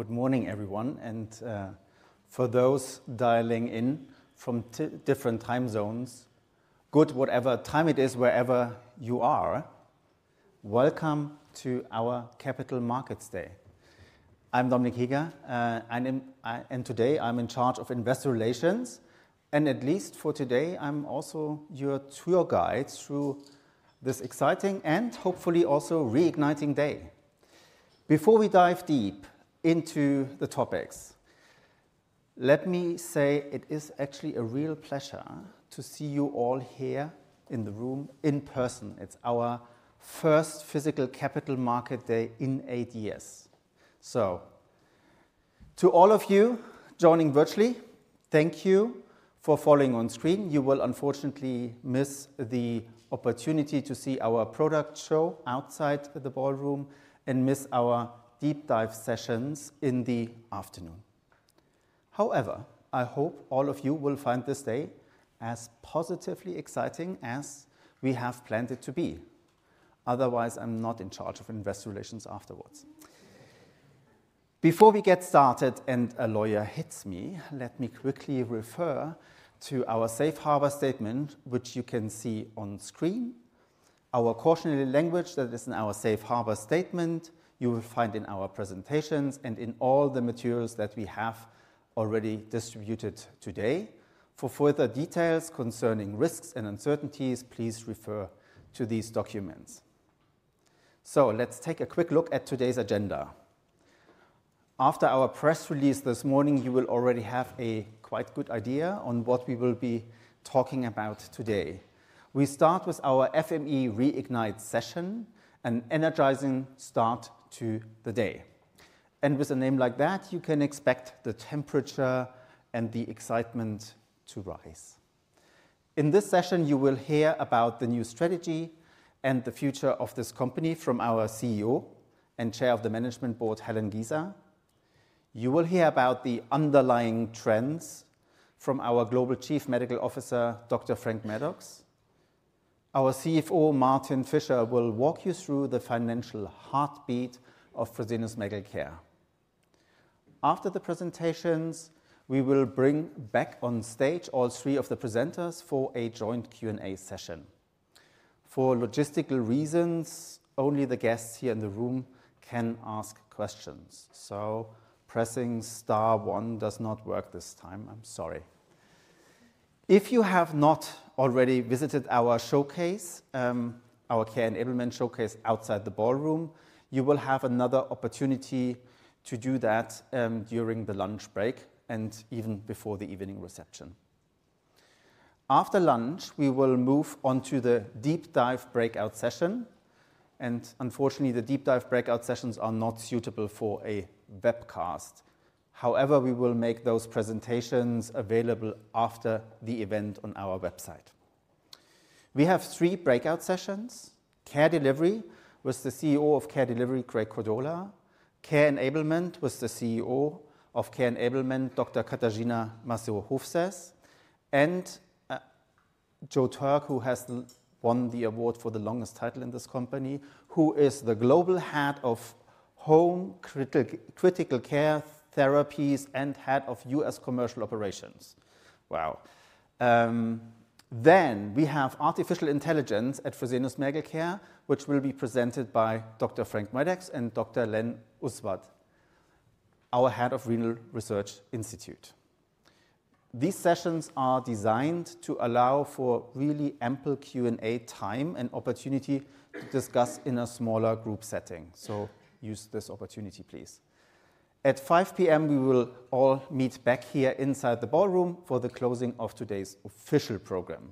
Good morning, everyone, and, for those dialing in from different time zones, good whatever time it is, wherever you are, welcome to our Capital Markets Day. I'm Dominik Heger, and today I'm in charge of investor relations, and at least for today I'm also your tour guide through this exciting and hopefully also reigniting day. Before we dive deep into the topics, let me say it is actually a real pleasure to see you all here in the room in person. It's our first physical Capital Markets Day in eight years. To all of you joining virtually, thank you for following on screen. You will unfortunately miss the opportunity to see our product show outside the ballroom and miss our deep dive sessions in the afternoon. However, I hope all of you will find this day as positively exciting as we have planned it to be. Otherwise, I'm not in charge of investor relations afterwards. Before we get started and a lawyer hits me, let me quickly refer to our safe harbor statement, which you can see on screen. Our cautionary language that is in our safe harbor statement, you will find in our presentations and in all the materials that we have already distributed today. For further details concerning risks and uncertainties, please refer to these documents. Let's take a quick look at today's agenda. After our press release this morning, you will already have a quite good idea on what we will be talking about today. We start with our FME Reignite session, an energizing start to the day. With a name like that, you can expect the temperature and the excitement to rise. In this session, you will hear about the new strategy and the future of this company from our CEO and Chair of the Management Board, Helen Giza. You will hear about the underlying trends from our Global Chief Medical Officer, Dr. Frank Maddux. Our CFO, Martin Fischer, will walk you through the financial heartbeat of Fresenius Medical Care. After the presentations, we will bring back on stage all three of the presenters for a joint Q&A session. For logistical reasons, only the guests here in the room can ask questions. Pressing star one does not work this time. I'm sorry. If you have not already visited our showcase, our Care Enablement showcase outside the ballroom, you will have another opportunity to do that during the lunch break and even before the evening reception. After lunch, we will move on to the deep dive breakout session. Unfortunately, the deep dive breakout sessions are not suitable for a webcast. However, we will make those presentations available after the event on our website. We have three breakout sessions: Care Delivery with the CEO of Care Delivery, Craig Cordola; Care Enablement with the CEO of Care Enablement, Dr. Katarzyna Mazur-Hofsaess; and Joe Turk, who has won the award for the longest title in this company, who is the Global Head of Home Critical Care Therapies and Head of U.S. Commercial Operations. Wow. We have artificial intelligence at Fresenius Medical Care, which will be presented by Dr. Frank Maddux and Dr. Len Usvyat, our Head of Renal Research Institute. These sessions are designed to allow for really ample Q&A time and opportunity to discuss in a smaller group setting. Use this opportunity, please. At 5:00 P.M., we will all meet back here inside the ballroom for the closing of today's official program.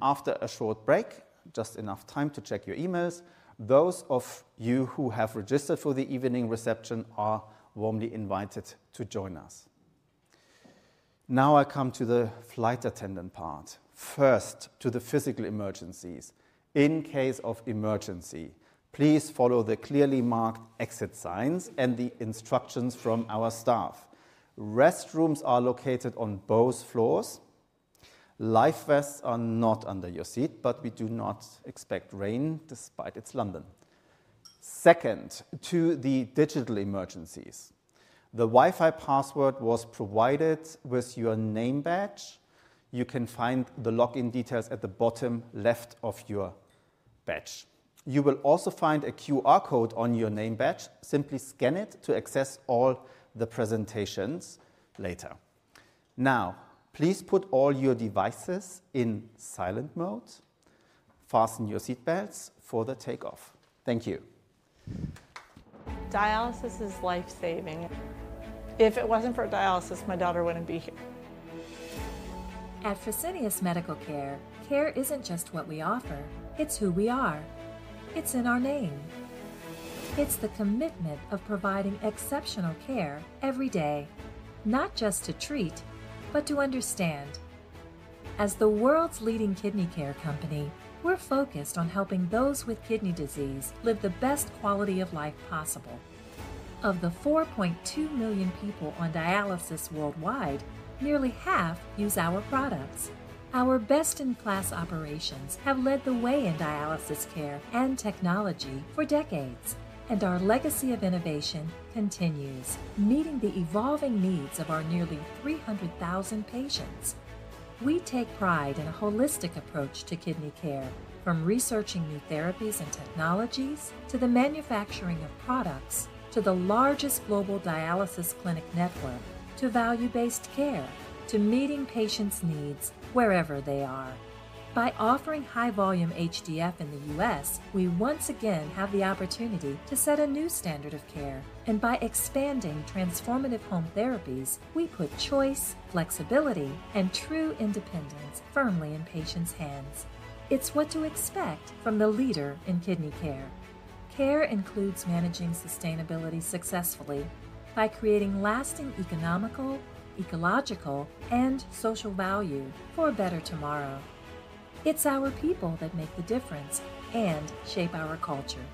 After a short break, just enough time to check your emails, those of you who have registered for the evening reception are warmly invited to join us. Now I come to the flight attendant part. First, to the physical emergencies. In case of emergency, please follow the clearly marked exit signs and the instructions from our staff. Restrooms are located on both floors. Life vests are not under your seat, but we do not expect rain despite it is London. Second, to the digital emergencies. The Wi-Fi password was provided with your name badge. You can find the login details at the bottom left of your badge. You will also find a QR code on your name badge. Simply scan it to access all the presentations later. Now, please put all your devices in silent mode. Fasten your seat belts for the takeoff. Thank you. Dialysis is life-saving. If it wasn't for dialysis, my daughter wouldn't be here. At Fresenius Medical Care, care isn't just what we offer. It's who we are. It's in our name. It's the commitment of providing exceptional care every day, not just to treat, but to understand. As the world's leading kidney care company, we're focused on helping those with kidney disease live the best quality of life possible. Of the 4.2 million people on dialysis worldwide, nearly half use our products. Our best-in-class operations have led the way in dialysis care and technology for decades, and our legacy of innovation continues, meeting the evolving needs of our nearly 300,000 patients. We take pride in a holistic approach to kidney care, from researching new therapies and technologies to the manufacturing of products, to the largest global dialysis clinic network, to value-based care, to meeting patients' needs wherever they are. By offering high-volume HDF in the U.S., we once again have the opportunity to set a new standard of care. By expanding transformative home therapies, we put choice, flexibility, and true independence firmly in patients' hands. It's what to expect from the leader in kidney care. Care includes managing sustainability successfully by creating lasting economical, ecological, and social value for a better tomorrow. It's our people that make the difference and shape our culture.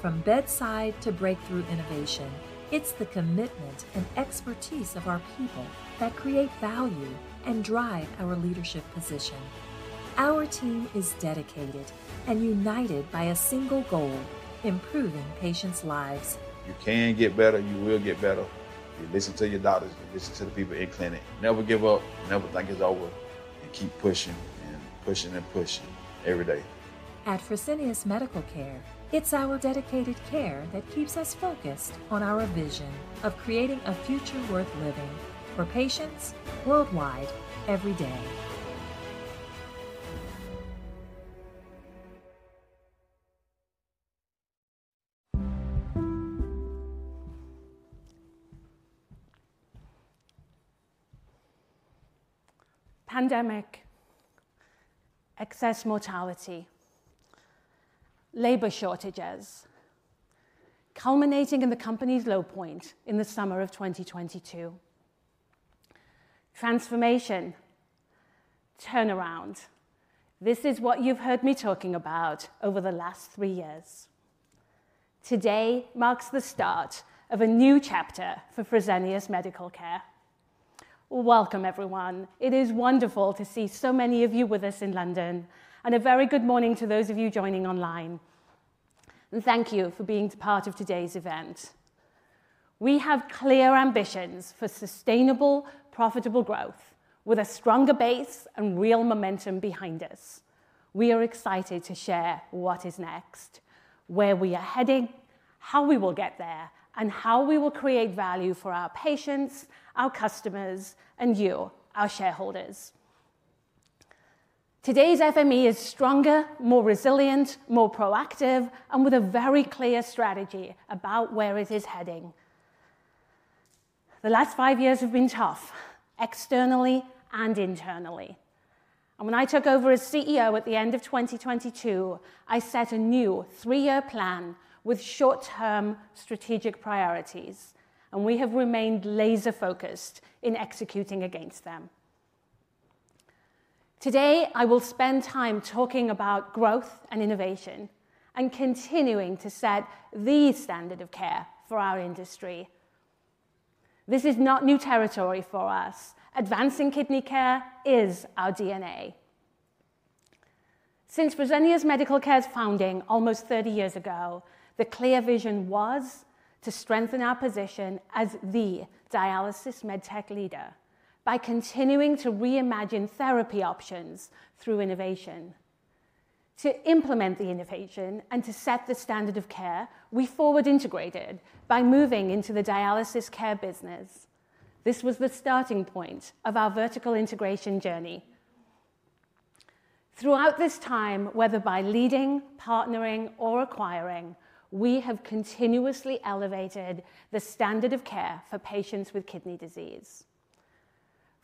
From bedside to breakthrough innovation, it's the commitment and expertise of our people that create value and drive our leadership position. Our team is dedicated and united by a single goal: improving patients' lives. You can get better. You will get better. You listen to your doctors. You listen to the people in clinic. Never give up. Never think it's over. Keep pushing and pushing and pushing every day. At Fresenius Medical Care, it's our dedicated care that keeps us focused on our vision of creating a future worth living for patients worldwide every day. Pandemic, excess mortality, labor shortages, culminating in the company's low point in the summer of 2022. Transformation, turnaround. This is what you've heard me talking about over the last three years. Today marks the start of a new chapter for Fresenius Medical Care. Welcome, everyone. It is wonderful to see so many of you with us in London. A very good morning to those of you joining online. Thank you for being part of today's event. We have clear ambitions for sustainable, profitable growth with a stronger base and real momentum behind us. We are excited to share what is next, where we are heading, how we will get there, and how we will create value for our patients, our customers, and you, our shareholders. Today's FME is stronger, more resilient, more proactive, and with a very clear strategy about where it is heading. The last five years have been tough, externally and internally. When I took over as CEO at the end of 2022, I set a new three-year plan with short-term strategic priorities, and we have remained laser-focused in executing against them. Today, I will spend time talking about growth and innovation and continuing to set the standard of care for our industry. This is not new territory for us. Advancing kidney care is our DNA. Since Fresenius Medical Care's founding almost 30 years ago, the clear vision was to strengthen our position as the dialysis med tech leader by continuing to reimagine therapy options through innovation. To implement the innovation and to set the standard of care, we forward-integrated by moving into the dialysis care business. This was the starting point of our vertical integration journey. Throughout this time, whether by leading, partnering, or acquiring, we have continuously elevated the standard of care for patients with kidney disease.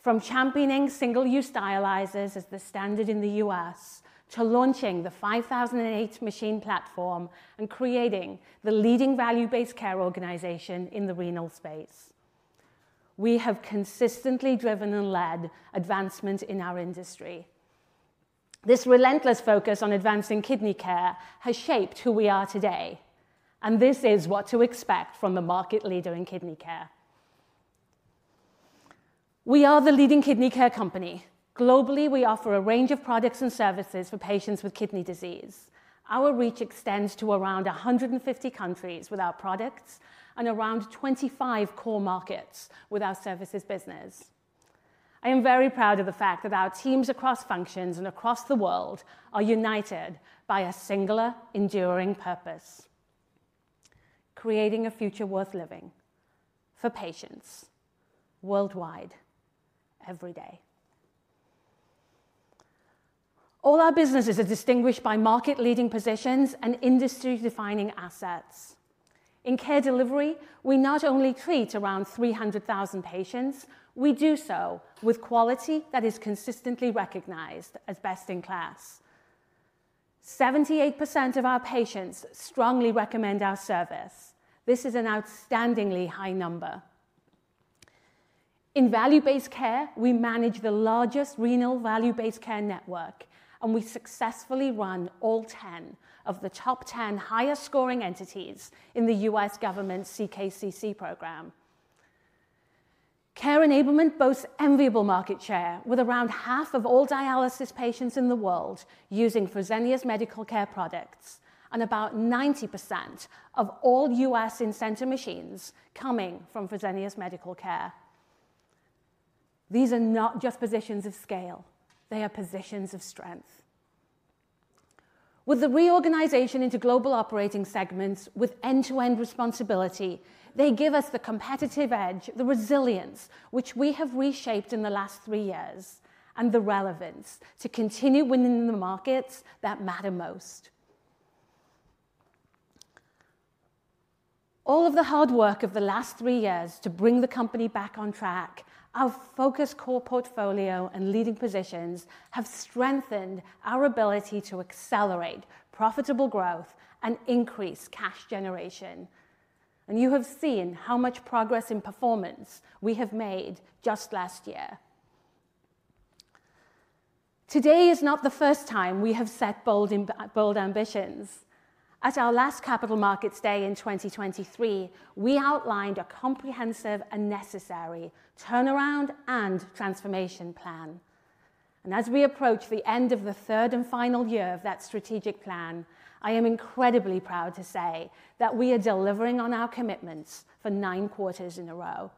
From championing single-use dialyzers as the standard in the U.S. to launching the 5008 machine platform and creating the leading value-based care organization in the renal space, we have consistently driven and led advancement in our industry. This relentless focus on advancing kidney care has shaped who we are today, and this is what to expect from the market leader in kidney care. We are the leading kidney care company. Globally, we offer a range of products and services for patients with kidney disease. Our reach extends to around 150 countries with our products and around 25 core markets with our services business. I am very proud of the fact that our teams across functions and across the world are united by a singular, enduring purpose: creating a future worth living for patients worldwide every day. All our businesses are distinguished by market-leading positions and industry-defining assets. In care delivery, we not only treat around 300,000 patients. We do so with quality that is consistently recognized as best in class. 78% of our patients strongly recommend our service. This is an outstandingly high number. In value-based care, we manage the largest renal value-based care network, and we successfully run all 10 of the top 10 highest-scoring entities in the U.S. government's CKCC program. Care enablement boasts enviable market share with around half of all dialysis patients in the world using Fresenius Medical Care products and about 90% of all U.S. incentive machines coming from Fresenius Medical Care. These are not just positions of scale. They are positions of strength. With the reorganization into global operating segments with end-to-end responsibility, they give us the competitive edge, the resilience which we have reshaped in the last three years, and the relevance to continue winning in the markets that matter most. All of the hard work of the last three years to bring the company back on track, our focus core portfolio and leading positions have strengthened our ability to accelerate profitable growth and increase cash generation. You have seen how much progress in performance we have made just last year. Today is not the first time we have set bold ambitions. At our last Capital Markets Day in 2023, we outlined a comprehensive and necessary turnaround and transformation plan. As we approach the end of the third and final year of that strategic plan, I am incredibly proud to say that we are delivering on our commitments for nine quarters in a row.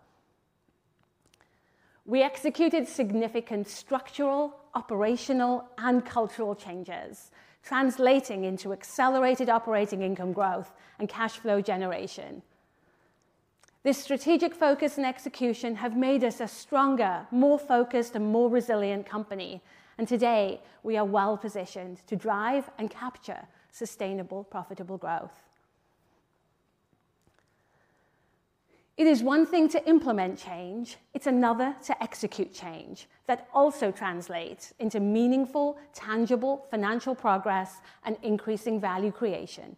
We executed significant structural, operational, and cultural changes, translating into accelerated operating income growth and cash flow generation. This strategic focus and execution have made us a stronger, more focused, and more resilient company. Today, we are well-positioned to drive and capture sustainable, profitable growth. It is one thing to implement change. It's another to execute change that also translates into meaningful, tangible financial progress and increasing value creation.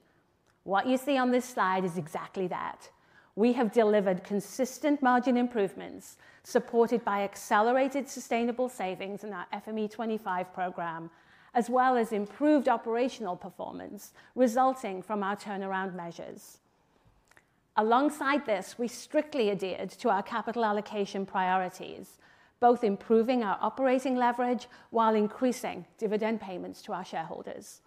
What you see on this slide is exactly that. We have delivered consistent margin improvements supported by accelerated sustainable savings in our FME25 program, as well as improved operational performance resulting from our turnaround measures. Alongside this, we strictly adhered to our capital allocation priorities, both improving our operating leverage while increasing dividend payments to our shareholders.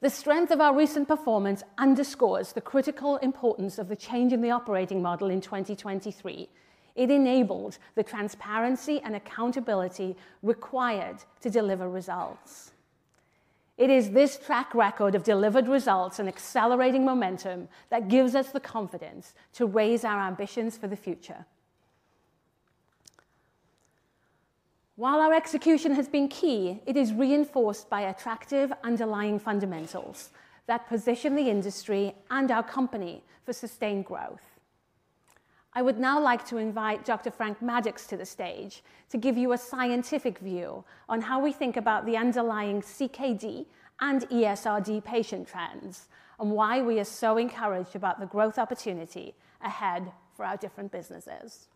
The strength of our recent performance underscores the critical importance of the change in the operating model in 2023. It enabled the transparency and accountability required to deliver results. It is this track record of delivered results and accelerating momentum that gives us the confidence to raise our ambitions for the future. While our execution has been key, it is reinforced by attractive underlying fundamentals that position the industry and our company for sustained growth. I would now like to invite Dr. Frank Maddux to the stage to give you a scientific view on how we think about the underlying CKD and ESRD patient trends and why we are so encouraged about the growth opportunity ahead for our different businesses.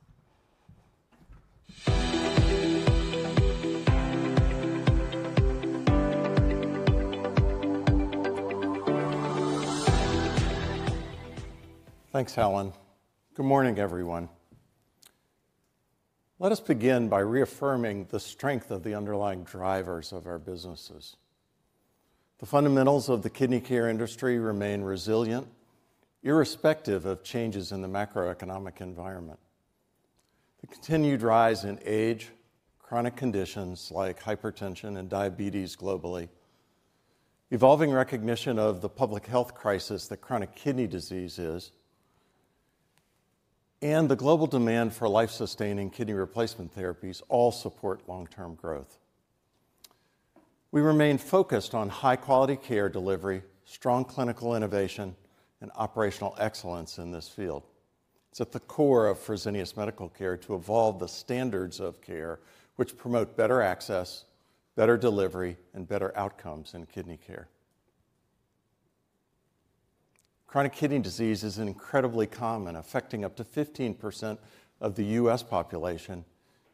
Thanks, Helen. Good morning, everyone. Let us begin by reaffirming the strength of the underlying drivers of our businesses. The fundamentals of the kidney care industry remain resilient, irrespective of changes in the macroeconomic environment. The continued rise in age, chronic conditions like hypertension and diabetes globally, evolving recognition of the public health crisis that chronic kidney disease is, and the global demand for life-sustaining kidney replacement therapies all support long-term growth. We remain focused on high-quality care delivery, strong clinical innovation, and operational excellence in this field. It's at the core of Fresenius Medical Care to evolve the standards of care which promote better access, better delivery, and better outcomes in kidney care. Chronic kidney disease is incredibly common, affecting up to 15% of the U.S. population,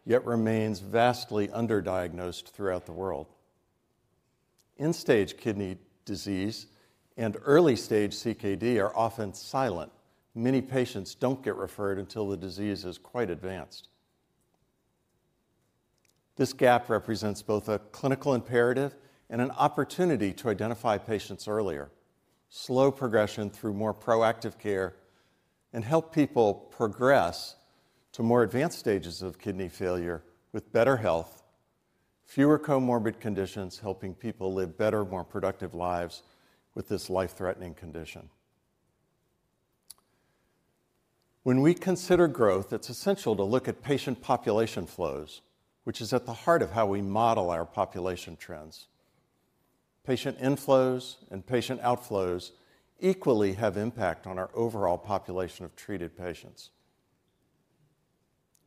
yet remains vastly underdiagnosed throughout the world. End-stage kidney disease and early-stage CKD are often silent. Many patients don't get referred until the disease is quite advanced. This gap represents both a clinical imperative and an opportunity to identify patients earlier, slow progression through more proactive care, and help people progress to more advanced stages of kidney failure with better health, fewer comorbid conditions, helping people live better, more productive lives with this life-threatening condition. When we consider growth, it's essential to look at patient population flows, which is at the heart of how we model our population trends. Patient inflows and patient outflows equally have impact on our overall population of treated patients.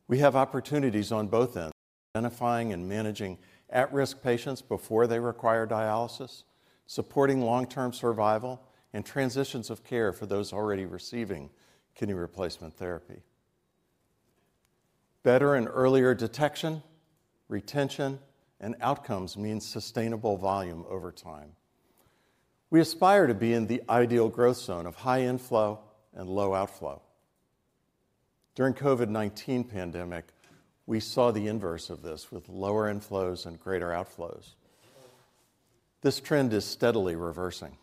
We have opportunities on both ends, identifying and managing at-risk patients before they require dialysis, supporting long-term survival and transitions of care for those already receiving kidney replacement therapy. Better and earlier detection, retention, and outcomes mean sustainable volume over time. We aspire to be in the ideal growth zone of high inflow and low outflow. During the COVID-19 pandemic, we saw the inverse of this with lower inflows and greater outflows. This trend is steadily reversing.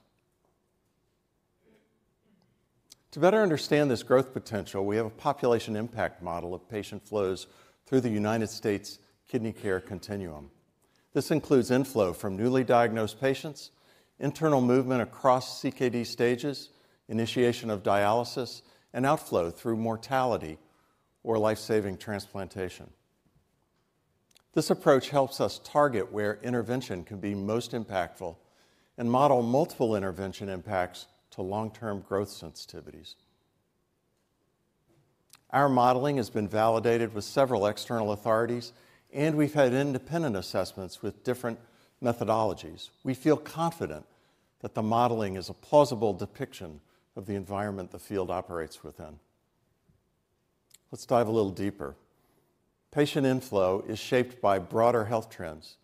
To better understand this growth potential, we have a population impact model of patient flows through the United States kidney care continuum. This includes inflow from newly diagnosed patients, internal movement across CKD stages, initiation of dialysis, and outflow through mortality or life-saving transplantation. This approach helps us target where intervention can be most impactful and model multiple intervention impacts to long-term growth sensitivities. Our modeling has been validated with several external authorities, and we've had independent assessments with different methodologies. We feel confident that the modeling is a plausible depiction of the environment the field operates within. Let's dive a little deeper. Patient inflow is shaped by broader health trends: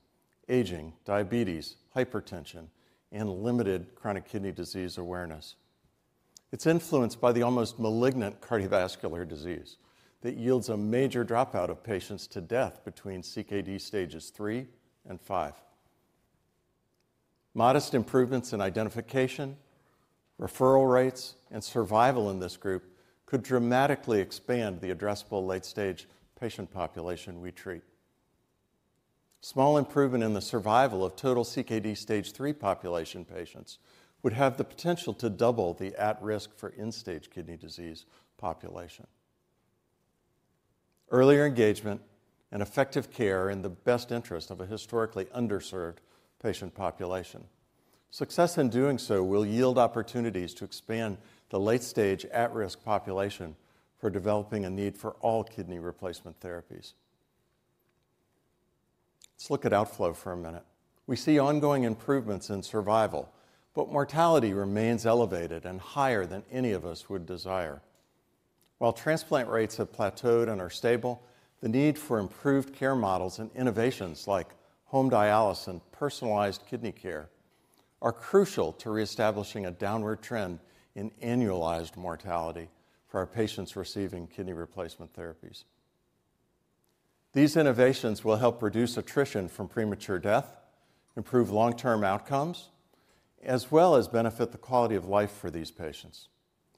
aging, diabetes, hypertension, and limited chronic kidney disease awareness. It's influenced by the almost malignant cardiovascular disease that yields a major dropout of patients to death between CKD stages three and five. Modest improvements in identification, referral rates, and survival in this group could dramatically expand the addressable late-stage patient population we treat. Small improvement in the survival of total CKD stage three population patients would have the potential to double the at-risk for end-stage kidney disease population. Earlier engagement and effective care are in the best interest of a historically underserved patient population. Success in doing so will yield opportunities to expand the late-stage at-risk population for developing a need for all kidney replacement therapies. Let's look at outflow for a minute. We see ongoing improvements in survival, but mortality remains elevated and higher than any of us would desire. While transplant rates have plateaued and are stable, the need for improved care models and innovations like home dialysis and personalized kidney care are crucial to reestablishing a downward trend in annualized mortality for our patients receiving kidney replacement therapies. These innovations will help reduce attrition from premature death, improve long-term outcomes, as well as benefit the quality of life for these patients.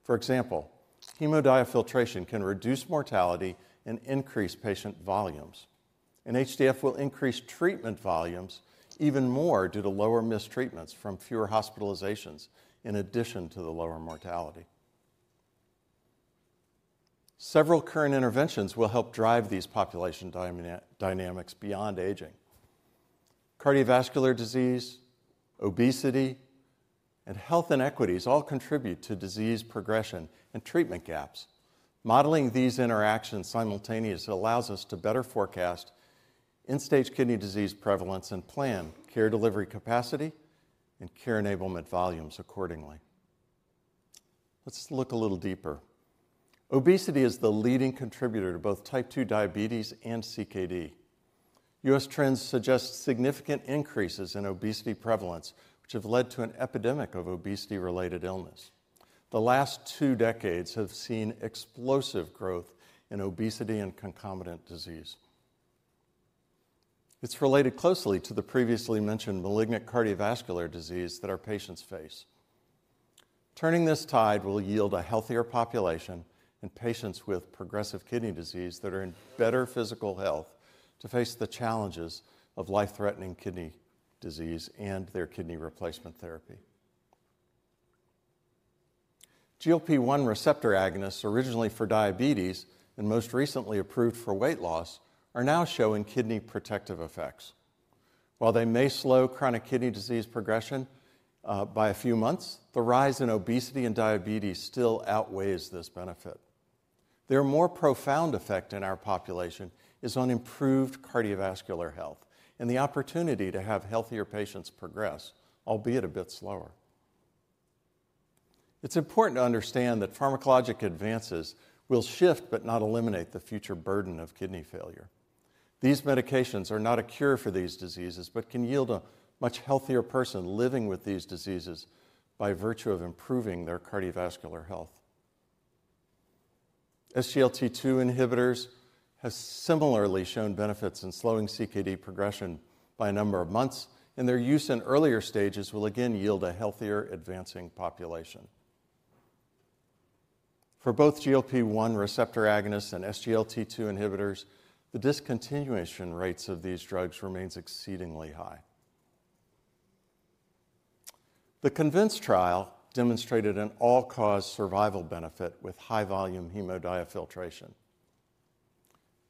For example, hemodiafiltration can reduce mortality and increase patient volumes. HDF will increase treatment volumes even more due to lower mistreatments from fewer hospitalizations in addition to the lower mortality. Several current interventions will help drive these population dynamics beyond aging. Cardiovascular disease, obesity, and health inequities all contribute to disease progression and treatment gaps. Modeling these interactions simultaneously allows us to better forecast end-stage kidney disease prevalence and plan care delivery capacity and care enablement volumes accordingly. Let's look a little deeper. Obesity is the leading contributor to both type 2 diabetes and CKD. U.S. trends suggest significant increases in obesity prevalence, which have led to an epidemic of obesity-related illness. The last two decades have seen explosive growth in obesity and concomitant disease. It's related closely to the previously mentioned malignant cardiovascular disease that our patients face. Turning this tide will yield a healthier population and patients with progressive kidney disease that are in better physical health to face the challenges of life-threatening kidney disease and their kidney replacement therapy. GLP-1 receptor agonists, originally for diabetes and most recently approved for weight loss, are now showing kidney protective effects. While they may slow chronic kidney disease progression by a few months, the rise in obesity and diabetes still outweighs this benefit. Their more profound effect in our population is on improved cardiovascular health and the opportunity to have healthier patients progress, albeit a bit slower. It's important to understand that pharmacologic advances will shift but not eliminate the future burden of kidney failure. These medications are not a cure for these diseases but can yield a much healthier person living with these diseases by virtue of improving their cardiovascular health. SGLT2 inhibitors have similarly shown benefits in slowing CKD progression by a number of months, and their use in earlier stages will again yield a healthier advancing population. For both GLP-1 receptor agonists and SGLT2 inhibitors, the discontinuation rates of these drugs remain exceedingly high. The CONVINCE trial demonstrated an all-cause survival benefit with high-volume hemodiafiltration.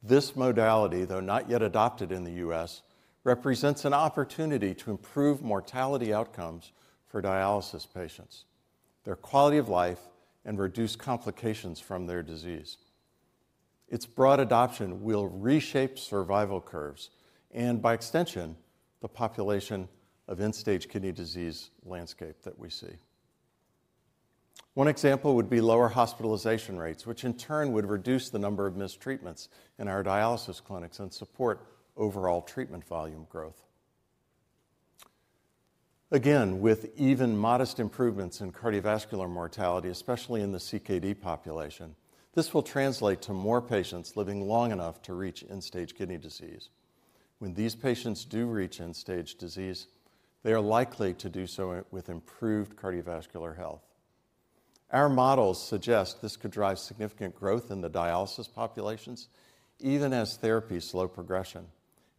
This modality, though not yet adopted in the U.S., represents an opportunity to improve mortality outcomes for dialysis patients, their quality of life, and reduce complications from their disease. Its broad adoption will reshape survival curves and, by extension, the population of end-stage kidney disease landscape that we see. One example would be lower hospitalization rates, which in turn would reduce the number of mistreatments in our dialysis clinics and support overall treatment volume growth. Again, with even modest improvements in cardiovascular mortality, especially in the CKD population, this will translate to more patients living long enough to reach end-stage kidney disease. When these patients do reach end-stage disease, they are likely to do so with improved cardiovascular health. Our models suggest this could drive significant growth in the dialysis populations even as therapies slow progression.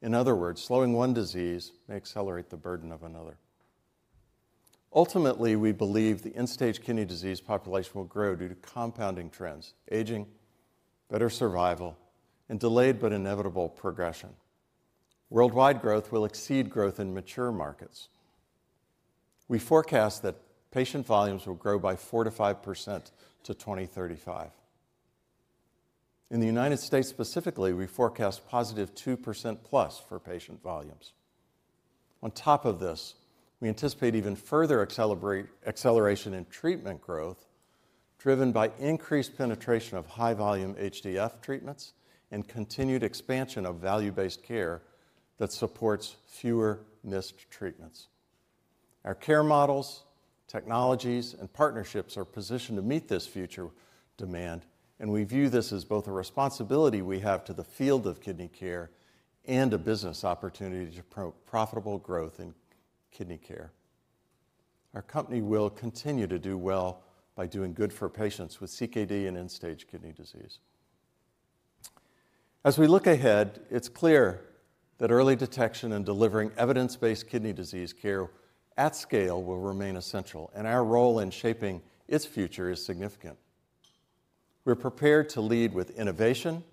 In other words, slowing one disease may accelerate the burden of another. Ultimately, we believe the end-stage kidney disease population will grow due to compounding trends: aging, better survival, and delayed but inevitable progression. Worldwide growth will exceed growth in mature markets. We forecast that patient volumes will grow by 4%-5% to 2035. In the U.S. specifically, we forecast positive 2% plus for patient volumes. On top of this, we anticipate even further acceleration in treatment growth driven by increased penetration of high-volume HDF treatments and continued expansion of value-based care that supports fewer missed treatments. Our care models, technologies, and partnerships are positioned to meet this future demand, and we view this as both a responsibility we have to the field of kidney care and a business opportunity to promote profitable growth in kidney care. Our company will continue to do well by doing good for patients with CKD and end-stage kidney disease. As we look ahead, it's clear that early detection and delivering evidence-based kidney disease care at scale will remain essential, and our role in shaping its future is significant. We're prepared to lead with innovation,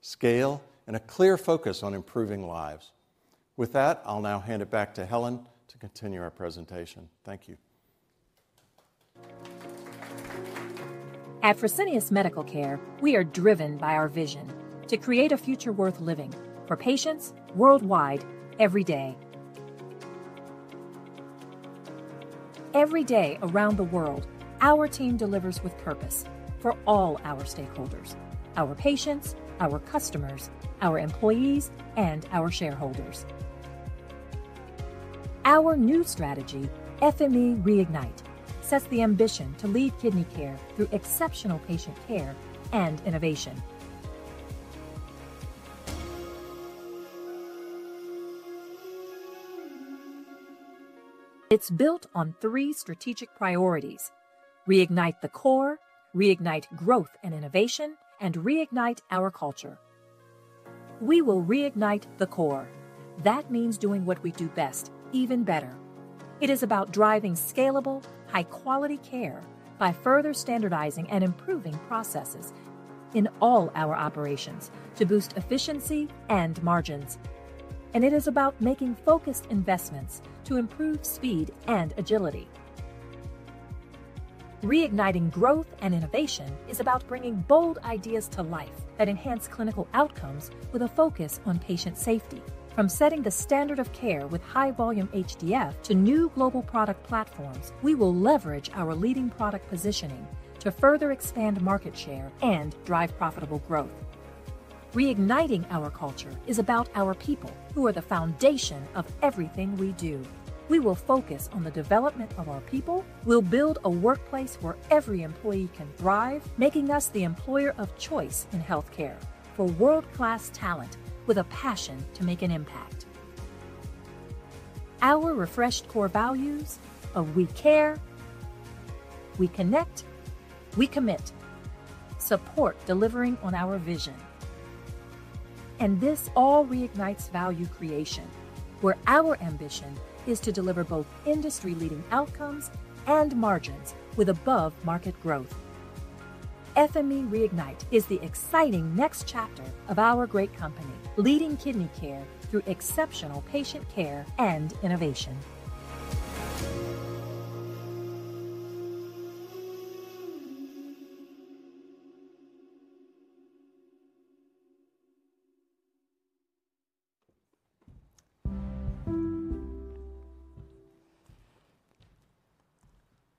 scale, and a clear focus on improving lives. With that, I'll now hand it back to Helen to continue our presentation. Thank you. At Fresenius Medical Care, we are driven by our vision to create a future worth living for patients worldwide every day. Every day around the world, our team delivers with purpose for all our stakeholders: our patients, our customers, our employees, and our shareholders. Our new strategy, FME Reignite, sets the ambition to lead kidney care through exceptional patient care and innovation. It is built on three strategic priorities: reignite the core, reignite growth and innovation, and reignite our culture. We will reignite the core. That means doing what we do best even better. It is about driving scalable, high-quality care by further standardizing and improving processes in all our operations to boost efficiency and margins. It is about making focused investments to improve speed and agility. Reigniting growth and innovation is about bringing bold ideas to life that enhance clinical outcomes with a focus on patient safety. From setting the standard of care with high-volume HDF to new global product platforms, we will leverage our leading product positioning to further expand market share and drive profitable growth. Reigniting our culture is about our people, who are the foundation of everything we do. We will focus on the development of our people. We'll build a workplace where every employee can thrive, making us the employer of choice in healthcare for world-class talent with a passion to make an impact. Our refreshed core values of we care, we connect, we commit support delivering on our vision. This all reignites value creation, where our ambition is to deliver both industry-leading outcomes and margins with above-market growth. FME Reignite is the exciting next chapter of our great company, leading kidney care through exceptional patient care and innovation.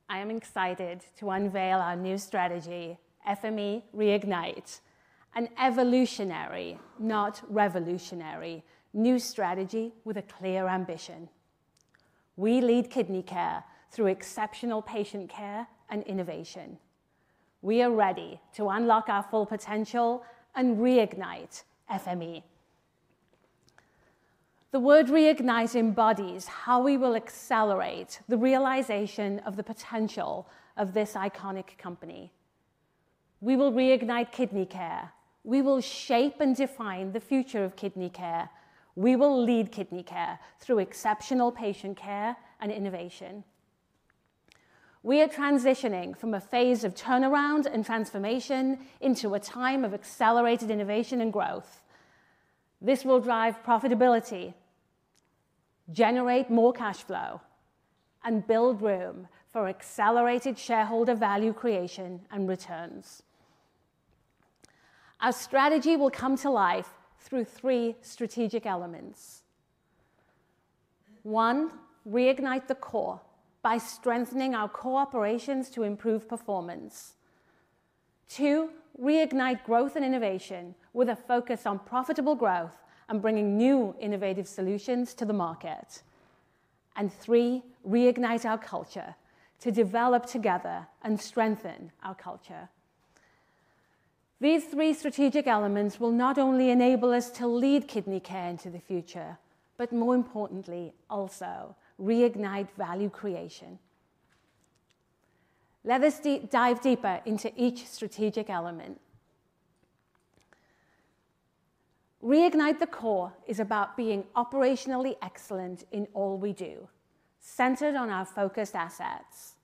I am excited to unveil our new strategy, FME Reignite, an evolutionary, not revolutionary, new strategy with a clear ambition. We lead kidney care through exceptional patient care and innovation. We are ready to unlock our full potential and reignite FME. The word reignite embodies how we will accelerate the realization of the potential of this iconic company. We will reignite kidney care. We will shape and define the future of kidney care. We will lead kidney care through exceptional patient care and innovation. We are transitioning from a phase of turnaround and transformation into a time of accelerated innovation and growth. This will drive profitability, generate more cash flow, and build room for accelerated shareholder value creation and returns. Our strategy will come to life through three strategic elements. One, reignite the core by strengthening our core operations to improve performance. Two, reignite growth and innovation with a focus on profitable growth and bringing new innovative solutions to the market. Three, reignite our culture to develop together and strengthen our culture. These three strategic elements will not only enable us to lead kidney care into the future, but more importantly, also reignite value creation. Let us dive deeper into each strategic element. Reignite the core is about being operationally excellent in all we do, centered on our focused assets.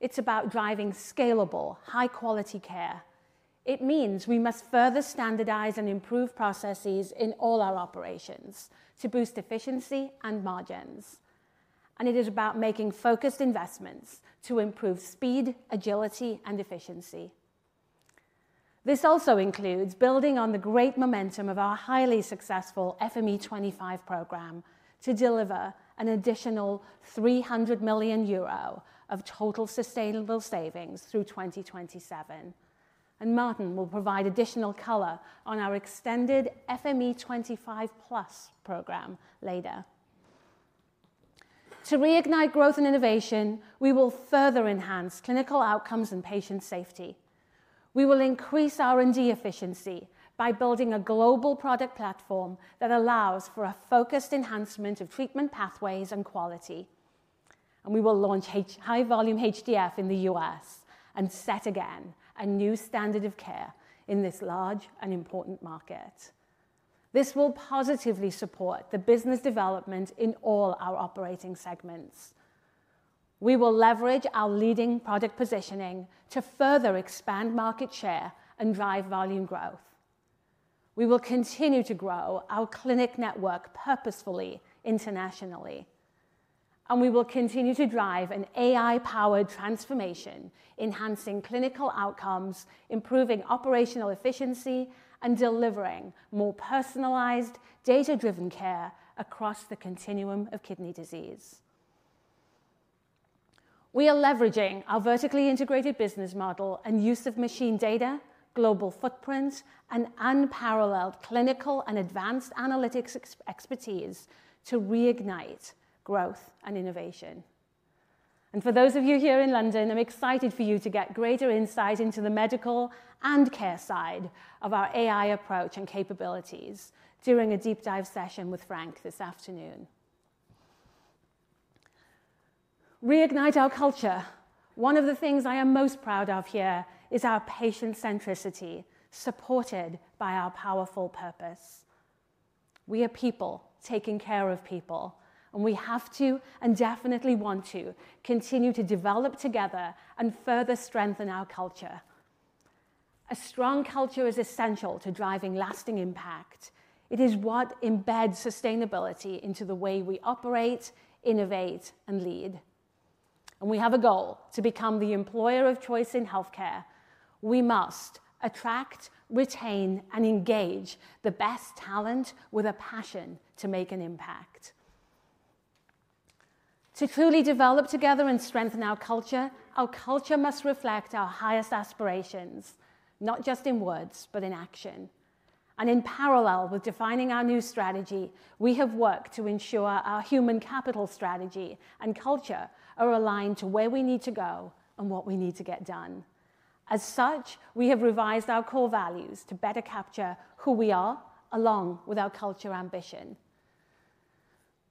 It is about driving scalable, high-quality care. It means we must further standardize and improve processes in all our operations to boost efficiency and margins. It is about making focused investments to improve speed, agility, and efficiency. This also includes building on the great momentum of our highly successful FME25 program to deliver an additional 300 million euro of total sustainable savings through 2027. Martin will provide additional color on our extended FME25 Plus program later. To reignite growth and innovation, we will further enhance clinical outcomes and patient safety. We will increase R&D efficiency by building a global product platform that allows for a focused enhancement of treatment pathways and quality. We will launch high-volume HDF in the U.S. and set again a new standard of care in this large and important market. This will positively support the business development in all our operating segments. We will leverage our leading product positioning to further expand market share and drive volume growth. We will continue to grow our clinic network purposefully internationally. We will continue to drive an AI-powered transformation, enhancing clinical outcomes, improving operational efficiency, and delivering more personalized, data-driven care across the continuum of kidney disease. We are leveraging our vertically integrated business model and use of machine data, global footprint, and unparalleled clinical and advanced analytics expertise to reignite growth and innovation. For those of you here in London, I'm excited for you to get greater insight into the medical and care side of our AI approach and capabilities during a deep dive session with Frank this afternoon. Reignite our culture. One of the things I am most proud of here is our patient centricity supported by our powerful purpose. We are people taking care of people, and we have to and definitely want to continue to develop together and further strengthen our culture. A strong culture is essential to driving lasting impact. It is what embeds sustainability into the way we operate, innovate, and lead. We have a goal to become the employer of choice in healthcare. We must attract, retain, and engage the best talent with a passion to make an impact. To truly develop together and strengthen our culture, our culture must reflect our highest aspirations, not just in words, but in action. In parallel with defining our new strategy, we have worked to ensure our human capital strategy and culture are aligned to where we need to go and what we need to get done. As such, we have revised our core values to better capture who we are along with our culture ambition.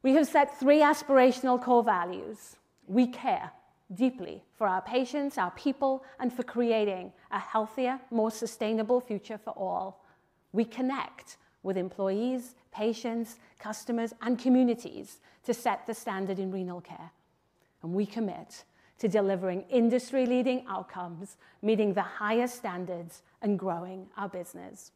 We have set three aspirational core values. We care deeply for our patients, our people, and for creating a healthier, more sustainable future for all. We connect with employees, patients, customers, and communities to set the standard in renal care. We commit to delivering industry-leading outcomes, meeting the highest standards, and growing our business.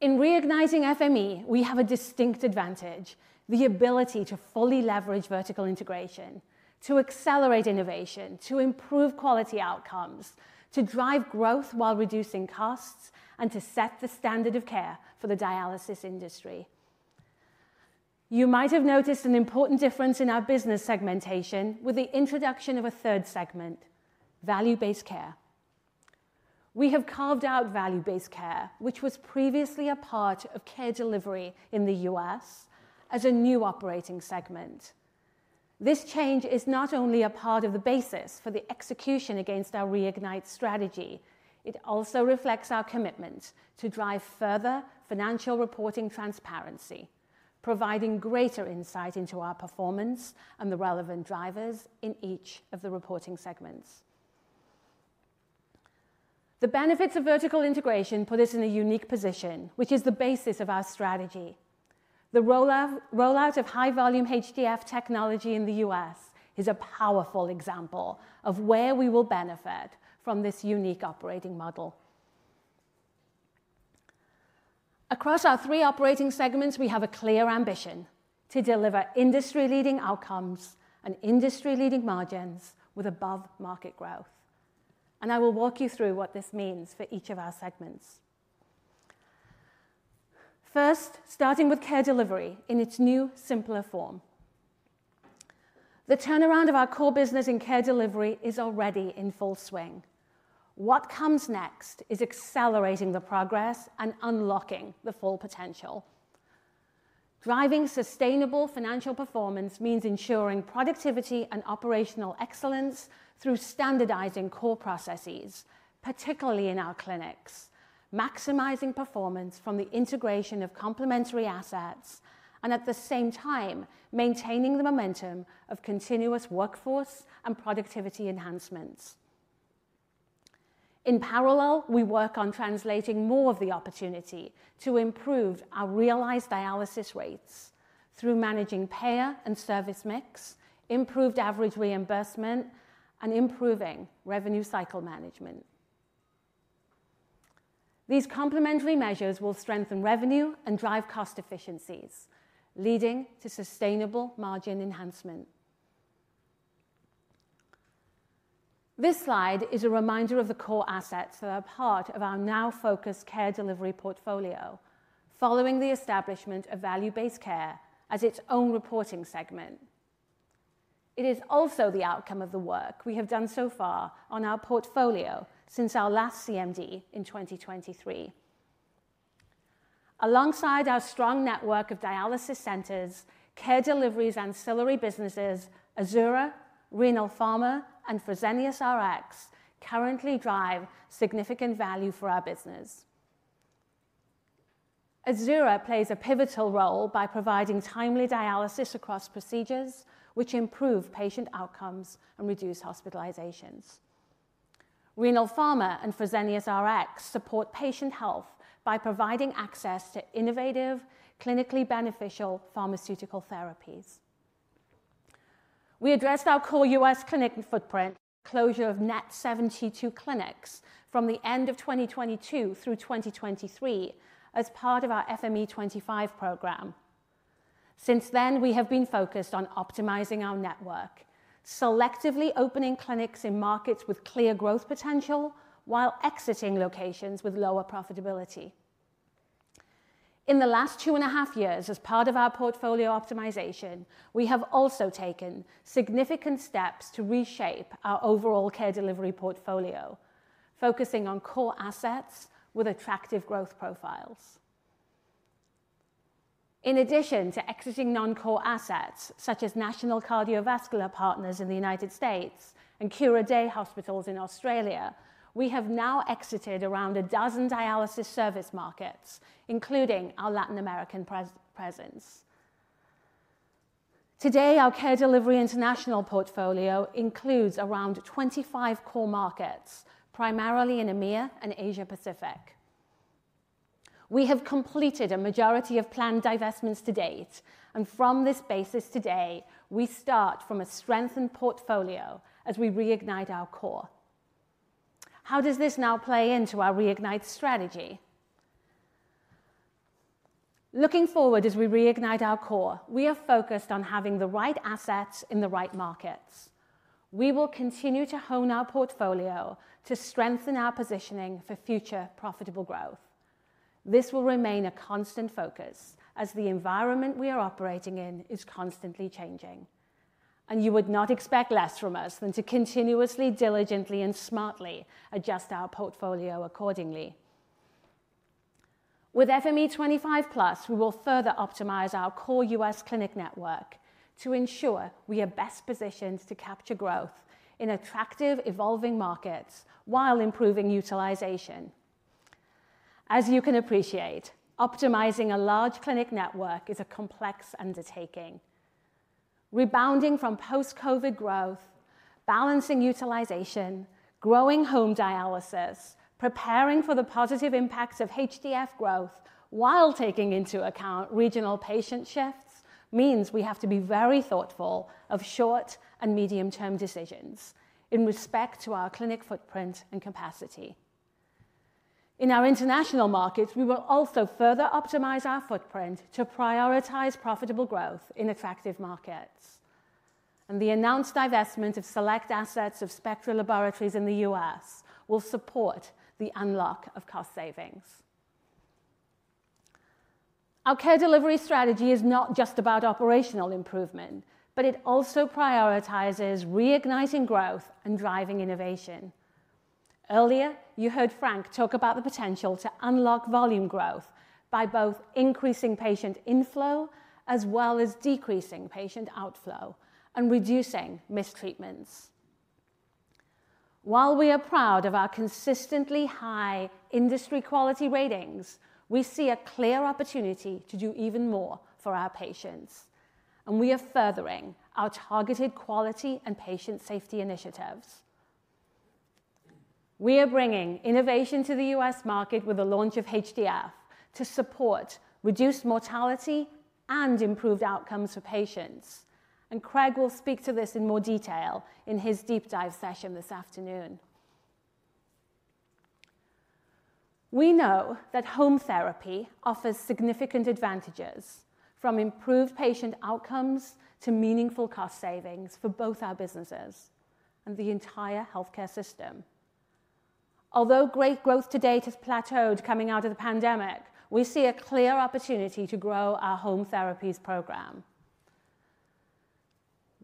In reigniting FME, we have a distinct advantage: the ability to fully leverage vertical integration, to accelerate innovation, to improve quality outcomes, to drive growth while reducing costs, and to set the standard of care for the dialysis industry. You might have noticed an important difference in our business segmentation with the introduction of a third segment: value-based care. We have carved out value-based care, which was previously a part of care delivery in the U.S., as a new operating segment. This change is not only a part of the basis for the execution against our reignite strategy. It also reflects our commitment to drive further financial reporting transparency, providing greater insight into our performance and the relevant drivers in each of the reporting segments. The benefits of vertical integration put us in a unique position, which is the basis of our strategy. The rollout of high-volume HDF technology in the U.S. is a powerful example of where we will benefit from this unique operating model. Across our three operating segments, we have a clear ambition to deliver industry-leading outcomes and industry-leading margins with above-market growth. I will walk you through what this means for each of our segments. First, starting with care delivery in its new, simpler form. The turnaround of our core business in care delivery is already in full swing. What comes next is accelerating the progress and unlocking the full potential. Driving sustainable financial performance means ensuring productivity and operational excellence through standardizing core processes, particularly in our clinics, maximizing performance from the integration of complementary assets, and at the same time, maintaining the momentum of continuous workforce and productivity enhancements. In parallel, we work on translating more of the opportunity to improve our realized dialysis rates through managing payer and service mix, improved average reimbursement, and improving revenue cycle management. These complementary measures will strengthen revenue and drive cost efficiencies, leading to sustainable margin enhancement. This slide is a reminder of the core assets that are part of our now-focused care delivery portfolio, following the establishment of value-based care as its own reporting segment. It is also the outcome of the work we have done so far on our portfolio since our last CMD in 2023. Alongside our strong network of dialysis centers, care delivery and ancillary businesses, Azura, Renal Pharma, and FreseniusRx currently drive significant value for our business. Azura plays a pivotal role by providing timely dialysis access procedures, which improve patient outcomes and reduce hospitalizations. Renal Pharma and FreseniusRx support patient health by providing access to innovative, clinically beneficial pharmaceutical therapies. We addressed our core U.S. clinic footprint, closure of net 72 clinics from the end of 2022 through 2023 as part of our FME25 program. Since then, we have been focused on optimizing our network, selectively opening clinics in markets with clear growth potential while exiting locations with lower profitability. In the last two and a half years, as part of our portfolio optimization, we have also taken significant steps to reshape our overall care delivery portfolio, focusing on core assets with attractive growth profiles. In addition to exiting non-core assets such as National Cardiovascular Partners in the United States and Cura Day Hospitals in Australia, we have now exited around a dozen dialysis service markets, including our Latin American presence. Today, our care delivery international portfolio includes around 25 core markets, primarily in EMEA and Asia-Pacific. We have completed a majority of planned divestments to date. From this basis today, we start from a strengthened portfolio as we reignite our core. How does this now play into our reignite strategy? Looking forward, as we reignite our core, we are focused on having the right assets in the right markets. We will continue to hone our portfolio to strengthen our positioning for future profitable growth. This will remain a constant focus as the environment we are operating in is constantly changing. You would not expect less from us than to continuously, diligently, and smartly adjust our portfolio accordingly. With FME25+, we will further optimize our core U.S. clinic network to ensure we are best positioned to capture growth in attractive, evolving markets while improving utilization. As you can appreciate, optimizing a large clinic network is a complex undertaking. Rebounding from post-COVID growth, balancing utilization, growing home dialysis, preparing for the positive impacts of HDF growth while taking into account regional patient shifts means we have to be very thoughtful of short and medium-term decisions in respect to our clinic footprint and capacity. In our international markets, we will also further optimize our footprint to prioritize profitable growth in attractive markets. The announced divestment of select assets of Spectral Laboratories in the U.S. will support the unlock of cost savings. Our care delivery strategy is not just about operational improvement, but it also prioritizes reigniting growth and driving innovation. Earlier, you heard Frank talk about the potential to unlock volume growth by both increasing patient inflow as well as decreasing patient outflow and reducing mistreatments. While we are proud of our consistently high industry quality ratings, we see a clear opportunity to do even more for our patients. We are furthering our targeted quality and patient safety initiatives. We are bringing innovation to the U.S. market with the launch of HDF to support reduced mortality and improved outcomes for patients. Craig will speak to this in more detail in his deep dive session this afternoon. We know that home therapy offers significant advantages, from improved patient outcomes to meaningful cost savings for both our businesses and the entire healthcare system. Although great growth to date has plateaued coming out of the pandemic, we see a clear opportunity to grow our home therapies program.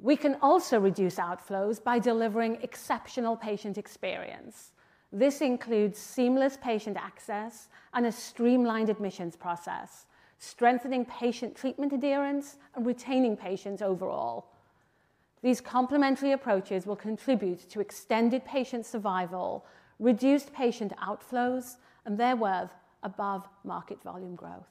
We can also reduce outflows by delivering exceptional patient experience. This includes seamless patient access and a streamlined admissions process, strengthening patient treatment adherence and retaining patients overall. These complementary approaches will contribute to extended patient survival, reduced patient outflows, and therewith above-market volume growth.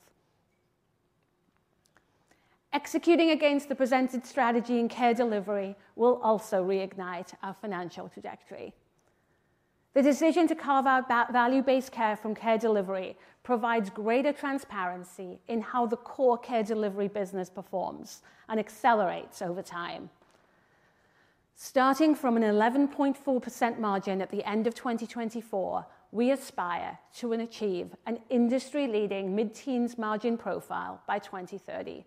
Executing against the presented strategy in care delivery will also reignite our financial trajectory. The decision to carve out value-based care from care delivery provides greater transparency in how the core care delivery business performs and accelerates over time. Starting from an 11.4% margin at the end of 2024, we aspire to achieve an industry-leading mid-teens margin profile by 2030.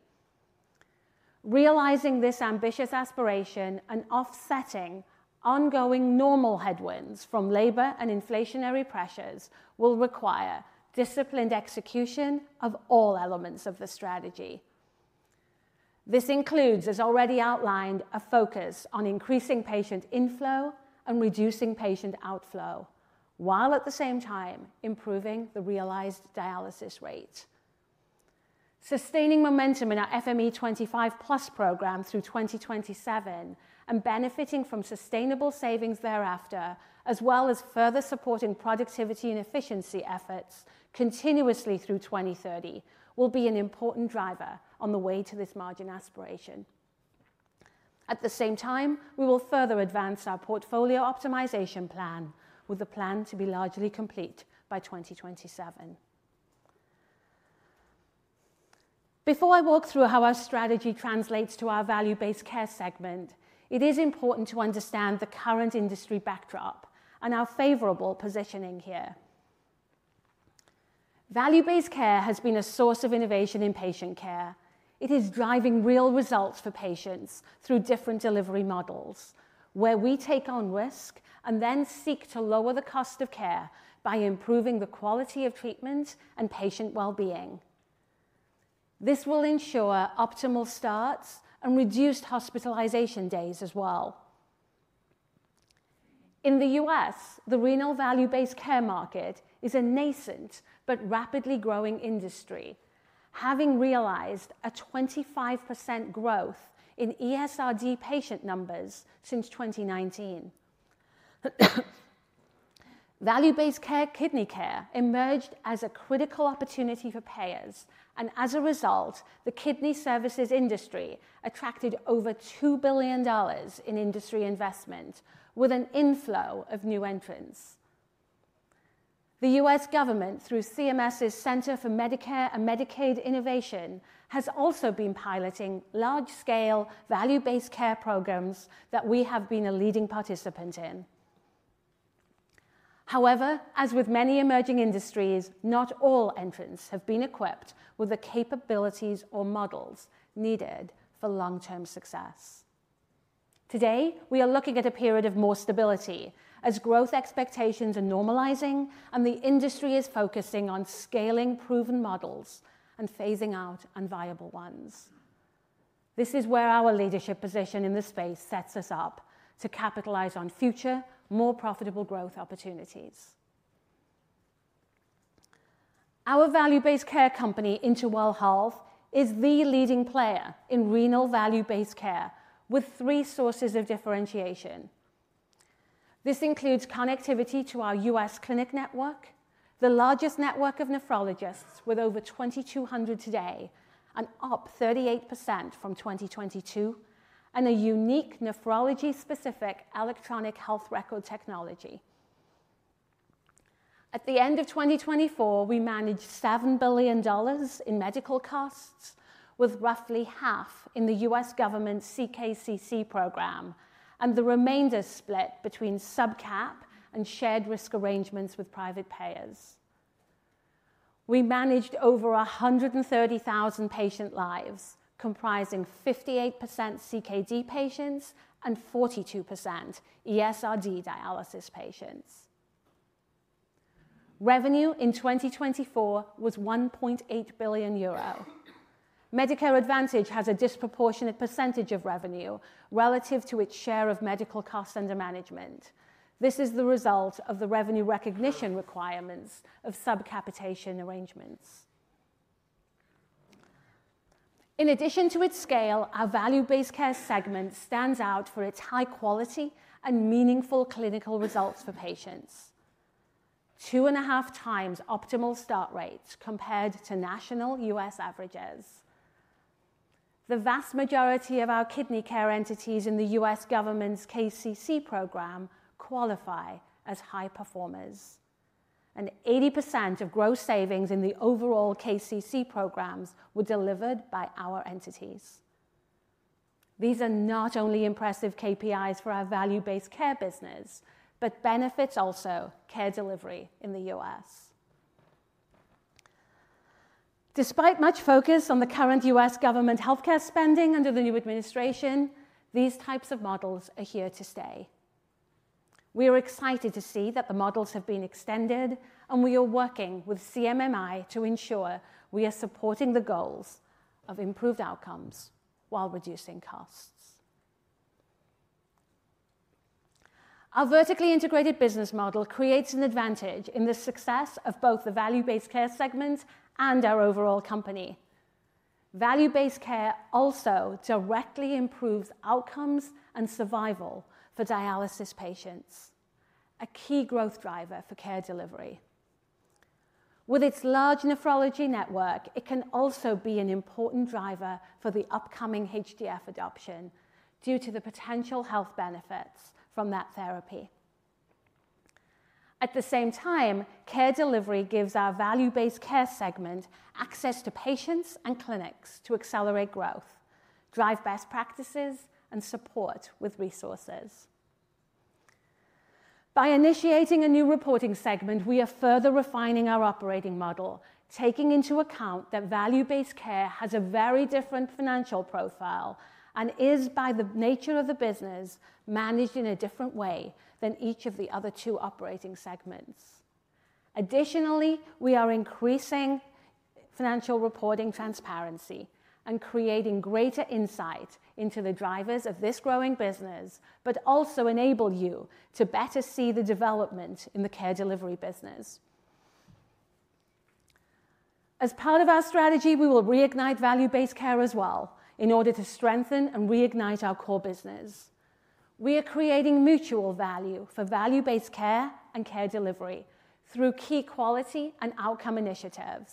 Realizing this ambitious aspiration and offsetting ongoing normal headwinds from labor and inflationary pressures will require disciplined execution of all elements of the strategy. This includes, as already outlined, a focus on increasing patient inflow and reducing patient outflow, while at the same time improving the realized dialysis rate. Sustaining momentum in our FME25+ program through 2027 and benefiting from sustainable savings thereafter, as well as further supporting productivity and efficiency efforts continuously through 2030, will be an important driver on the way to this margin aspiration. At the same time, we will further advance our portfolio optimization plan, with the plan to be largely complete by 2027. Before I walk through how our strategy translates to our value-based care segment, it is important to understand the current industry backdrop and our favorable positioning here. Value-based care has been a source of innovation in patient care. It is driving real results for patients through different delivery models, where we take on risk and then seek to lower the cost of care by improving the quality of treatment and patient well-being. This will ensure optimal starts and reduced hospitalization days as well. In the U.S., the renal value-based care market is a nascent but rapidly growing industry, having realized a 25% growth in ESRD patient numbers since 2019. Value-based care kidney care emerged as a critical opportunity for payers. As a result, the kidney services industry attracted over $2 billion in industry investment with an inflow of new entrants. The U.S. government, through CMS's Center for Medicare and Medicaid Innovation, has also been piloting large-scale value-based care programs that we have been a leading participant in. However, as with many emerging industries, not all entrants have been equipped with the capabilities or models needed for long-term success. Today, we are looking at a period of more stability as growth expectations are normalizing and the industry is focusing on scaling proven models and phasing out unviable ones. This is where our leadership position in the space sets us up to capitalize on future, more profitable growth opportunities. Our value-based care company, Interwell Health, is the leading player in renal value-based care with three sources of differentiation. This includes connectivity to our U.S. clinic network, the largest network of nephrologists with over 2,200 today, up 38% from 2022, and a unique nephrology-specific electronic health record technology. At the end of 2024, we managed $7 billion in medical costs, with roughly half in the U.S. government's CKCC program, and the remainder split between subcap and shared risk arrangements with private payers. We managed over 130,000 patient lives, comprising 58% CKD patients and 42% ESRD dialysis patients. Revenue in 2024 was 1.8 billion euro. Medicare Advantage has a disproportionate percentage of revenue relative to its share of medical costs under management. This is the result of the revenue recognition requirements of subcapitation arrangements. In addition to its scale, our value-based care segment stands out for its high quality and meaningful clinical results for patients, two and a half times optimal start rates compared to national U.S. averages. The vast majority of our kidney care entities in the U.S. government's KCC program qualify as high performers, and 80% of gross savings in the overall KCC programs were delivered by our entities. These are not only impressive KPIs for our value-based care business, but benefit also care delivery in the U.S. Despite much focus on the current U.S. government healthcare spending under the new administration, these types of models are here to stay. We are excited to see that the models have been extended, and we are working with CMMI to ensure we are supporting the goals of improved outcomes while reducing costs. Our vertically integrated business model creates an advantage in the success of both the value-based care segment and our overall company. Value-based care also directly improves outcomes and survival for dialysis patients, a key growth driver for care delivery. With its large nephrology network, it can also be an important driver for the upcoming HDF adoption due to the potential health benefits from that therapy. At the same time, care delivery gives our value-based care segment access to patients and clinics to accelerate growth, drive best practices, and support with resources. By initiating a new reporting segment, we are further refining our operating model, taking into account that value-based care has a very different financial profile and is, by the nature of the business, managed in a different way than each of the other two operating segments. Additionally, we are increasing financial reporting transparency and creating greater insight into the drivers of this growing business, but also enable you to better see the development in the care delivery business. As part of our strategy, we will reignite value-based care as well in order to strengthen and reignite our core business. We are creating mutual value for value-based care and care delivery through key quality and outcome initiatives,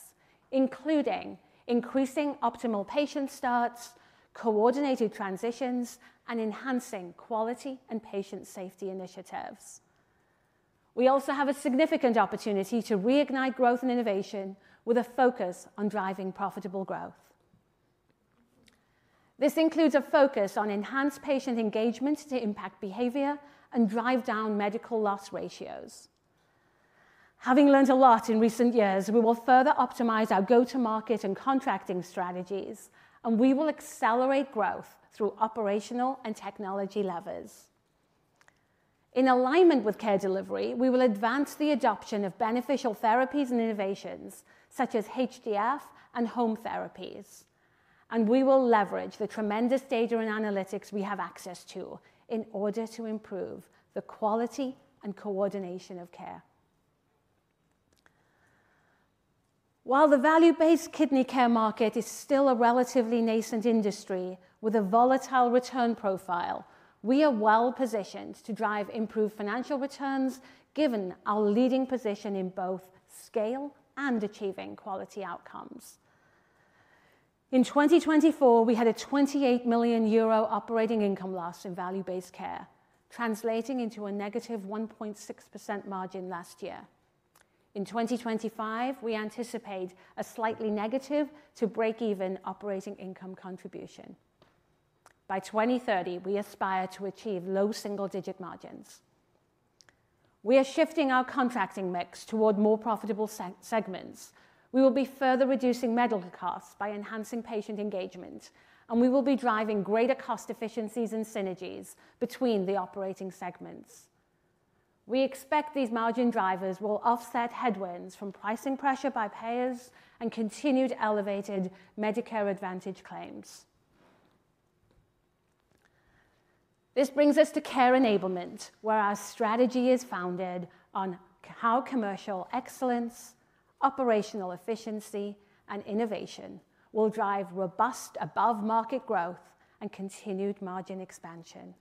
including increasing optimal patient starts, coordinated transitions, and enhancing quality and patient safety initiatives. We also have a significant opportunity to reignite growth and innovation with a focus on driving profitable growth. This includes a focus on enhanced patient engagement to impact behavior and drive down medical loss ratios. Having learned a lot in recent years, we will further optimize our go-to-market and contracting strategies, and we will accelerate growth through operational and technology levers. In alignment with care delivery, we will advance the adoption of beneficial therapies and innovations such as HDF and home therapies, and we will leverage the tremendous data and analytics we have access to in order to improve the quality and coordination of care. While the value-based kidney care market is still a relatively nascent industry with a volatile return profile, we are well positioned to drive improved financial returns given our leading position in both scale and achieving quality outcomes. In 2024, we had a 28 million euro operating income loss in value-based care, translating into a negative 1.6% margin last year. In 2025, we anticipate a slightly negative to break-even operating income contribution. By 2030, we aspire to achieve low single-digit margins. We are shifting our contracting mix toward more profitable segments. We will be further reducing medical costs by enhancing patient engagement, and we will be driving greater cost efficiencies and synergies between the operating segments. We expect these margin drivers will offset headwinds from pricing pressure by payers and continued elevated Medicare Advantage claims. This brings us to care enablement, where our strategy is founded on how commercial excellence, operational efficiency, and innovation will drive robust above-market growth and continued margin expansion.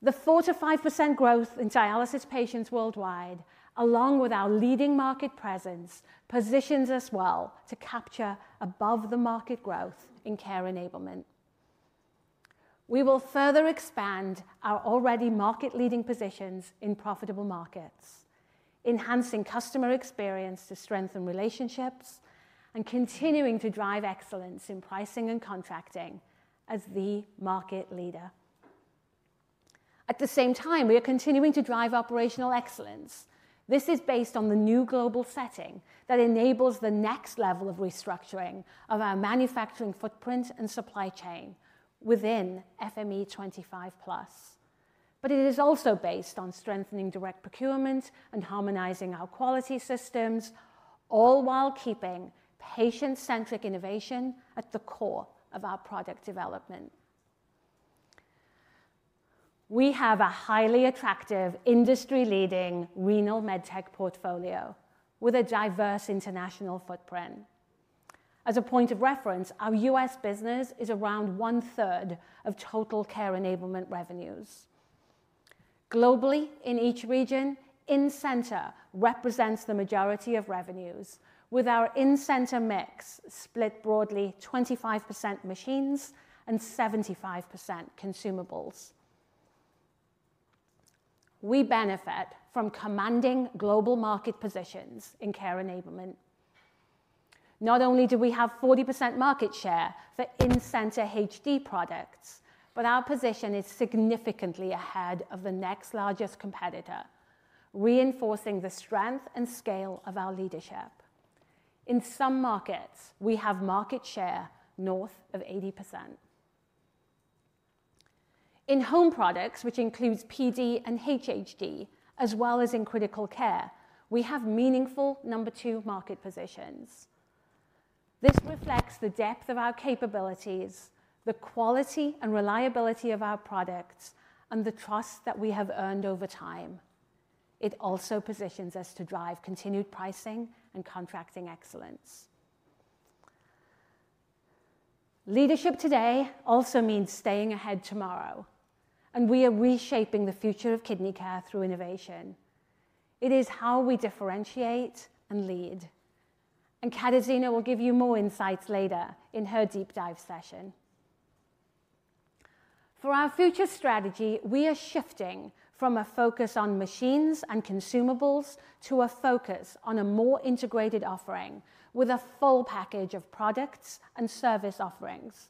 The 4%-5% growth in dialysis patients worldwide, along with our leading market presence, positions us well to capture above-the-market growth in care enablement. We will further expand our already market-leading positions in profitable markets, enhancing customer experience to strengthen relationships and continuing to drive excellence in pricing and contracting as the market leader. At the same time, we are continuing to drive operational excellence. This is based on the new global setting that enables the next level of restructuring of our manufacturing footprint and supply chain within FME25+. It is also based on strengthening direct procurement and harmonizing our quality systems, all while keeping patient-centric innovation at the core of our product development. We have a highly attractive industry-leading renal medtech portfolio with a diverse international footprint. As a point of reference, our U.S. business is around one-third of total Care Enablement revenues. Globally, in each region, in-center represents the majority of revenues, with our in-center mix split broadly: 25% machines and 75% consumables. We benefit from commanding global market positions in Care Enablement. Not only do we have 40% market share for in-center HD products, our position is significantly ahead of the next largest competitor, reinforcing the strength and scale of our leadership. In some markets, we have market share north of 80%. In home products, which includes PD and HHD, as well as in critical care, we have meaningful number two market positions. This reflects the depth of our capabilities, the quality and reliability of our products, and the trust that we have earned over time. It also positions us to drive continued pricing and contracting excellence. Leadership today also means staying ahead tomorrow. We are reshaping the future of kidney care through innovation. It is how we differentiate and lead. Katarzyna will give you more insights later in her deep dive session. For our future strategy, we are shifting from a focus on machines and consumables to a focus on a more integrated offering with a full package of products and service offerings.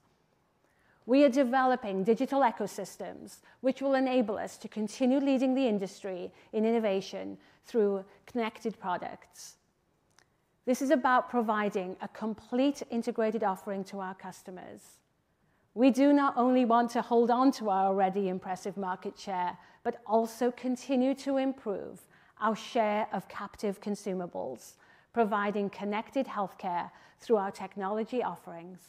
We are developing digital ecosystems, which will enable us to continue leading the industry in innovation through connected products. This is about providing a complete integrated offering to our customers. We do not only want to hold on to our already impressive market share, but also continue to improve our share of captive consumables, providing connected healthcare through our technology offerings,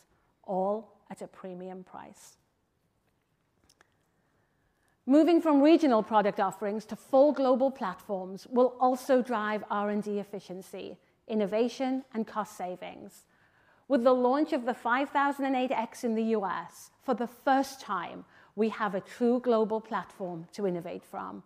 all at a premium price. Moving from regional product offerings to full global platforms will also drive R&D efficiency, innovation, and cost savings. With the launch of the 5008X in the US, for the first time, we have a true global platform to innovate from.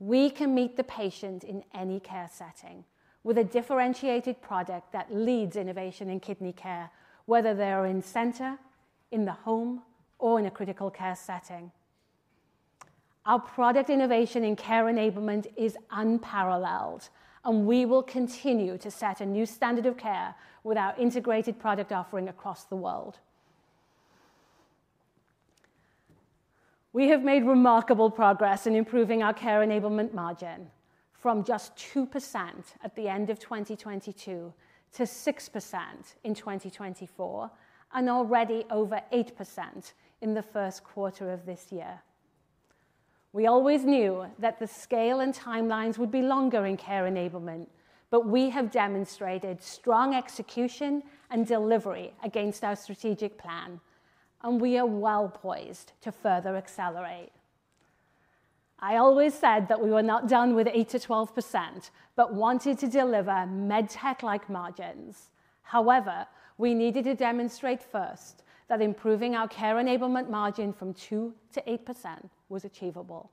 We can meet the patient in any care setting with a differentiated product that leads innovation in kidney care, whether they are in-center, in the home, or in a critical care setting. Our product innovation in care enablement is unparalleled, and we will continue to set a new standard of care with our integrated product offering across the world. We have made remarkable progress in improving our care enablement margin from just 2% at the end of 2022 to 6% in 2024 and already over 8% in the first quarter of this year. We always knew that the scale and timelines would be longer in care enablement, but we have demonstrated strong execution and delivery against our strategic plan, and we are well poised to further accelerate. I always said that we were not done with 8%-12%, but wanted to deliver medtech-like margins. However, we needed to demonstrate first that improving our care enablement margin from 2-8% was achievable.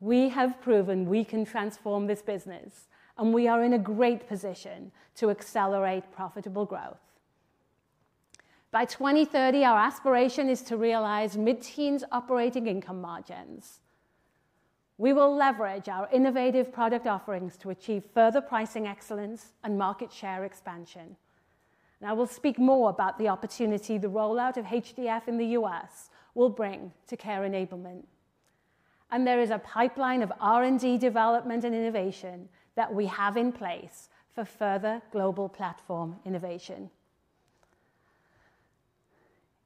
We have proven we can transform this business, and we are in a great position to accelerate profitable growth. By 2030, our aspiration is to realize mid-teens operating income margins. We will leverage our innovative product offerings to achieve further pricing excellence and market share expansion. I will speak more about the opportunity the rollout of HDF in the U.S. will bring to Care Enablement. There is a pipeline of R&D development and innovation that we have in place for further global platform innovation.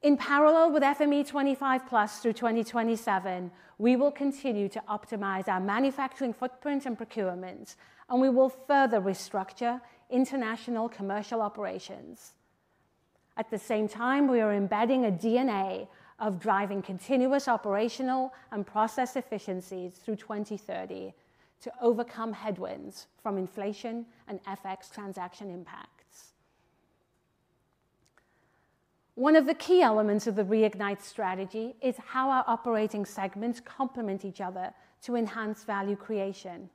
In parallel with FME25+ through 2027, we will continue to optimize our manufacturing footprint and procurement, and we will further restructure international commercial operations. At the same time, we are embedding a DNA of driving continuous operational and process efficiencies through 2030 to overcome headwinds from inflation and FX transaction impacts. One of the key elements of the Reignite strategy is how our operating segments complement each other to enhance value creation.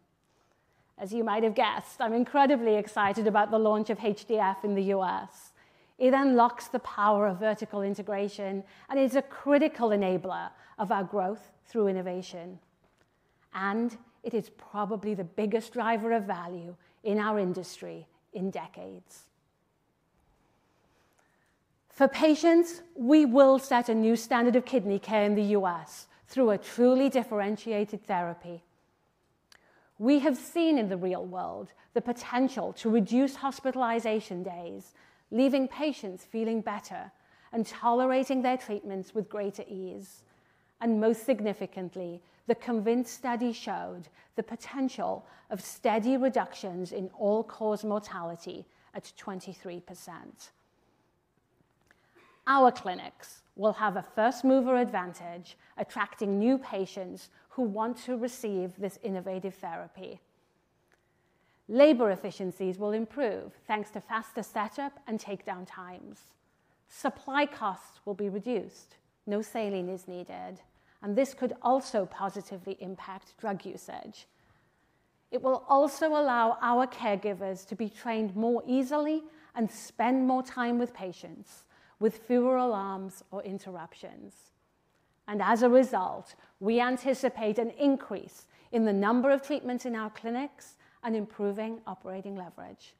As you might have guessed, I'm incredibly excited about the launch of HDF in the U.S. It unlocks the power of vertical integration and is a critical enabler of our growth through innovation. It is probably the biggest driver of value in our industry in decades. For patients, we will set a new standard of kidney care in the U.S. through a truly differentiated therapy. We have seen in the real world the potential to reduce hospitalization days, leaving patients feeling better and tolerating their treatments with greater ease. Most significantly, the COVID study showed the potential of steady reductions in all-cause mortality at 23%. Our clinics will have a first-mover advantage, attracting new patients who want to receive this innovative therapy. Labor efficiencies will improve thanks to faster setup and takedown times. Supply costs will be reduced. No saline is needed, and this could also positively impact drug usage. It will also allow our caregivers to be trained more easily and spend more time with patients with fewer alarms or interruptions. As a result, we anticipate an increase in the number of treatments in our clinics and improving operating leverage.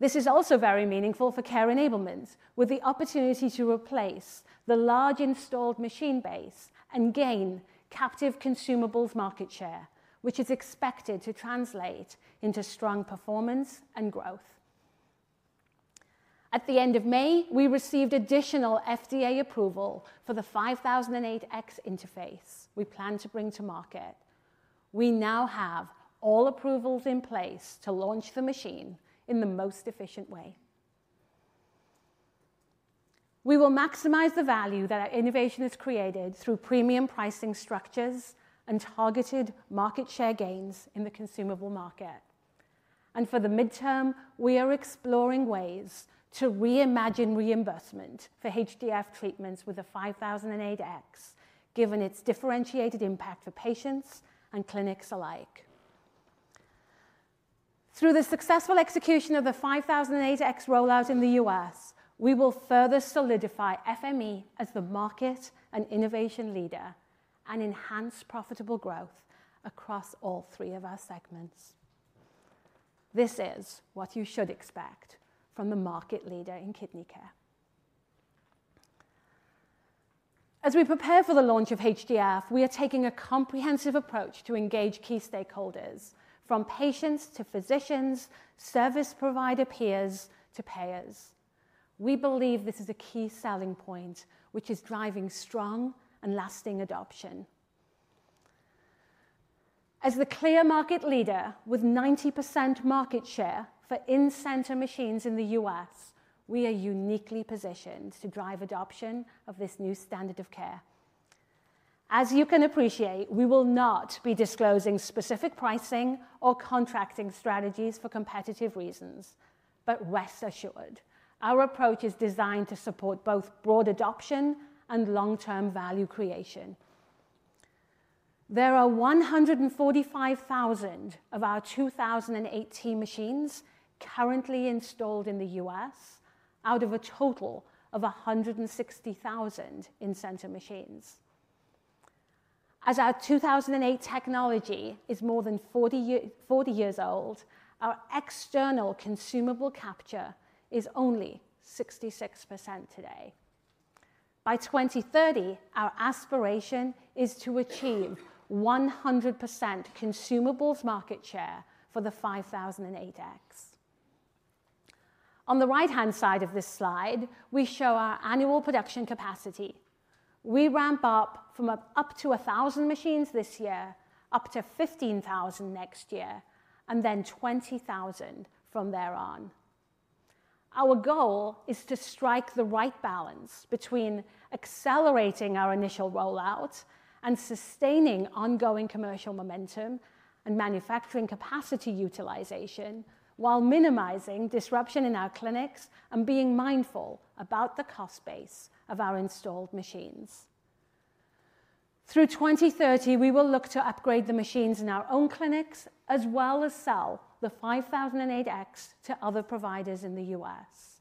This is also very meaningful for Care Enablement, with the opportunity to replace the large installed machine base and gain captive consumables market share, which is expected to translate into strong performance and growth. At the end of May, we received additional FDA approval for the 5008X interface we plan to bring to market. We now have all approvals in place to launch the machine in the most efficient way. We will maximize the value that our innovation has created through premium pricing structures and targeted market share gains in the consumable market. For the midterm, we are exploring ways to reimagine reimbursement for HDF treatments with a 5008X, given its differentiated impact for patients and clinics alike. Through the successful execution of the 5008X rollout in the U.S., we will further solidify FME as the market and innovation leader and enhance profitable growth across all three of our segments. This is what you should expect from the market leader in kidney care. As we prepare for the launch of HDF, we are taking a comprehensive approach to engage key stakeholders, from patients to physicians, service provider peers to payers. We believe this is a key selling point, which is driving strong and lasting adoption. As the clear market leader with 90% market share for in-center machines in the U.S., we are uniquely positioned to drive adoption of this new standard of care. As you can appreciate, we will not be disclosing specific pricing or contracting strategies for competitive reasons. Rest assured, our approach is designed to support both broad adoption and long-term value creation. There are 145,000 of our 2008 machines currently installed in the U.S., out of a total of 160,000 in-center machines. As our 2008 technology is more than 40 years old, our external consumable capture is only 66% today. By 2030, our aspiration is to achieve 100% consumables market share for the 5008X. On the right-hand side of this slide, we show our annual production capacity. We ramp up from up to 1,000 machines this year, up to 15,000 next year, and then 20,000 from there on. Our goal is to strike the right balance between accelerating our initial rollout and sustaining ongoing commercial momentum and manufacturing capacity utilization, while minimizing disruption in our clinics and being mindful about the cost base of our installed machines. Through 2030, we will look to upgrade the machines in our own clinics, as well as sell the 5008X to other providers in the U.S.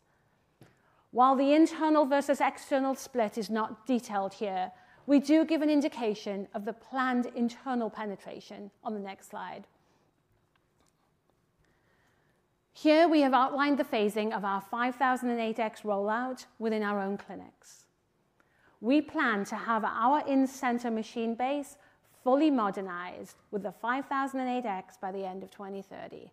While the internal versus external split is not detailed here, we do give an indication of the planned internal penetration on the next slide. Here, we have outlined the phasing of our 5008X rollout within our own clinics. We plan to have our in-center machine base fully modernized with the 5008X by the end of 2030.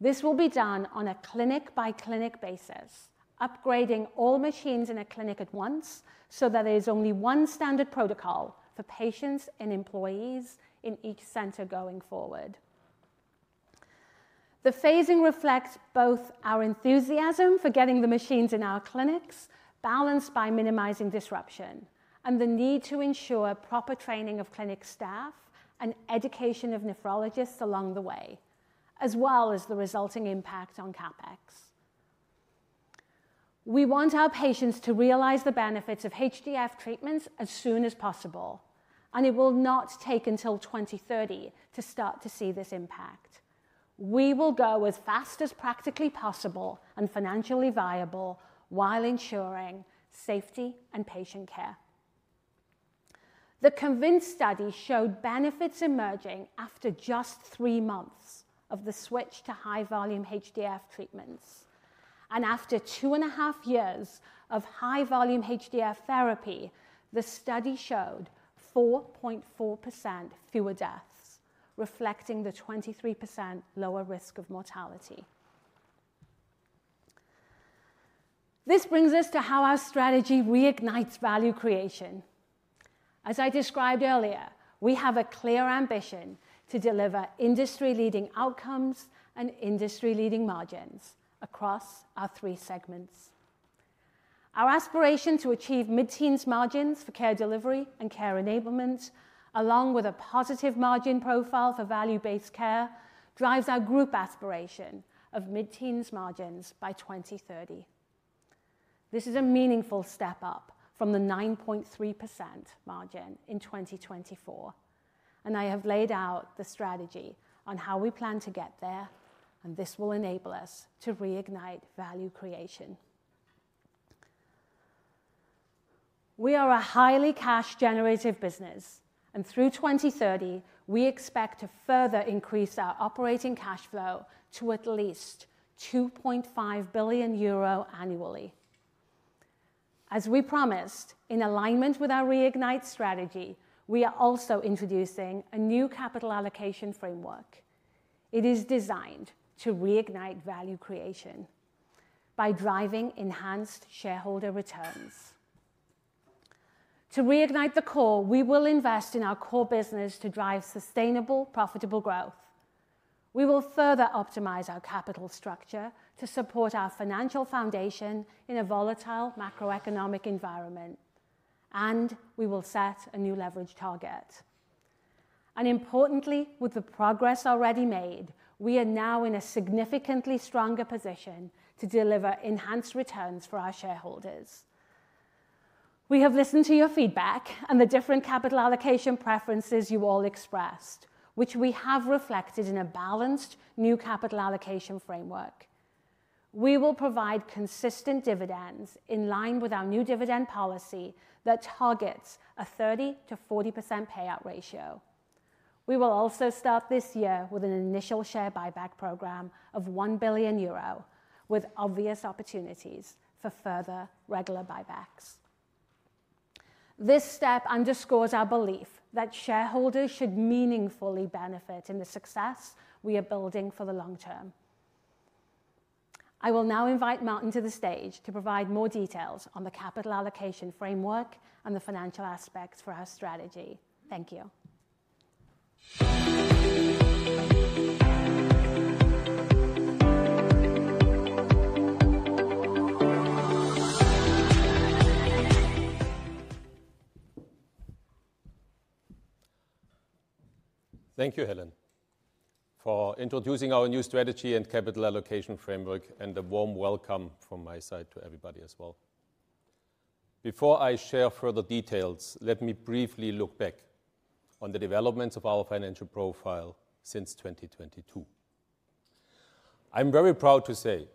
This will be done on a clinic-by-clinic basis, upgrading all machines in a clinic at once so that there is only one standard protocol for patients and employees in each center going forward. The phasing reflects both our enthusiasm for getting the machines in our clinics, balanced by minimizing disruption, and the need to ensure proper training of clinic staff and education of nephrologists along the way, as well as the resulting impact on CapEx. We want our patients to realize the benefits of HDF treatments as soon as possible, and it will not take until 2030 to start to see this impact. We will go as fast as practically possible and financially viable while ensuring safety and patient care. The COVID study showed benefits emerging after just three months of the switch to high-volume HDF treatments. After two and a half years of high-volume HDF therapy, the study showed 4.4% fewer deaths, reflecting the 23% lower risk of mortality. This brings us to how our strategy reignites value creation. As I described earlier, we have a clear ambition to deliver industry-leading outcomes and industry-leading margins across our three segments. Our aspiration to achieve mid-teens margins for care delivery and care enablement, along with a positive margin profile for value-based care, drives our group aspiration of mid-teens margins by 2030. This is a meaningful step up from the 9.3% margin in 2024. I have laid out the strategy on how we plan to get there, and this will enable us to reignite value creation. We are a highly cash-generative business, and through 2030, we expect to further increase our operating cash flow to at least 2.5 billion euro annually. As we promised, in alignment with our Reignite strategy, we are also introducing a new capital allocation framework. It is designed to reignite value creation by driving enhanced shareholder returns. To reignite the core, we will invest in our core business to drive sustainable, profitable growth. We will further optimize our capital structure to support our financial foundation in a volatile macroeconomic environment, and we will set a new leverage target. Importantly, with the progress already made, we are now in a significantly stronger position to deliver enhanced returns for our shareholders. We have listened to your feedback and the different capital allocation preferences you all expressed, which we have reflected in a balanced new capital allocation framework. We will provide consistent dividends in line with our new dividend policy that targets a 30%-40% payout ratio. We will also start this year with an initial share buyback program of 1 billion euro, with obvious opportunities for further regular buybacks. This step underscores our belief that shareholders should meaningfully benefit in the success we are building for the long term. I will now invite Martin to the stage to provide more details on the capital allocation framework and the financial aspects for our strategy. Thank you. Thank you, Helen, for introducing our new strategy and capital allocation framework, and a warm welcome from my side to everybody as well. Before I share further details, let me briefly look back on the developments of our financial profile since 2022. I'm very proud to say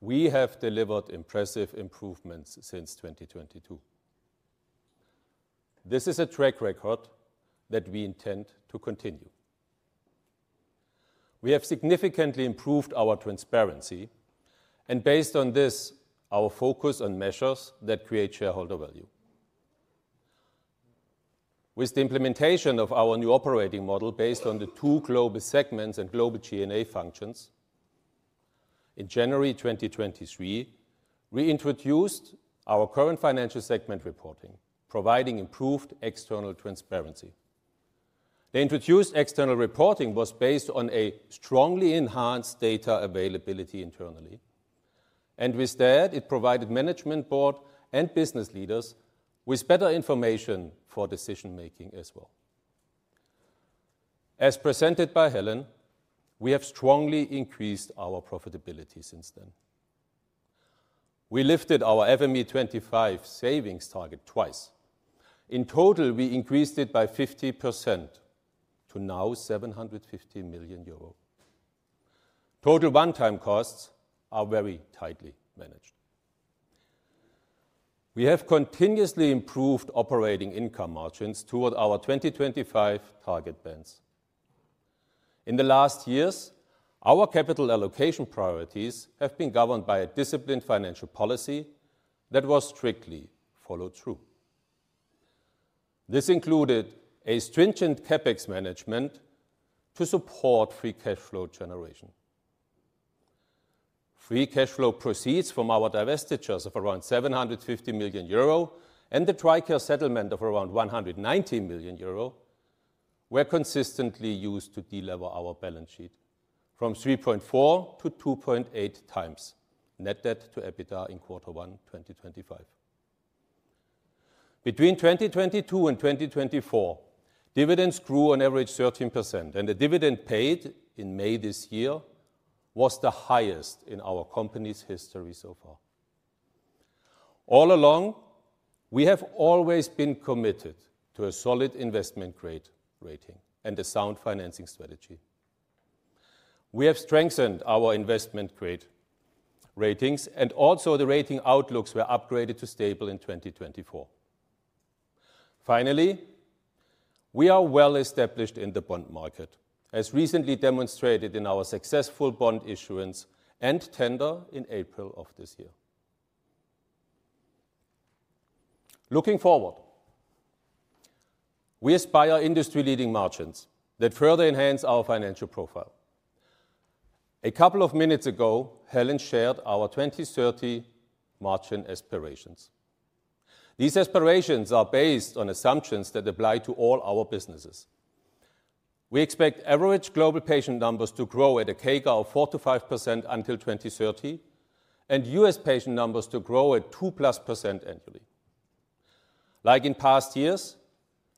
we have delivered impressive improvements since 2022. This is a track record that we intend to continue. We have significantly improved our transparency, and based on this, our focus on measures that create shareholder value. With the implementation of our new operating model based on the two global segments and global G&A functions, in January 2023, we introduced our current financial segment reporting, providing improved external transparency. The introduced external reporting was based on a strongly enhanced data availability internally. With that, it provided management board and business leaders with better information for decision-making as well. As presented by Helen, we have strongly increased our profitability since then. We lifted our FME25 savings target twice. In total, we increased it by 50% to now EUR 750 million. Total runtime costs are very tightly managed. We have continuously improved operating income margins toward our 2025 target bands. In the last years, our capital allocation priorities have been governed by a disciplined financial policy that was strictly followed through. This included a stringent CapEx management to support free cash flow generation. Free cash flow proceeds from our divestitures of around 750 million euro and the Tricare settlement of around 190 million euro were consistently used to de-level our balance sheet from 3.4x to 2.8x net debt to EBITDA in Q1 2025. Between 2022 and 2024, dividends grew on average 13%, and the dividend paid in May this year was the highest in our company's history so far. All along, we have always been committed to a solid investment grade rating and a sound financing strategy. We have strengthened our investment grade ratings, and also the rating outlooks were upgraded to stable in 2024. Finally, we are well established in the bond market, as recently demonstrated in our successful bond issuance and tender in April of this year. Looking forward, we aspire industry-leading margins that further enhance our financial profile. A couple of minutes ago, Helen shared our 2030 margin aspirations. These aspirations are based on assumptions that apply to all our businesses. We expect average global patient numbers to grow at a CAGR of 4%-5% until 2030, and U.S. patient numbers to grow at 2% plus percent annually. Like in past years,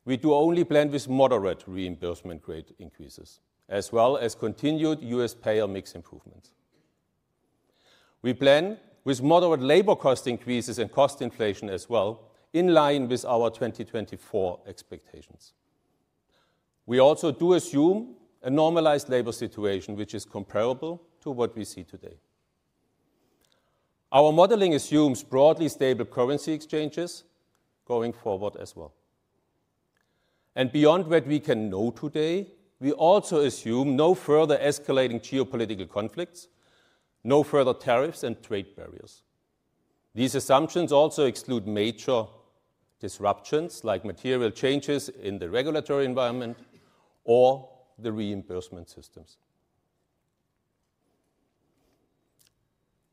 we do only blend with moderate reimbursement grade increases, as well as continued U.S. payer mix improvements. We blend with moderate labor cost increases and cost inflation as well, in line with our 2024 expectations. We also do assume a normalized labor situation, which is comparable to what we see today. Our modeling assumes broadly stable currency exchanges going forward as well. Beyond what we can know today, we also assume no further escalating geopolitical conflicts, no further tariffs, and trade barriers. These assumptions also exclude major disruptions, like material changes in the regulatory environment or the reimbursement systems.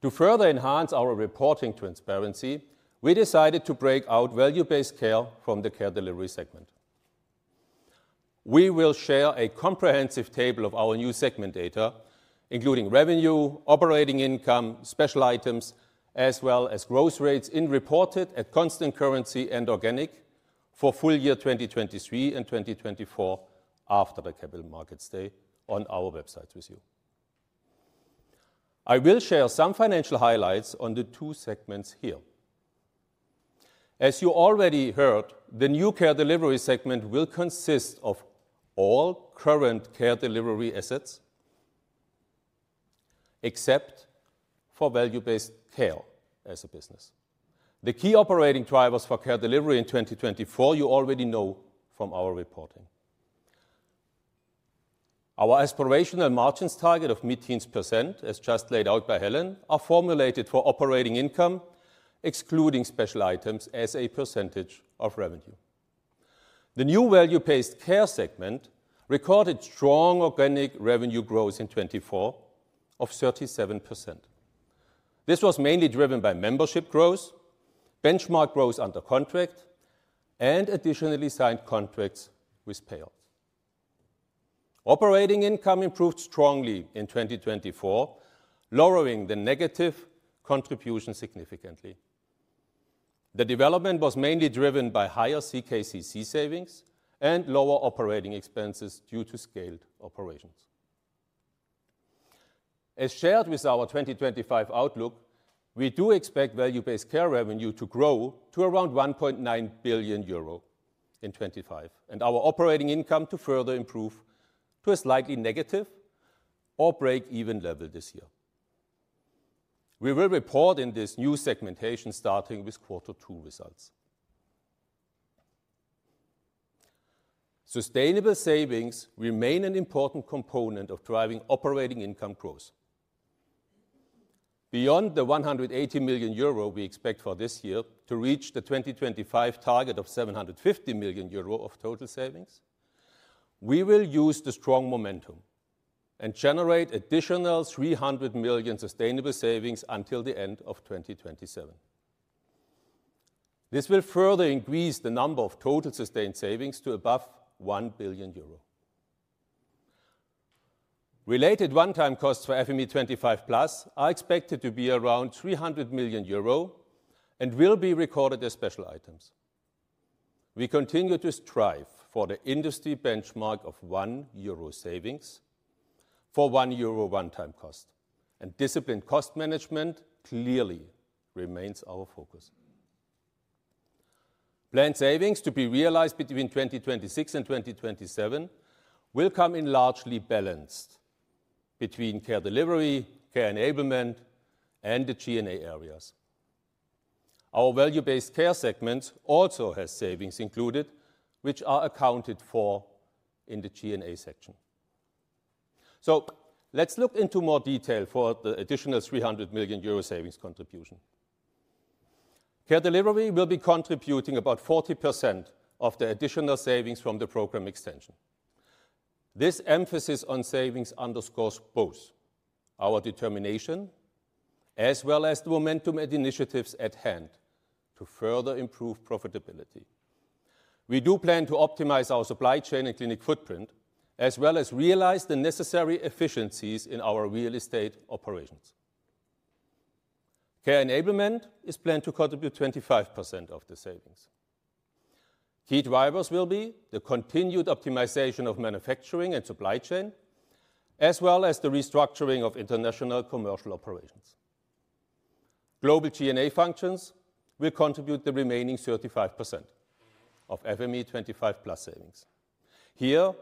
To further enhance our reporting transparency, we decided to break out value-based care from the Care Delivery segment. We will share a comprehensive table of our new segment data, including revenue, operating income, special items, as well as growth rates in reported at constant currency and organic for full year 2023 and 2024 after the Capital Markets Day on our websites with you. I will share some financial highlights on the two segments here. As you already heard, the new Care Delivery segment will consist of all current Care Delivery assets, except for Value-Based Care as a business. The key operating drivers for Care Delivery in 2024, you already know from our reporting. Our aspirational margins target of mid-teens percent, as just laid out by Helen, are formulated for operating income, excluding special items as a percentage of revenue. The new Value-Based Care segment recorded strong organic revenue growth in 2024 of 37%. This was mainly driven by membership growth, benchmark growth under contract, and additionally signed contracts with payouts. Operating income improved strongly in 2024, lowering the negative contribution significantly. The development was mainly driven by higher CKCC savings and lower operating expenses due to scaled operations. As shared with our 2025 outlook, we do expect value-based care revenue to grow to around 1.9 billion euro in 2025, and our operating income to further improve to a slightly negative or break-even level this year. We will report in this new segmentation starting with quarter two results. Sustainable savings remain an important component of driving operating income growth. Beyond the 180 million euro we expect for this year to reach the 2025 target of 750 million euro of total savings, we will use the strong momentum and generate additional 300 million sustainable savings until the end of 2027. This will further increase the number of total sustained savings to above 1 billion euro. Related runtime costs for FME25+ are expected to be around 300 million euro and will be recorded as special items. We continue to strive for the industry benchmark of 1 euro savings for 1 euro runtime cost, and disciplined cost management clearly remains our focus. Planned savings to be realized between 2026 and 2027 will come in largely balanced between Care Delivery, Care Enablement, and the G&A areas. Our value-based care segment also has savings included, which are accounted for in the G&A section. Let's look into more detail for the additional 300 million euro savings contribution. Care Delivery will be contributing about 40% of the additional savings from the program extension. This emphasis on savings underscores both our determination as well as the momentum and initiatives at hand to further improve profitability. We do plan to optimize our supply chain and clinic footprint, as well as realize the necessary efficiencies in our real estate operations. Care Enablement is planned to contribute 25% of the savings. Key drivers will be the continued optimization of manufacturing and supply chain, as well as the restructuring of international commercial operations. Global G&A functions will contribute the remaining 35% of FME25+ savings. Here,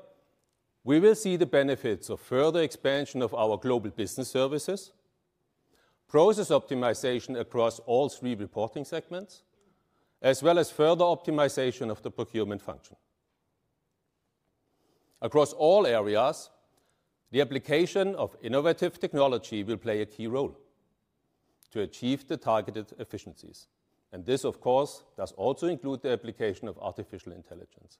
we will see the benefits of further expansion of our global business services, process optimization across all three reporting segments, as well as further optimization of the procurement function. Across all areas, the application of innovative technology will play a key role to achieve the targeted efficiencies. This, of course, does also include the application of artificial intelligence.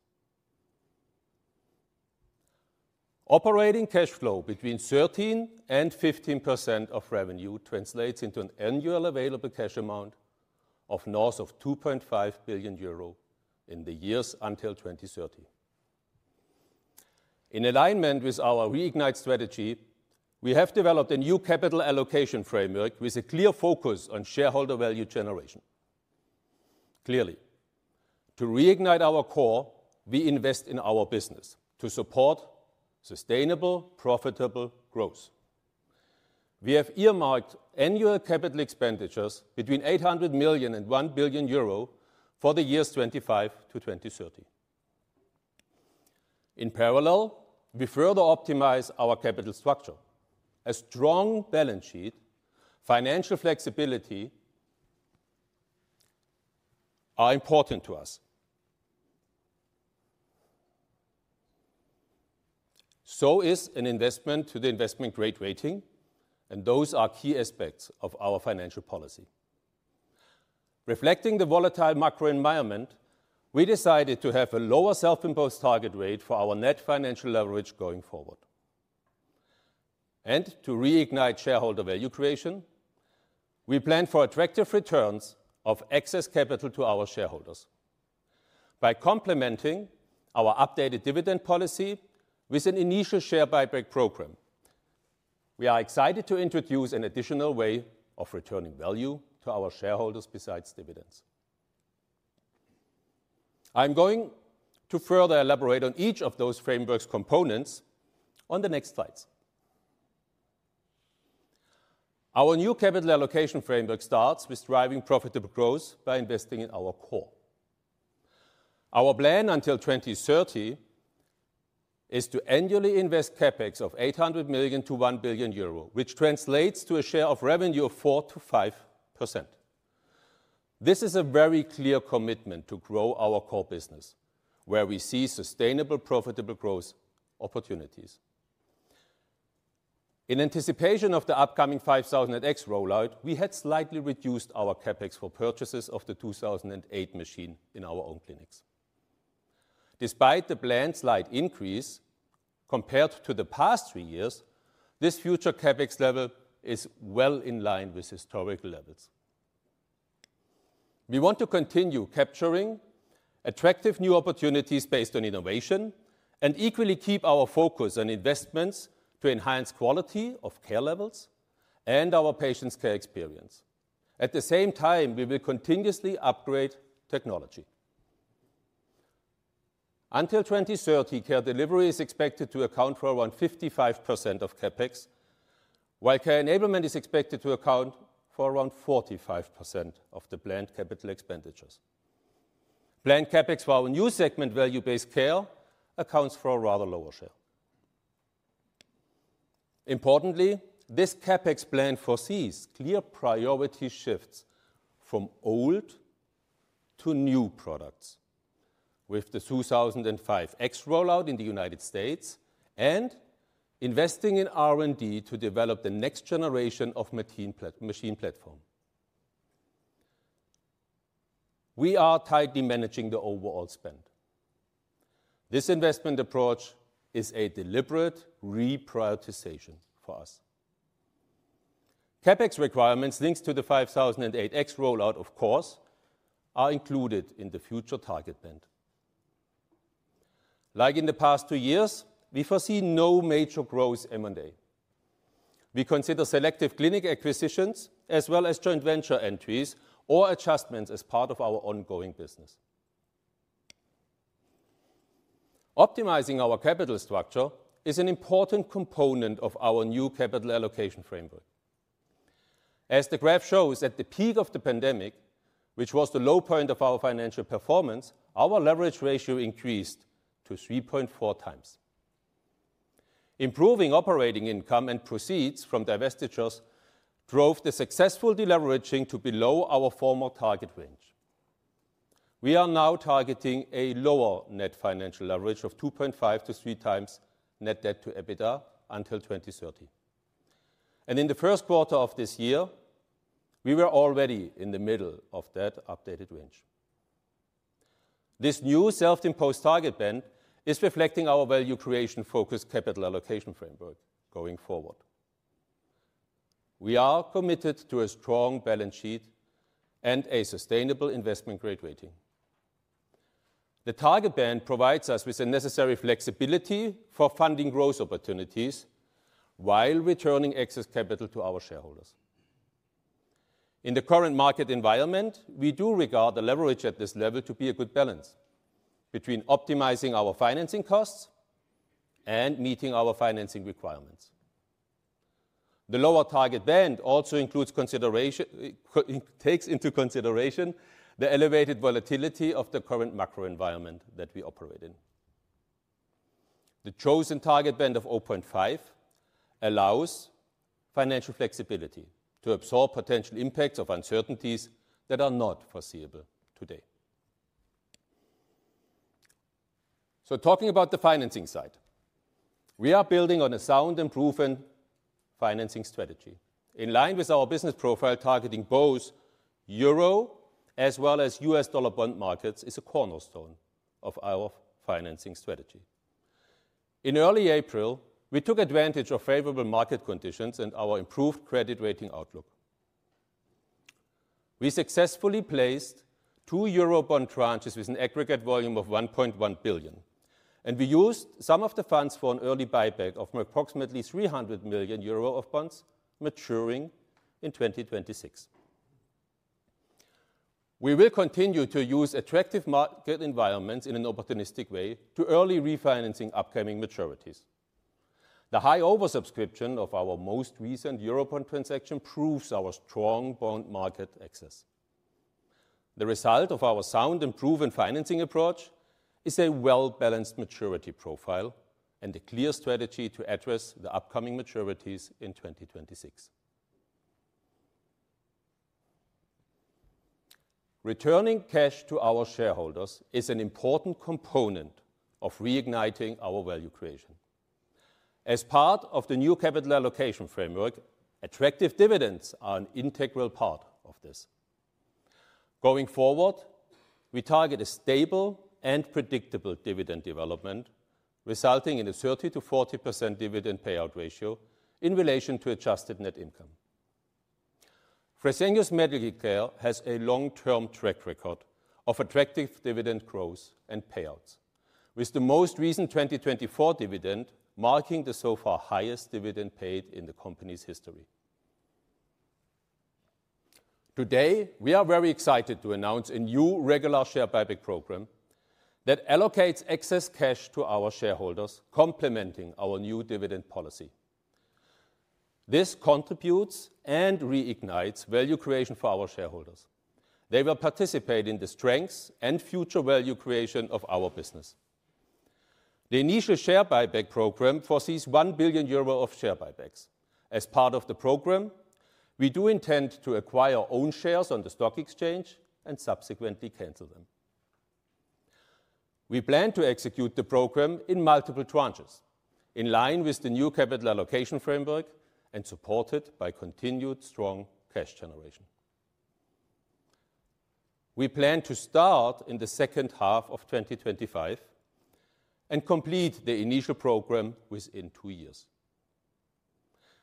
Operating cash flow between 13%-15% of revenue translates into an annual available cash amount of north of 2.5 billion euro in the years until 2030. In alignment with our Reignite strategy, we have developed a new capital allocation framework with a clear focus on shareholder value generation. Clearly, to reignite our core, we invest in our business to support sustainable, profitable growth. We have earmarked annual capital expenditures between 800 million and 1 billion euro for the years 2025 to 2030. In parallel, we further optimize our capital structure. A strong balance sheet and financial flexibility are important to us. So is an investment to the investment grade rating, and those are key aspects of our financial policy. Reflecting the volatile macro environment, we decided to have a lower self-imposed target rate for our net financial leverage going forward. To reignite shareholder value creation, we plan for attractive returns of excess capital to our shareholders by complementing our updated dividend policy with an initial share buyback program. We are excited to introduce an additional way of returning value to our shareholders besides dividends. I'm going to further elaborate on each of those frameworks' components on the next slides. Our new capital allocation framework starts with driving profitable growth by investing in our core. Our plan until 2030 is to annually invest CapEx of 800 million-1 billion euro, which translates to a share of revenue of 4%-5%. This is a very clear commitment to grow our core business, where we see sustainable, profitable growth opportunities. In anticipation of the upcoming 5008X rollout, we had slightly reduced our CapEx for purchases of the 2008 machine in our own clinics. Despite the planned slight increase compared to the past three years, this future CapEx level is well in line with historical levels. We want to continue capturing attractive new opportunities based on innovation and equally keep our focus on investments to enhance the quality of care levels and our patients' care experience. At the same time, we will continuously upgrade technology. Until 2030, care delivery is expected to account for around 55% of CAPEX, while care enablement is expected to account for around 45% of the planned capital expenditures. Planned CAPEX for our new segment, value-based care, accounts for a rather lower share. Importantly, this CAPEX plan foresees clear priority shifts from old to new products with the 5008X rollout in the United States and investing in R&D to develop the next generation of machine platform. We are tightly managing the overall spend. This investment approach is a deliberate reprioritization for us. CAPEX requirements linked to the 5008X rollout, of course, are included in the future target band. Like in the past two years, we foresee no major growth M&A. We consider selective clinic acquisitions as well as joint venture entries or adjustments as part of our ongoing business. Optimizing our capital structure is an important component of our new capital allocation framework. As the graph shows, at the peak of the pandemic, which was the low point of our financial performance, our leverage ratio increased to 3.4x. Improving operating income and proceeds from divestitures drove the successful deleveraging to below our former target range. We are now targeting a lower net financial leverage of 2.5x-3x net debt to EBITDA until 2030. In the first quarter of this year, we were already in the middle of that updated range. This new self-imposed target band is reflecting our value creation-focused capital allocation framework going forward. We are committed to a strong balance sheet and a sustainable investment grade rating. The target band provides us with the necessary flexibility for funding growth opportunities while returning excess capital to our shareholders. In the current market environment, we do regard the leverage at this level to be a good balance between optimizing our financing costs and meeting our financing requirements. The lower target band also takes into consideration the elevated volatility of the current macro environment that we operate in. The chosen target band of 0.5 allows financial flexibility to absorb potential impacts of uncertainties that are not foreseeable today. Talking about the financing side, we are building on a sound and proven financing strategy. In line with our business profile, targeting both Euro as well as U.S. dollar bond markets is a cornerstone of our financing strategy. In early April, we took advantage of favorable market conditions and our improved credit rating outlook. We successfully placed two Euro bond tranches with an aggregate volume of 1.1 billion, and we used some of the funds for an early buyback of approximately 300 million euro of bonds maturing in 2026. We will continue to use attractive market environments in an opportunistic way to early refinancing upcoming maturities. The high oversubscription of our most recent Euro bond transaction proves our strong bond market access. The result of our sound and proven financing approach is a well-balanced maturity profile and a clear strategy to address the upcoming maturities in 2026. Returning cash to our shareholders is an important component of reigniting our value creation. As part of the new capital allocation framework, attractive dividends are an integral part of this. Going forward, we target a stable and predictable dividend development, resulting in a 30%-40% dividend payout ratio in relation to adjusted net income. Fresenius Medical Care has a long-term track record of attractive dividend growth and payouts, with the most recent 2024 dividend marking the so far highest dividend paid in the company's history. Today, we are very excited to announce a new regular share buyback program that allocates excess cash to our shareholders, complementing our new dividend policy. This contributes and reignites value creation for our shareholders. They will participate in the strengths and future value creation of our business. The initial share buyback program foresees 1 billion euro of share buybacks. As part of the program, we do intend to acquire own shares on the stock exchange and subsequently cancel them. We plan to execute the program in multiple tranches in line with the new capital allocation framework and supported by continued strong cash generation. We plan to start in the second half of 2025 and complete the initial program within two years.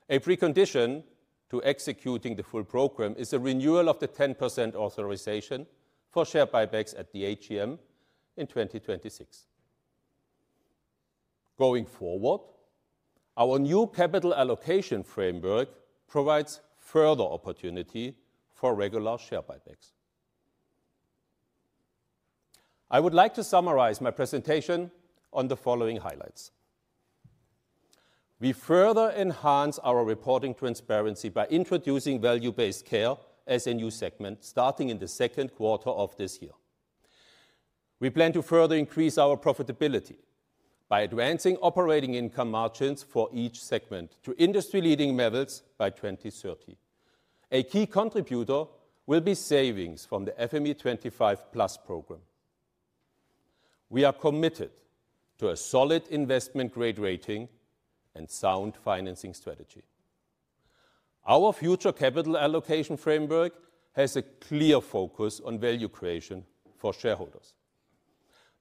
A precondition to executing the full program is a renewal of the 10% authorization for share buybacks at the AGM in 2026. Going forward, our new capital allocation framework provides further opportunity for regular share buybacks. I would like to summarize my presentation on the following highlights. We further enhance our reporting transparency by introducing value-based care as a new segment starting in the second quarter of this year. We plan to further increase our profitability by advancing operating income margins for each segment to industry-leading levels by 2030. A key contributor will be savings from the FME25+ program. We are committed to a solid investment grade rating and sound financing strategy. Our future capital allocation framework has a clear focus on value creation for shareholders.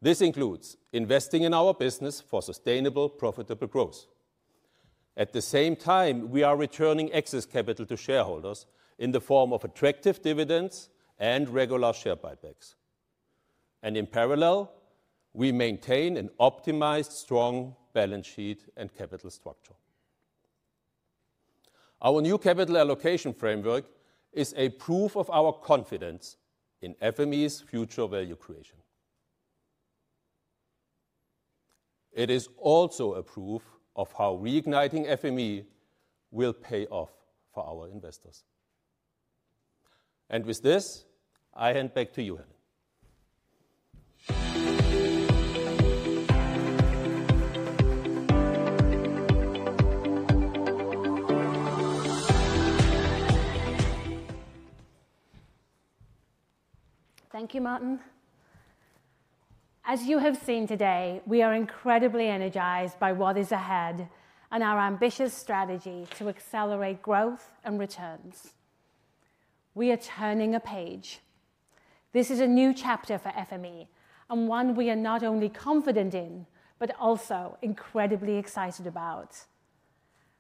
This includes investing in our business for sustainable, profitable growth. At the same time, we are returning excess capital to shareholders in the form of attractive dividends and regular share buybacks. In parallel, we maintain an optimized, strong balance sheet and capital structure. Our new capital allocation framework is a proof of our confidence in FME's future value creation. It is also a proof of how reigniting FME will pay off for our investors. With this, I hand back to you, Helen. Thank you, Martin. As you have seen today, we are incredibly energized by what is ahead and our ambitious strategy to accelerate growth and returns. We are turning a page. This is a new chapter for FME and one we are not only confident in, but also incredibly excited about.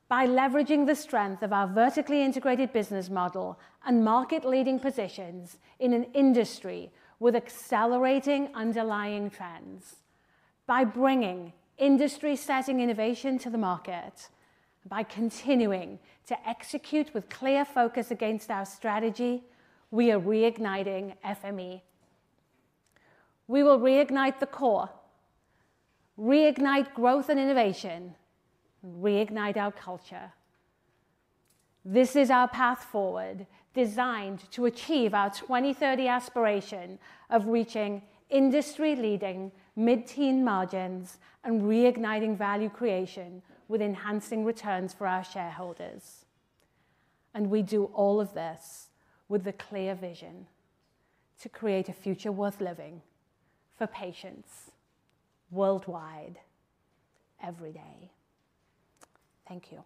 By leveraging the strength of our vertically integrated business model and market-leading positions in an industry with accelerating underlying trends, by bringing industry-setting innovation to the market, and by continuing to execute with clear focus against our strategy, we are reigniting FME. We will reignite the core, reignite growth and innovation, and reignite our culture. This is our path forward designed to achieve our 2030 aspiration of reaching industry-leading mid-teen margins and reigniting value creation with enhancing returns for our shareholders. We do all of this with a clear vision to create a future worth living for patients worldwide every day. Thank you.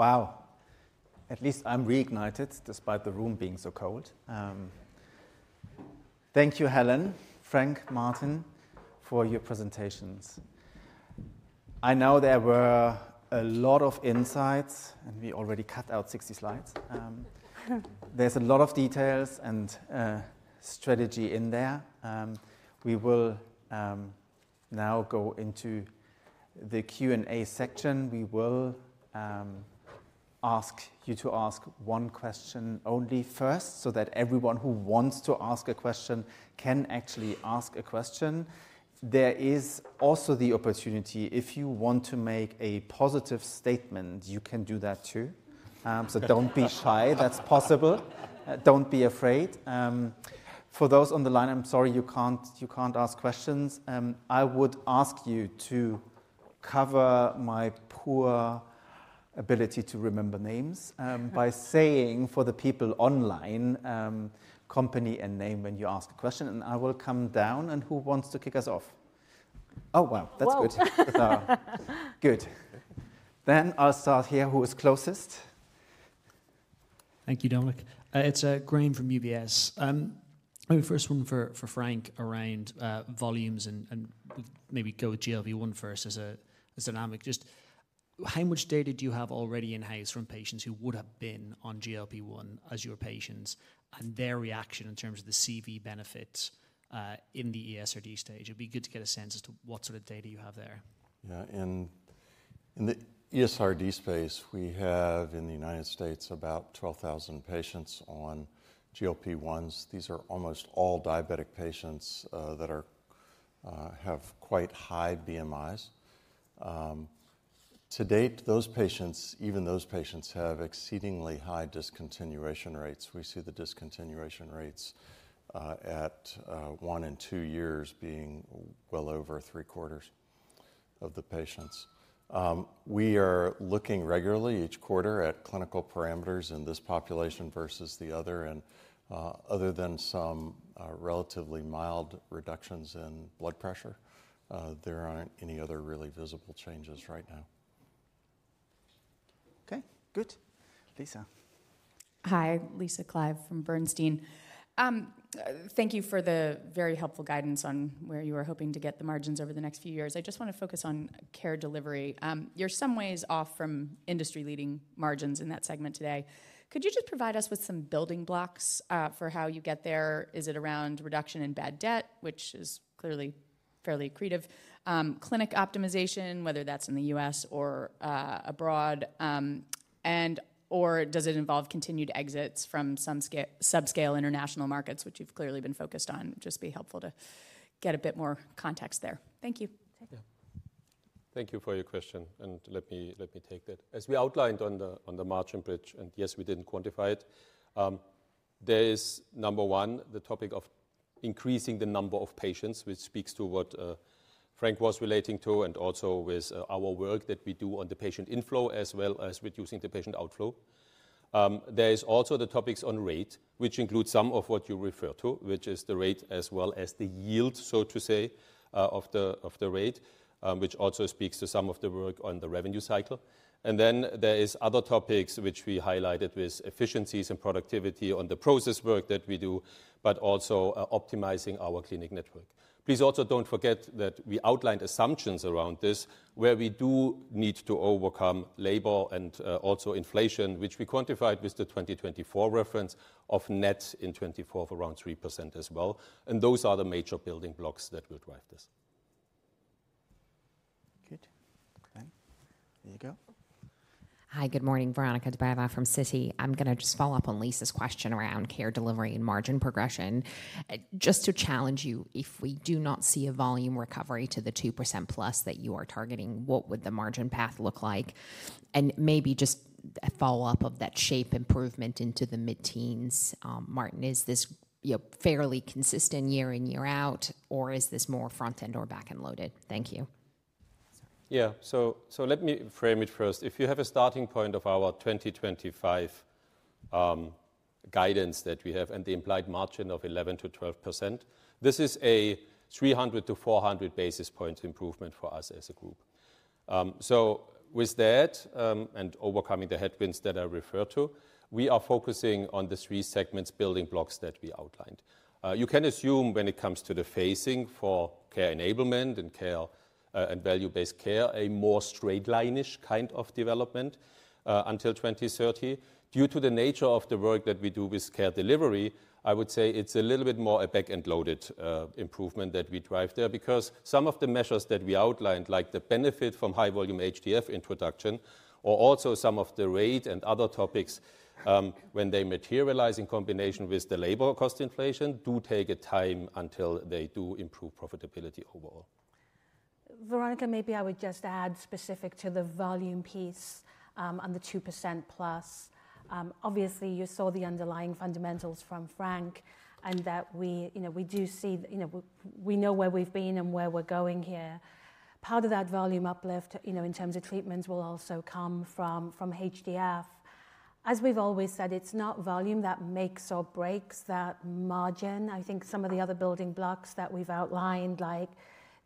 Wow. At least I'm reignited despite the room being so cold. Thank you, Helen, Frank, Martin, for your presentations. I know there were a lot of insights, and we already cut out 60 slides. There's a lot of details and strategy in there. We will now go into the Q&A section. We will ask you to ask one question only first so that everyone who wants to ask a question can actually ask a question. There is also the opportunity if you want to make a positive statement, you can do that too. Do not be shy. That's possible. Do not be afraid. For those on the line, I'm sorry you can't ask questions. I would ask you to cover my poor ability to remember names by saying for the people online, company and name when you ask a question, and I will come down and who wants to kick us off? Oh, wow. That's good. Good. I will start here. Who is closest? Thank you, Dominik. It's Graham from UBS. My first one for Frank around volumes and maybe go with GLP-1 first as a dynamic. Just how much data do you have already in-house from patients who would have been on GLP-1 as your patients and their reaction in terms of the CV benefits in the ESRD stage? It'd be good to get a sense as to what sort of data you have there. Yeah. In the ESRD space, we have in the United States about 12,000 patients on GLP-1s. These are almost all diabetic patients that have quite high BMIs. To date, those patients, even those patients, have exceedingly high discontinuation rates. We see the discontinuation rates at one and two years being well over three quarters of the patients. We are looking regularly each quarter at clinical parameters in this population versus the other. Other than some relatively mild reductions in blood pressure, there aren't any other really visible changes right now. Okay. Good. Lisa. Hi, Lisa Clive from Bernstein. Thank you for the very helpful guidance on where you are hoping to get the margins over the next few years. I just want to focus on care delivery. You're some ways off from industry-leading margins in that segment today. Could you just provide us with some building blocks for how you get there? Is it around reduction in bad debt, which is clearly fairly creative? Clinic optimization, whether that's in the U.S. or abroad, and/or does it involve continued exits from some subscale international markets, which you've clearly been focused on? Just be helpful to get a bit more context there. Thank you. Thank you for your question. Let me take that. As we outlined on the margin bridge, yes, we did not quantify it, there is number one, the topic of increasing the number of patients, which speaks to what Frank was relating to, and also with our work that we do on the patient inflow as well as reducing the patient outflow. There is also the topics on rate, which includes some of what you refer to, which is the rate as well as the yield, so to say, of the rate, which also speaks to some of the work on the revenue cycle. There are other topics which we highlighted with efficiencies and productivity on the process work that we do, but also optimizing our clinic network. Please also do not forget that we outlined assumptions around this where we do need to overcome labor and also inflation, which we quantified with the 2024 reference of net in 2024 of around 3% as well. Those are the major building blocks that will drive this. Good. There you go. Hi, good morning. Veronika Dubajova from Citi. I'm going to just follow up on Lisa's question around care delivery and margin progression. Just to challenge you, if we do not see a volume recovery to the 2%+ that you are targeting, what would the margin path look like? Maybe just a follow-up of that shape improvement into the mid-teens. Martin, is this fairly consistent year in, year out, or is this more front-end or back-end loaded? Thank you. Yeah. Let me frame it first. If you have a starting point of our 2025 guidance that we have and the implied margin of 11%-12%, this is a 300-400 basis points improvement for us as a group. With that and overcoming the headwinds that I referred to, we are focusing on the three segments building blocks that we outlined. You can assume when it comes to the phasing for care enablement and value-based care, a more straight-line-ish kind of development until 2030. Due to the nature of the work that we do with Care Delivery, I would say it's a little bit more a back-end loaded improvement that we drive there because some of the measures that we outlined, like the benefit from high-volume HDF introduction or also some of the rate and other topics, when they materialize in combination with the labor cost inflation, do take a time until they do improve profitability overall. Veronika, maybe I would just add specific to the volume piece on the 2%+. Obviously, you saw the underlying fundamentals from Frank and that we do see we know where we've been and where we're going here. Part of that volume uplift in terms of treatments will also come from HDF. As we've always said, it's not volume that makes or breaks that margin. I think some of the other building blocks that we've outlined, like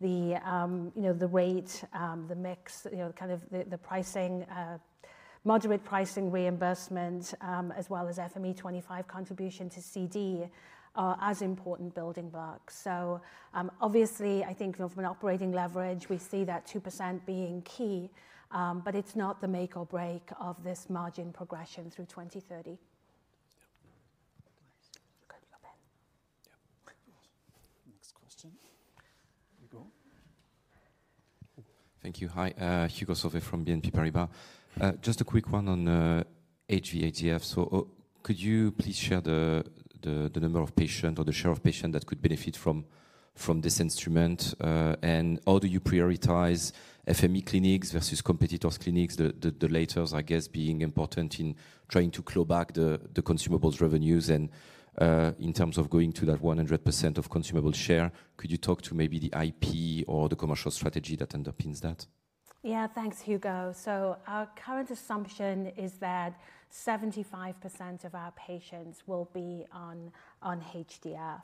the rate, the mix, kind of the pricing, moderate pricing reimbursement, as well as FME25 contribution to CD are as important building blocks. Obviously, I think from an operating leverage, we see that 2% being key, but it's not the make or break of this margin progression through 2030. Nice. You're good. You go ahead. Yep. Next question. Here we go. Thank you. Hi, Hugo Solvet from BNP Paribas. Just a quick one on HDF. Could you please share the number of patients or the share of patients that could benefit from this instrument? How do you prioritize FME clinics versus competitors' clinics, the latter, I guess, being important in trying to claw back the consumables revenues and in terms of going to that 100% of consumables share? Could you talk to maybe the IP or the commercial strategy that underpins that? Yeah, thanks, Hugo. Our current assumption is that 75% of our patients will be on HDF.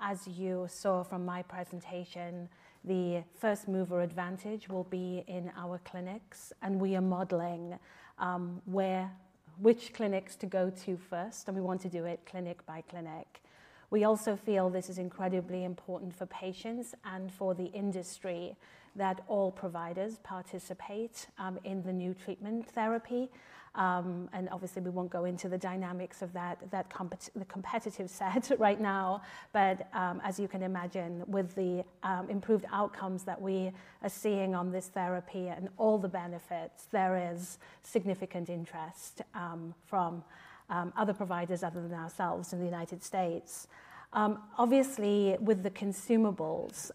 As you saw from my presentation, the first mover advantage will be in our clinics, and we are modeling which clinics to go to first, and we want to do it clinic by clinic. We also feel this is incredibly important for patients and for the industry that all providers participate in the new treatment therapy. Obviously, we will not go into the dynamics of that, the competitive set right now, but as you can imagine, with the improved outcomes that we are seeing on this therapy and all the benefits, there is significant interest from other providers other than ourselves in the United States. Obviously, with the consumables,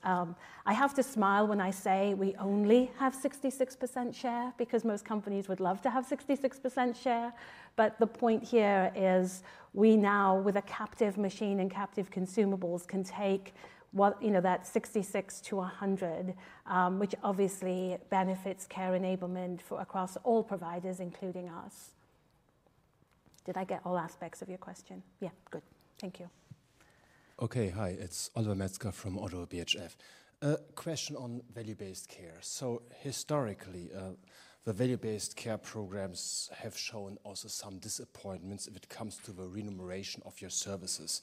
I have to smile when I say we only have 66% share because most companies would love to have 66% share. The point here is we now, with a captive machine and captive consumables, can take that 66% to 100%, which obviously benefits Care Enablement across all providers, including us. Did I get all aspects of your question? Yeah. Good. Thank you. Okay. Hi. It's Oliver Metzger from ODDO BHF. A question on value-based care. Historically, the value-based care programs have shown also some disappointments when it comes to the remuneration of your services.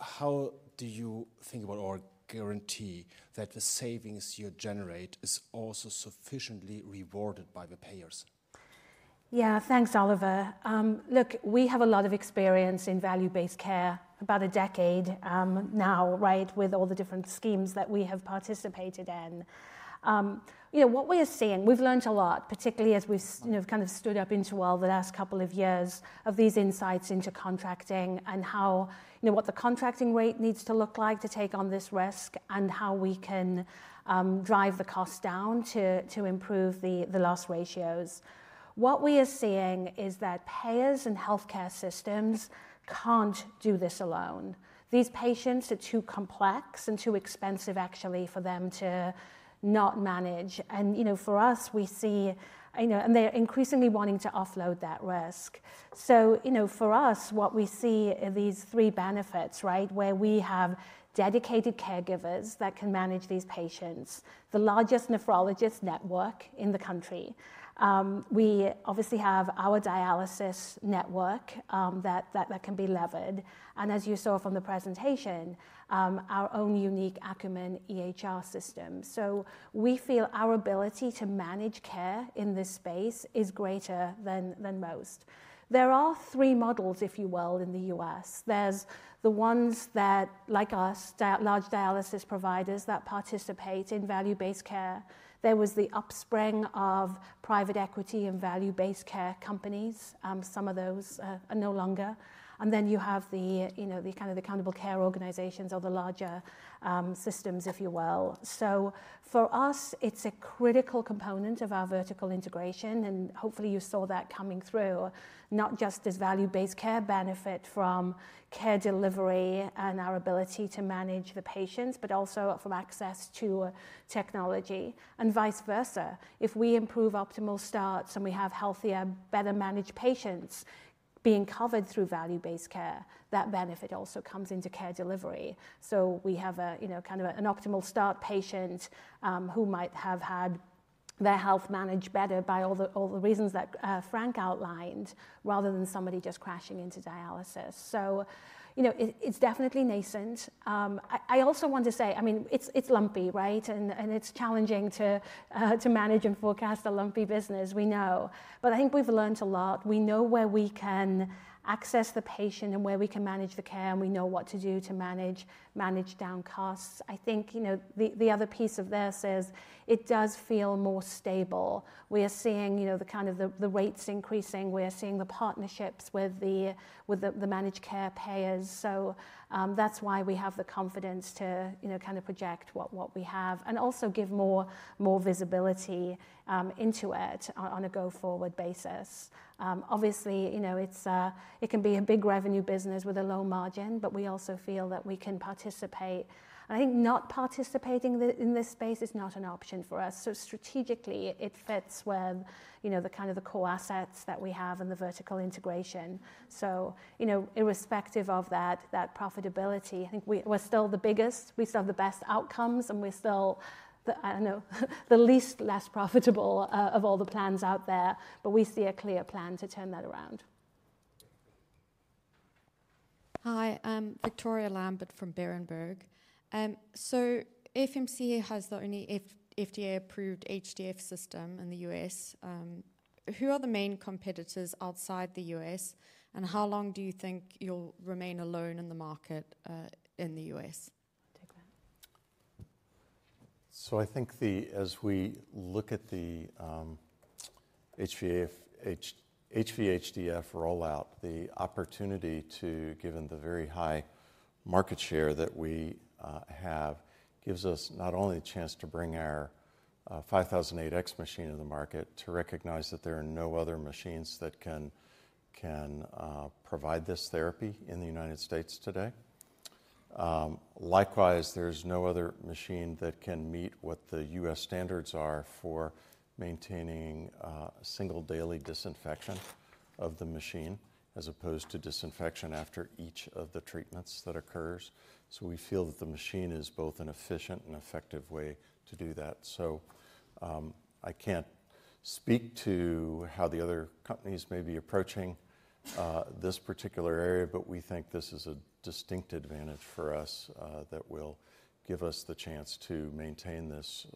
How do you think about or guarantee that the savings you generate is also sufficiently rewarded by the payers? Yeah, thanks, Oliver. Look, we have a lot of experience in value-based care, about a decade now, right, with all the different schemes that we have participated in. What we are seeing, we've learned a lot, particularly as we've kind of stood up into the last couple of years of these insights into contracting and what the contracting rate needs to look like to take on this risk and how we can drive the cost down to improve the loss ratios. What we are seeing is that payers and healthcare systems can't do this alone. These patients are too complex and too expensive, actually, for them to not manage. For us, we see, and they're increasingly wanting to offload that risk. For us, what we see are these three benefits, right, where we have dedicated caregivers that can manage these patients, the largest nephrologist network in the country. We obviously have our dialysis network that can be levered. As you saw from the presentation, our own unique Acumen EHR system. We feel our ability to manage care in this space is greater than most. There are three models, if you will, in the U.S. There are the ones that, like us, large dialysis providers that participate in value-based care. There was the upspring of private equity and value-based care companies. Some of those are no longer. You have the kind of accountable care organizations or the larger systems, if you will. For us, it is a critical component of our vertical integration. Hopefully, you saw that coming through, not just as value-based care benefit from Care Delivery and our ability to manage the patients, but also from access to technology and vice versa. If we improve optimal starts and we have healthier, better managed patients being covered through value-based care, that benefit also comes into Care Delivery. We have kind of an optimal start patient who might have had their health managed better by all the reasons that Frank outlined rather than somebody just crashing into dialysis. It is definitely nascent. I also want to say, I mean, it is lumpy, right? It is challenging to manage and forecast a lumpy business, we know. I think we have learned a lot. We know where we can access the patient and where we can manage the care, and we know what to do to manage down costs. I think the other piece of this is it does feel more stable. We are seeing the rates increasing. We are seeing the partnerships with the managed care payers. That is why we have the confidence to kind of project what we have and also give more visibility into it on a go-forward basis. Obviously, it can be a big revenue business with a low margin, but we also feel that we can participate. I think not participating in this space is not an option for us. Strategically, it fits with the kind of the core assets that we have and the vertical integration. Irrespective of that profitability, I think we are still the biggest. We still have the best outcomes, and we are still the least profitable of all the plans out there, but we see a clear plan to turn that around. Hi, Victoria Lambert from Berenberg. FMC has the only FDA-approved HDF system in the U.S. Who are the main competitors outside the U.S., and how long do you think you'll remain alone in the market in the U.S.? I think as we look at the HVHDF rollout, the opportunity to, given the very high market share that we have, gives us not only a chance to bring our 5008X machine to the market, to recognize that there are no other machines that can provide this therapy in the United States today. Likewise, there's no other machine that can meet what the U.S. standards are for maintaining single daily disinfection of the machine as opposed to disinfection after each of the treatments that occurs. We feel that the machine is both an efficient and effective way to do that. I can't speak to how the other companies may be approaching this particular area, but we think this is a distinct advantage for us that will give us the chance to maintain this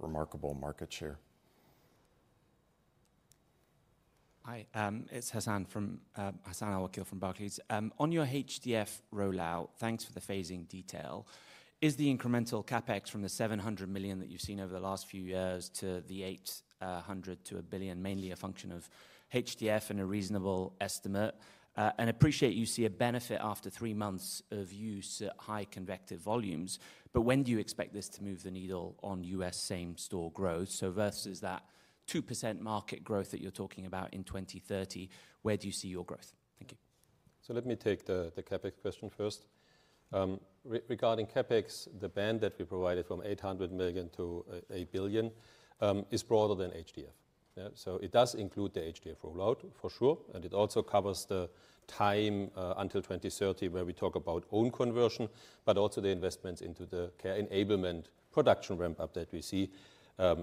remarkable market share. Hi, it's Hassan Al-Wakeel from Barclays. On your HDF rollout, thanks for the phasing detail. Is the incremental CapEx from the 700 million that you've seen over the last few years to the 800 million-1 billion mainly a function of HDF and a reasonable estimate? I appreciate you see a benefit after three months of use at high convective volumes, but when do you expect this to move the needle on U.S. same-store growth? Versus that 2% market growth that you're talking about in 2030, where do you see your growth? Thank you. Let me take the CapEx question first. Regarding CapEx, the band that we provided from 800 million-1 billion is broader than HDF. It does include the HDF rollout, for sure. It also covers the time until 2030 where we talk about own conversion, but also the investments into the Care Enablement production ramp-up that we see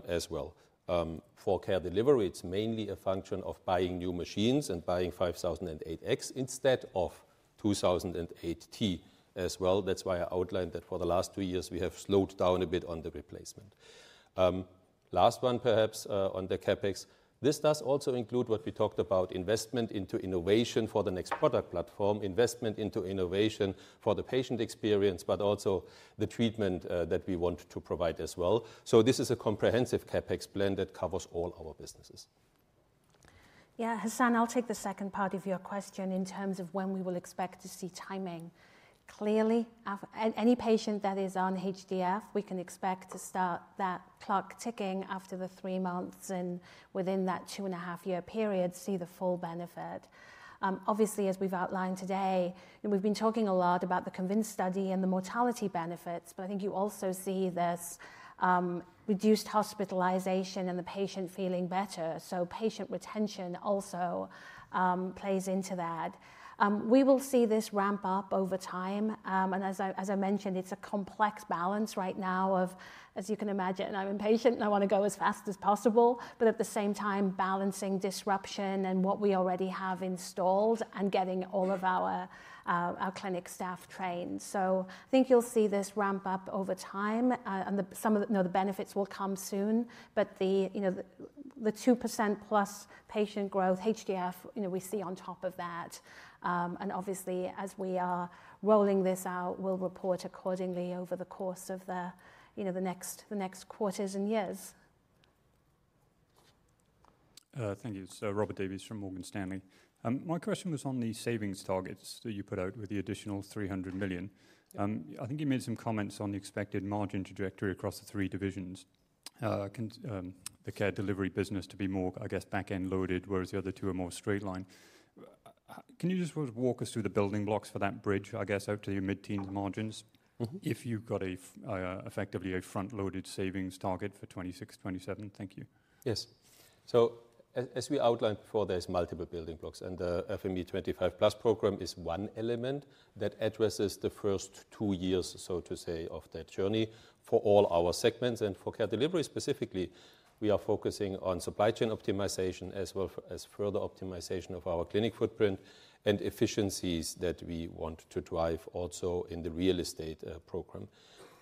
as well. For Care Delivery, it's mainly a function of buying new machines and buying 5008X instead of 2008T as well. That's why I outlined that for the last two years, we have slowed down a bit on the replacement. Last one, perhaps, on the CapEx. This does also include what we talked about, investment into innovation for the next product platform, investment into innovation for the patient experience, but also the treatment that we want to provide as well. This is a comprehensive CapEx blend that covers all our businesses. Yeah, Hassan, I'll take the second part of your question in terms of when we will expect to see timing. Clearly, any patient that is on HDF, we can expect to start that clock ticking after the three months and within that two-and-a-half-year period, see the full benefit. Obviously, as we've outlined today, we've been talking a lot about the CONVINCE study and the mortality benefits, but I think you also see this reduced hospitalization and the patient feeling better. Patient retention also plays into that. We will see this ramp up over time. As I mentioned, it's a complex balance right now of, as you can imagine, I'm impatient and I want to go as fast as possible, but at the same time, balancing disruption and what we already have installed and getting all of our clinic staff trained. I think you'll see this ramp up over time. Some of the benefits will come soon, but the 2%+ patient growth, HDF, we see on top of that. Obviously, as we are rolling this out, we'll report accordingly over the course of the next quarters and years. Thank you. Robert Davies from Morgan Stanley. My question was on the savings targets that you put out with the additional 300 million. I think you made some comments on the expected margin trajectory across the three divisions, the Care Delivery business to be more, I guess, back-end loaded, whereas the other two are more straight line. Can you just walk us through the building blocks for that bridge, I guess, out to your mid-teens margins if you have effectively a front-loaded savings target for 2026, 2027? Thank you. Yes. As we outlined before, there are multiple building blocks, and the FME25+ program is one element that addresses the first two years, so to say, of that journey for all our segments. For Care Delivery specifically, we are focusing on supply chain optimization as well as further optimization of our clinic footprint and efficiencies that we want to drive also in the real estate program.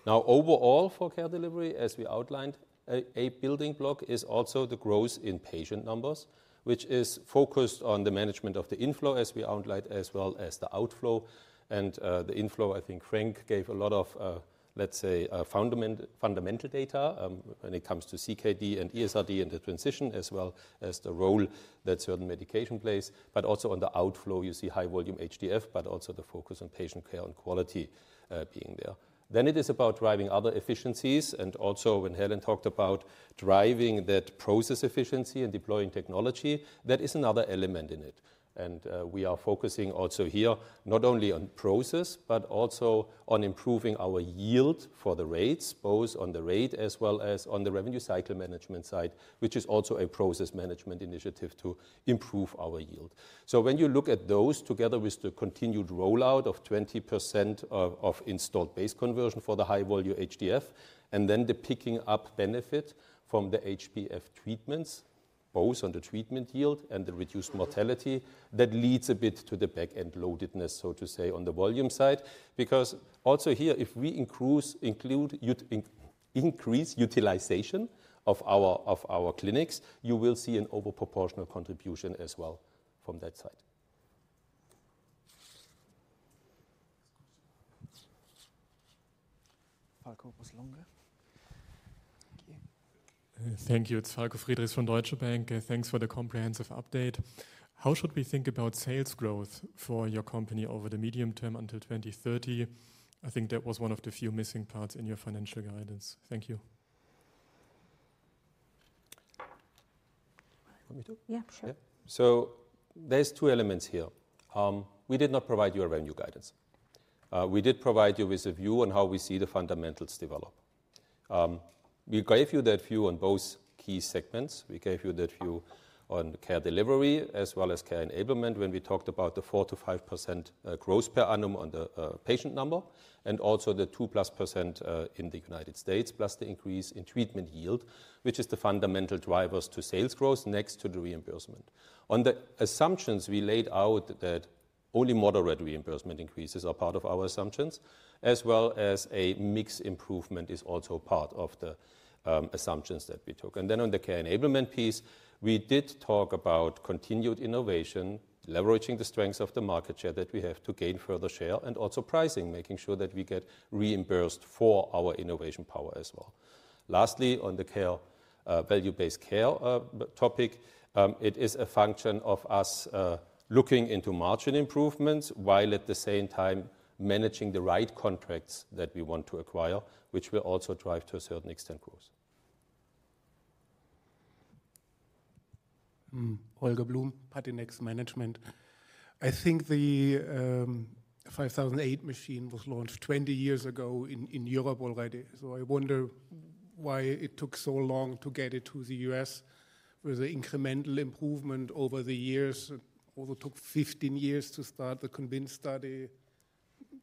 Now, overall, for Care Delivery, as we outlined, a building block is also the growth in patient numbers, which is focused on the management of the inflow, as we outlined, as well as the outflow. The inflow, I think Frank gave a lot of, let's say, fundamental data when it comes to CKD and ESRD and the transition, as well as the role that certain medication plays. Also on the outflow, you see high-volume HDF, but also the focus on patient care and quality being there. It is about driving other efficiencies. When Helen talked about driving that process efficiency and deploying technology, that is another element in it. We are focusing also here not only on process, but also on improving our yield for the rates, both on the rate as well as on the revenue cycle management side, which is also a process management initiative to improve our yield. When you look at those together with the continued rollout of 20% of installed base conversion for the high-volume HDF and then the picking up benefit from the HDF treatments, both on the treatment yield and the reduced mortality, that leads a bit to the back-end loadedness, so to say, on the volume side. Because also here, if we increase utilization of our clinics, you will see an overproportional contribution as well from that side. Falko was longer. Thank you. Thank you. It's Falko Friedrichs from Deutsche Bank. Thanks for the comprehensive update. How should we think about sales growth for your company over the medium term until 2030? I think that was one of the few missing parts in your financial guidance. Thank you. Yeah, sure. There are two elements here. We did not provide you a revenue guidance. We did provide you with a view on how we see the fundamentals develop. We gave you that view on both key segments. We gave you that view on Care Delivery as well as Care Enablement when we talked about the 4%-5% growth per annum on the patient number and also the 2%+ in the United States, plus the increase in treatment yield, which is the fundamental drivers to sales growth next to the reimbursement. On the assumptions, we laid out that only moderate reimbursement increases are part of our assumptions, as well as a mix improvement is also part of the assumptions that we took. On the care enablement piece, we did talk about continued innovation, leveraging the strengths of the market share that we have to gain further share, and also pricing, making sure that we get reimbursed for our innovation power as well. Lastly, on the value-based care topic, it is a function of us looking into margin improvements while at the same time managing the right contracts that we want to acquire, which will also drive to a certain extent growth. I think the 5008 machine was launched 20 years ago in Europe already. I wonder why it took so long to get it to the U.S. with the incremental improvement over the years. It also took 15 years to start the convinced study.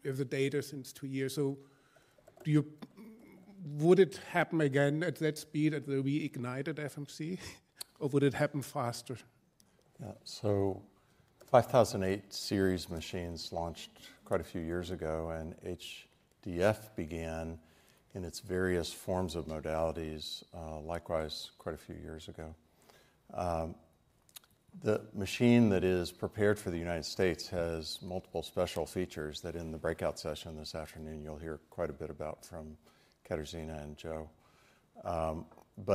We have the data since two years. Would it happen again at that speed that we ignited FMC, or would it happen faster? Yeah. 5008 series machines launched quite a few years ago, and HDF began in its various forms of modalities likewise quite a few years ago. The machine that is prepared for the United States has multiple special features that in the breakout session this afternoon, you'll hear quite a bit about from Katarzyna and Joe.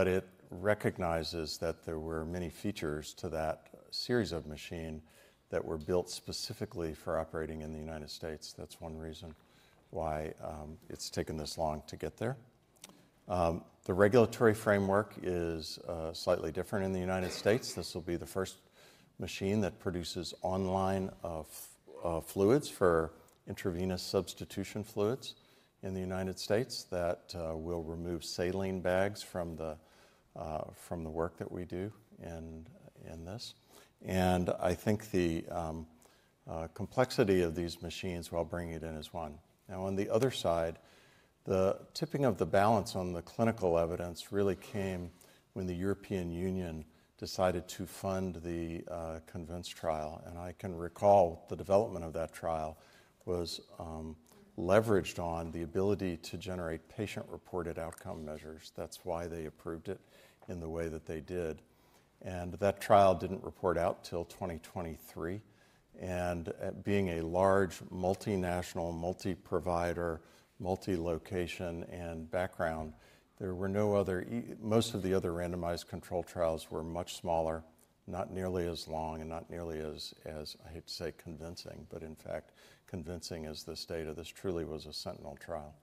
It recognizes that there were many features to that series of machine that were built specifically for operating in the United States. That's one reason why it's taken this long to get there. The regulatory framework is slightly different in the United States. This will be the first machine that produces online fluids for intravenous substitution fluids in the United States that will remove saline bags from the work that we do in this. I think the complexity of these machines while bringing it in is one. Now, on the other side, the tipping of the balance on the clinical evidence really came when the European Union decided to fund the CONVINCE trial. I can recall the development of that trial was leveraged on the ability to generate patient-reported outcome measures. That's why they approved it in the way that they did. That trial did not report out till 2023. Being a large multinational, multi-provider, multi-location and background, most of the other randomized control trials were much smaller, not nearly as long, and not nearly as, I hate to say, convincing, but in fact, convincing as this data. This truly was a sentinel trial.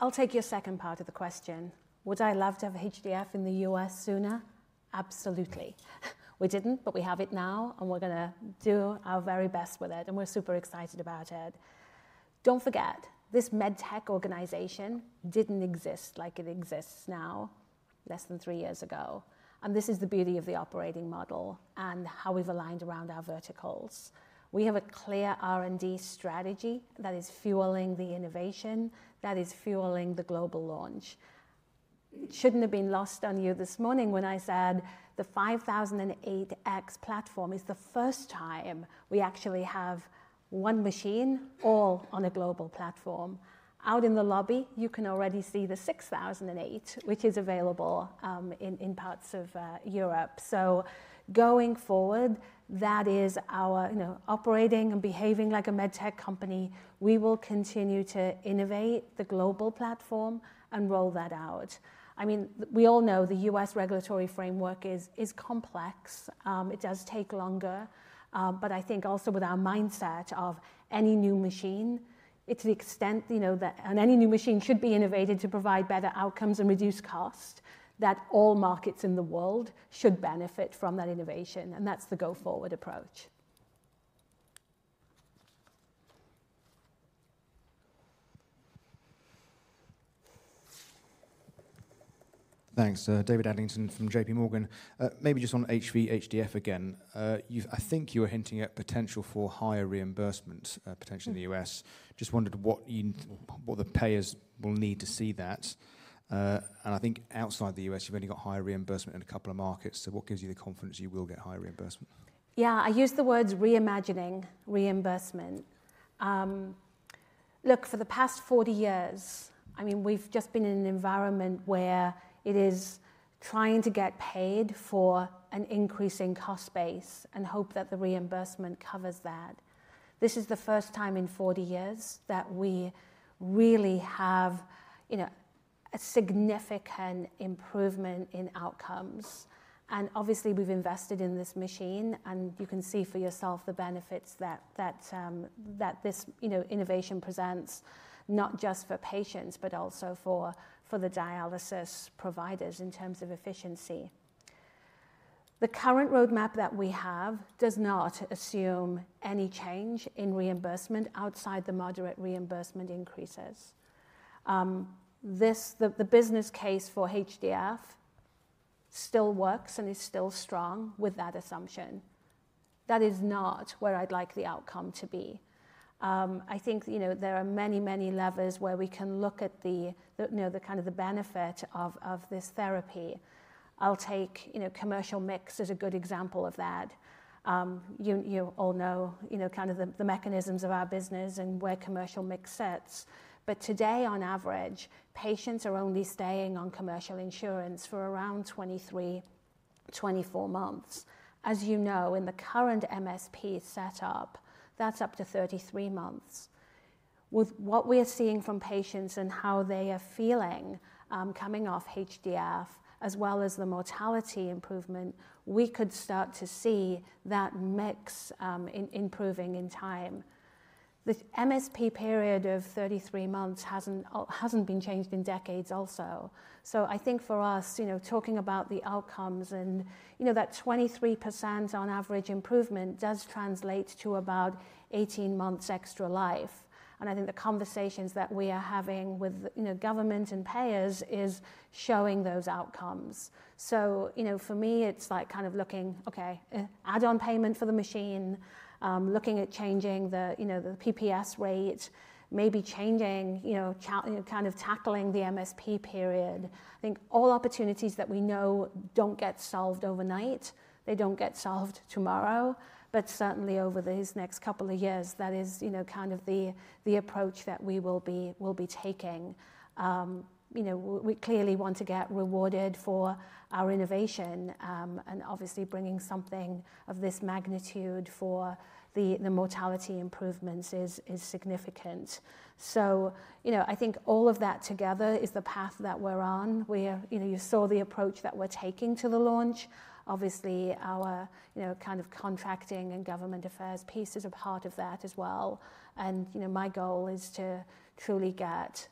I'll take your second part of the question. Would I love to have HDF in the U.S. sooner? Absolutely. We didn't, but we have it now, and we're going to do our very best with it, and we're super excited about it. Don't forget, this med tech organization didn't exist like it exists now less than three years ago. This is the beauty of the operating model and how we've aligned around our verticals. We have a clear R&D strategy that is fueling the innovation, that is fueling the global launch. It shouldn't have been lost on you this morning when I said the 5008X platform is the first time we actually have one machine all on a global platform. Out in the lobby, you can already see the 6008, which is available in parts of Europe. Going forward, that is our operating and behaving like a med tech company. We will continue to innovate the global platform and roll that out. I mean, we all know the U.S. regulatory framework is complex. It does take longer. I think also with our mindset of any new machine, it's the extent that any new machine should be innovated to provide better outcomes and reduce cost, that all markets in the world should benefit from that innovation. That is the go-forward approach. Thanks. David Adlington from JPMorgan. Maybe just on HVHDF again. I think you were hinting at potential for higher reimbursement, potentially in the U.S. I just wondered what the payers will need to see for that. I think outside the U.S., you've only got higher reimbursement in a couple of markets. What gives you the confidence you will get higher reimbursement? Yeah, I use the words reimagining reimbursement. Look, for the past 40 years, I mean, we've just been in an environment where it is trying to get paid for an increasing cost base and hope that the reimbursement covers that. This is the first time in 40 years that we really have a significant improvement in outcomes. And obviously, we've invested in this machine, and you can see for yourself the benefits that this innovation presents, not just for patients, but also for the dialysis providers in terms of efficiency. The current roadmap that we have does not assume any change in reimbursement outside the moderate reimbursement increases. The business case for HDF still works and is still strong with that assumption. That is not where I'd like the outcome to be. I think there are many, many levers where we can look at the kind of benefit of this therapy. I'll take commercial mix as a good example of that. You all know kind of the mechanisms of our business and where commercial mix sits. Today, on average, patients are only staying on commercial insurance for around 23-24 months. As you know, in the current MSP setup, that's up to 33 months. With what we are seeing from patients and how they are feeling coming off HDF, as well as the mortality improvement, we could start to see that mix improving in time. The MSP period of 33 months hasn't been changed in decades also. I think for us, talking about the outcomes and that 23% on average improvement does translate to about 18 months extra life. I think the conversations that we are having with government and payers is showing those outcomes. For me, it's like kind of looking, okay, add-on payment for the machine, looking at changing the PPS rate, maybe changing, kind of tackling the MSP period. I think all opportunities that we know do not get solved overnight. They do not get solved tomorrow, but certainly over these next couple of years, that is kind of the approach that we will be taking. We clearly want to get rewarded for our innovation. Obviously, bringing something of this magnitude for the mortality improvements is significant. I think all of that together is the path that we're on. You saw the approach that we're taking to the launch. Obviously, our kind of contracting and government affairs piece is a part of that as well. My goal is to truly get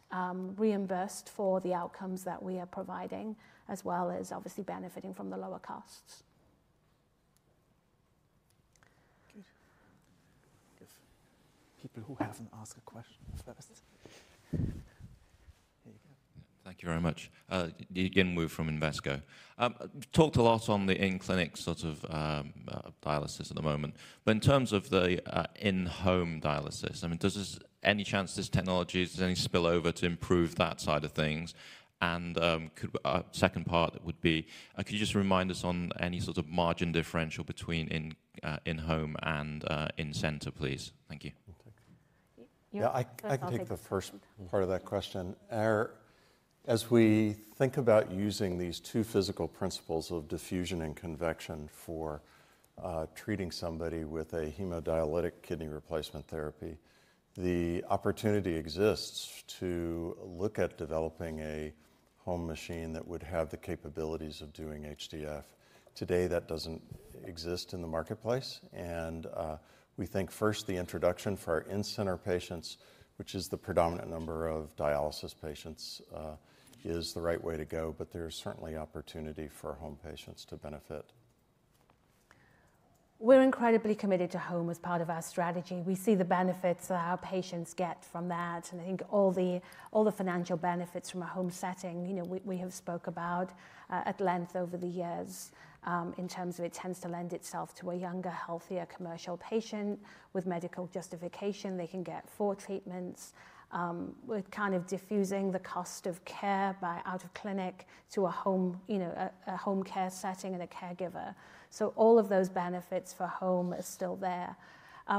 reimbursed for the outcomes that we are providing, as well as obviously benefiting from the lower costs. Good. I guess people who haven't asked a question first. Here you go. Thank you very much. Again, we're from Invesco. Talked a lot on the in-clinic sort of dialysis at the moment. But in terms of the in-home dialysis, I mean, does this any chance this technology has any spillover to improve that side of things? And second part would be, could you just remind us on any sort of margin differential between in-home and in-center, please? Thank you. Yeah, I can take the first part of that question. As we think about using these two physical principles of diffusion and convection for treating somebody with a hemodialytic kidney replacement therapy, the opportunity exists to look at developing a home machine that would have the capabilities of doing HDF. Today, that does not exist in the marketplace. We think first the introduction for our in-center patients, which is the predominant number of dialysis patients, is the right way to go. There is certainly opportunity for home patients to benefit. We're incredibly committed to home as part of our strategy. We see the benefits that our patients get from that. I think all the financial benefits from a home setting we have spoke about at length over the years in terms of it tends to lend itself to a younger, healthier commercial patient with medical justification. They can get four treatments. We're kind of diffusing the cost of care out of clinic to a home care setting and a caregiver. All of those benefits for home are still there.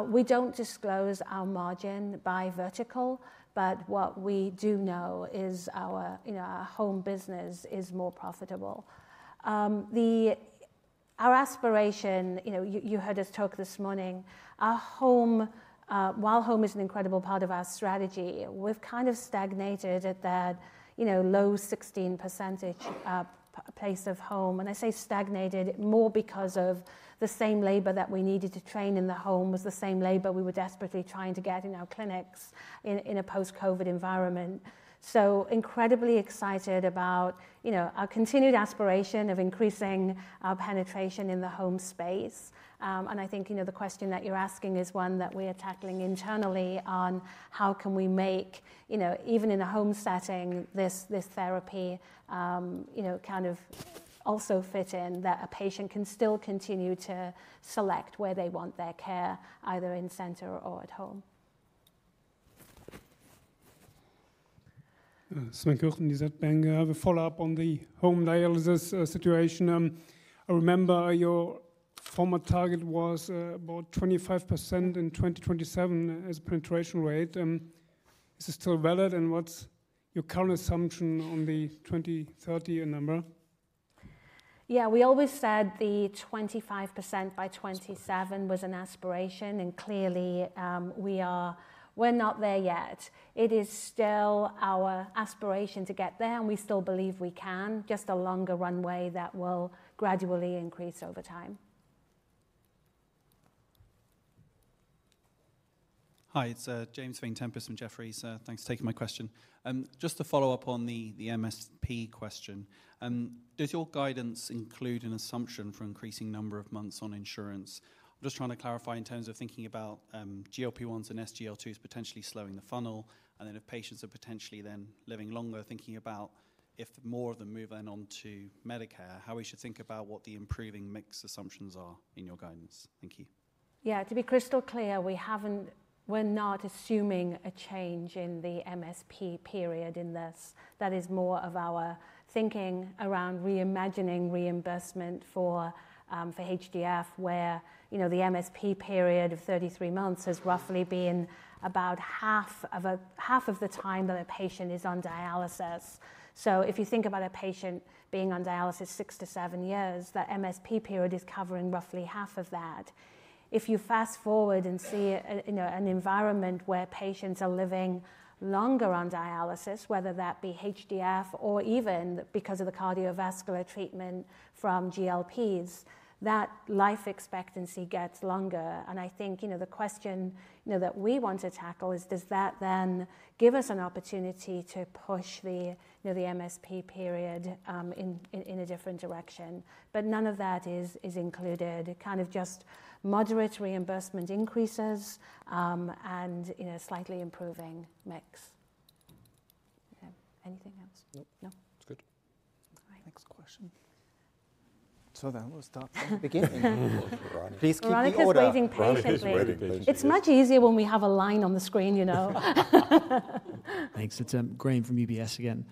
We do not disclose our margin by vertical, but what we do know is our home business is more profitable. Our aspiration, you heard us talk this morning, while home is an incredible part of our strategy, we've kind of stagnated at that low 16% place of home. I say stagnated more because the same labor that we needed to train in the home was the same labor we were desperately trying to get in our clinics in a post-COVID environment. I am incredibly excited about our continued aspiration of increasing our penetration in the home space. I think the question that you are asking is one that we are tackling internally on how can we make, even in a home setting, this therapy kind of also fit in that a patient can still continue to select where they want their care, either in-center or at home. Swen Kurten, you said being a follow-up on the home dialysis situation. I remember your former target was about 25% in 2027 as a penetration rate. Is it still valid? What's your current assumption on the 2030 number? Yeah, we always said the 25% by 2027 was an aspiration. Clearly, we're not there yet. It is still our aspiration to get there, and we still believe we can, just a longer runway that will gradually increase over time. Hi, it's James Vane-Tempest from Jefferies. Thanks for taking my question. Just to follow up on the MSP question, does your guidance include an assumption for an increasing number of months on insurance? I'm just trying to clarify in terms of thinking about GLP-1s and SGLTs potentially slowing the funnel, and then if patients are potentially then living longer, thinking about if more of them move then on to Medicare, how we should think about what the improving mix assumptions are in your guidance. Thank you. Yeah, to be crystal clear, we're not assuming a change in the MSP period in this. That is more of our thinking around reimagining reimbursement for HDF, where the MSP period of 33 months has roughly been about half of the time that a patient is on dialysis. If you think about a patient being on dialysis six to seven years, that MSP period is covering roughly half of that. If you fast forward and see an environment where patients are living longer on dialysis, whether that be HDF or even because of the cardiovascular treatment from GLPs, that life expectancy gets longer. I think the question that we want to tackle is, does that then give us an opportunity to push the MSP period in a different direction? None of that is included, kind of just moderate reimbursement increases and slightly improving mix. Anything else? Nope. No. That's good. Next question. We'll start from the beginning. Please keep the order. I'll explain patiently. It's much easier when we have a line on the screen. Thanks. It's Graham from UBS again.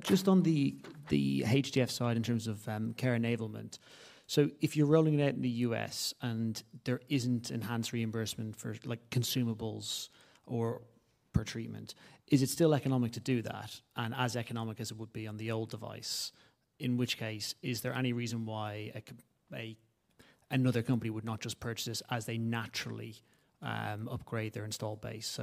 Just on the HDF side in terms of care enablement, if you're rolling it out in the U.S. and there isn't enhanced reimbursement for consumables or per treatment, is it still economic to do that? And as economic as it would be on the old device, in which case, is there any reason why another company would not just purchase this as they naturally upgrade their installed base?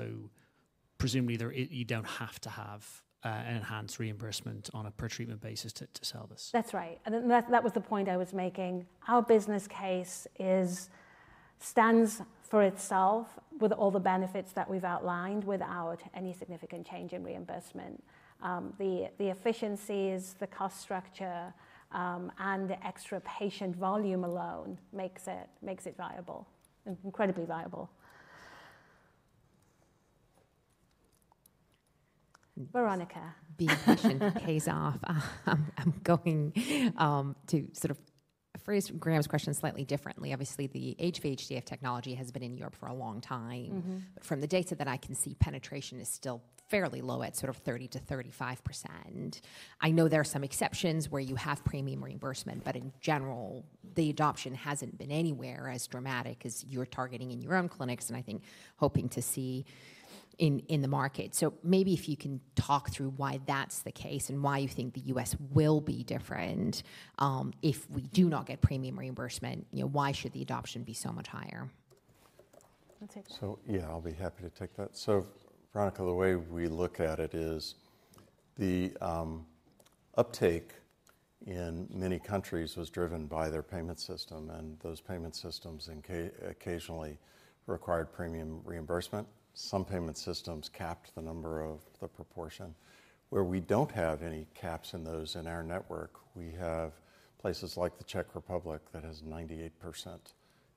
Presumably, you don't have to have an enhanced reimbursement on a per treatment basis to sell this. That's right. That was the point I was making. Our business case stands for itself with all the benefits that we've outlined without any significant change in reimbursement. The efficiencies, the cost structure, and extra patient volume alone makes it viable, incredibly viable. Veronika. Being patient pays off. I'm going to sort of phrase Graham's question slightly differently. Obviously, the HVHDF technology has been in Europe for a long time. From the data that I can see, penetration is still fairly low at sort of 30%-35%. I know there are some exceptions where you have premium reimbursement, but in general, the adoption hasn't been anywhere as dramatic as you're targeting in your own clinics and I think hoping to see in the market. Maybe if you can talk through why that's the case and why you think the U.S. will be different if we do not get premium reimbursement, why should the adoption be so much higher? Yeah, I'll be happy to take that. Veronica, the way we look at it is the uptake in many countries was driven by their payment system. Those payment systems occasionally required premium reimbursement. Some payment systems capped the number of the proportion. Where we do not have any caps in our network, we have places like the Czech Republic that has 98%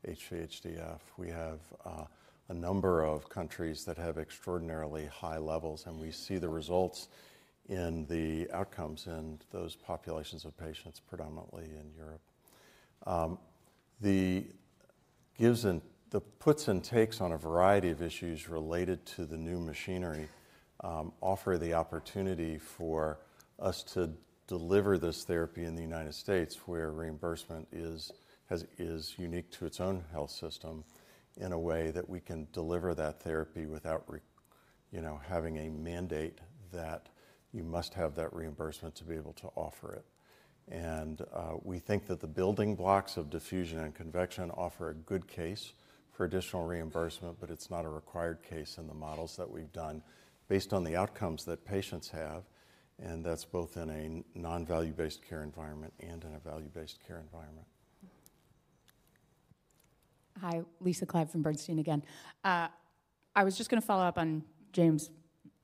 HVHDF. We have a number of countries that have extraordinarily high levels. We see the results in the outcomes in those populations of patients, predominantly in Europe. The puts and takes on a variety of issues related to the new machinery offer the opportunity for us to deliver this therapy in the United States, where reimbursement is unique to its own health system in a way that we can deliver that therapy without having a mandate that you must have that reimbursement to be able to offer it. We think that the building blocks of diffusion and convection offer a good case for additional reimbursement, but it's not a required case in the models that we've done based on the outcomes that patients have. That's both in a non-value-based care environment and in a value-based care environment. Hi, Lisa Clive from Bernstein again. I was just going to follow up on James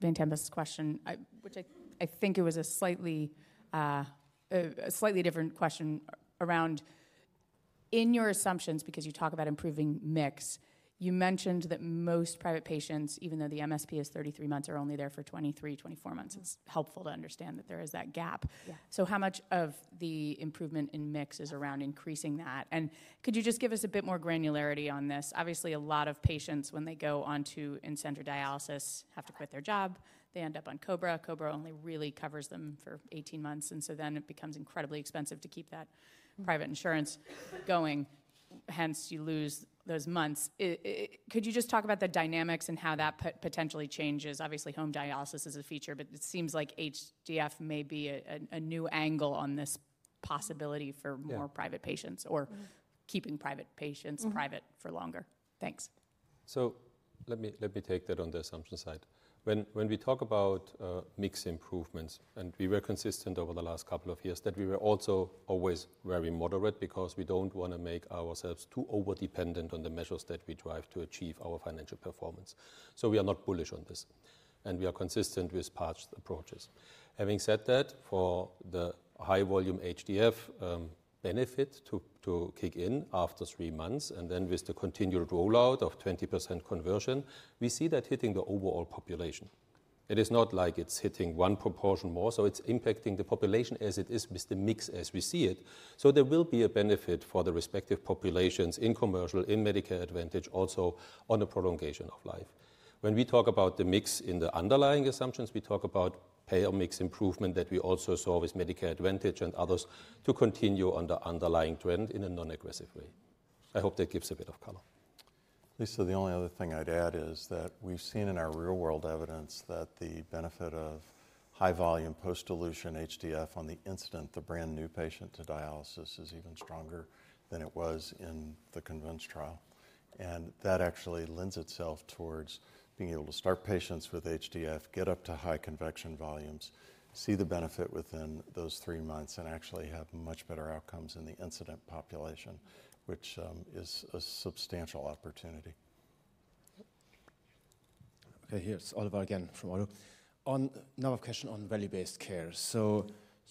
Vane's question, which I think it was a slightly different question around in your assumptions, because you talk about improving mix, you mentioned that most private patients, even though the MSP is 33 months, are only there for 23-24 months. It's helpful to understand that there is that gap. How much of the improvement in mix is around increasing that? Could you just give us a bit more granularity on this? Obviously, a lot of patients, when they go on to in-center dialysis, have to quit their job. They end up on COBRA. COBRA only really covers them for 18 months. It becomes incredibly expensive to keep that private insurance going. Hence, you lose those months. Could you just talk about the dynamics and how that potentially changes? Obviously, home dialysis is a feature, but it seems like HDF may be a new angle on this possibility for more private patients or keeping private patients private for longer. Thanks. Let me take that on the assumption side. When we talk about mix improvements, and we were consistent over the last couple of years that we were also always very moderate because we do not want to make ourselves too overdependent on the measures that we drive to achieve our financial performance. We are not bullish on this. We are consistent with past approaches. Having said that, for the high-volume HDF benefit to kick in after three months and then with the continued rollout of 20% conversion, we see that hitting the overall population. It is not like it is hitting one proportion more. It is impacting the population as it is with the mix as we see it. There will be a benefit for the respective populations in commercial, in Medicare Advantage also on a prolongation of life. When we talk about the mix in the underlying assumptions, we talk about payer mix improvement that we also saw with Medicare Advantage and others to continue on the underlying trend in a non-aggressive way. I hope that gives a bit of color. Lisa, the only other thing I'd add is that we've seen in our real-world evidence that the benefit of high-volume post-dilution HDF on the incident, the brand new patient to dialysis, is even stronger than it was in the CONVINCE trial. That actually lends itself towards being able to start patients with HDF, get up to high convection volumes, see the benefit within those three months, and actually have much better outcomes in the incident population, which is a substantial opportunity. Okay, here's Oliver again from ODDO. Another question on value-based care.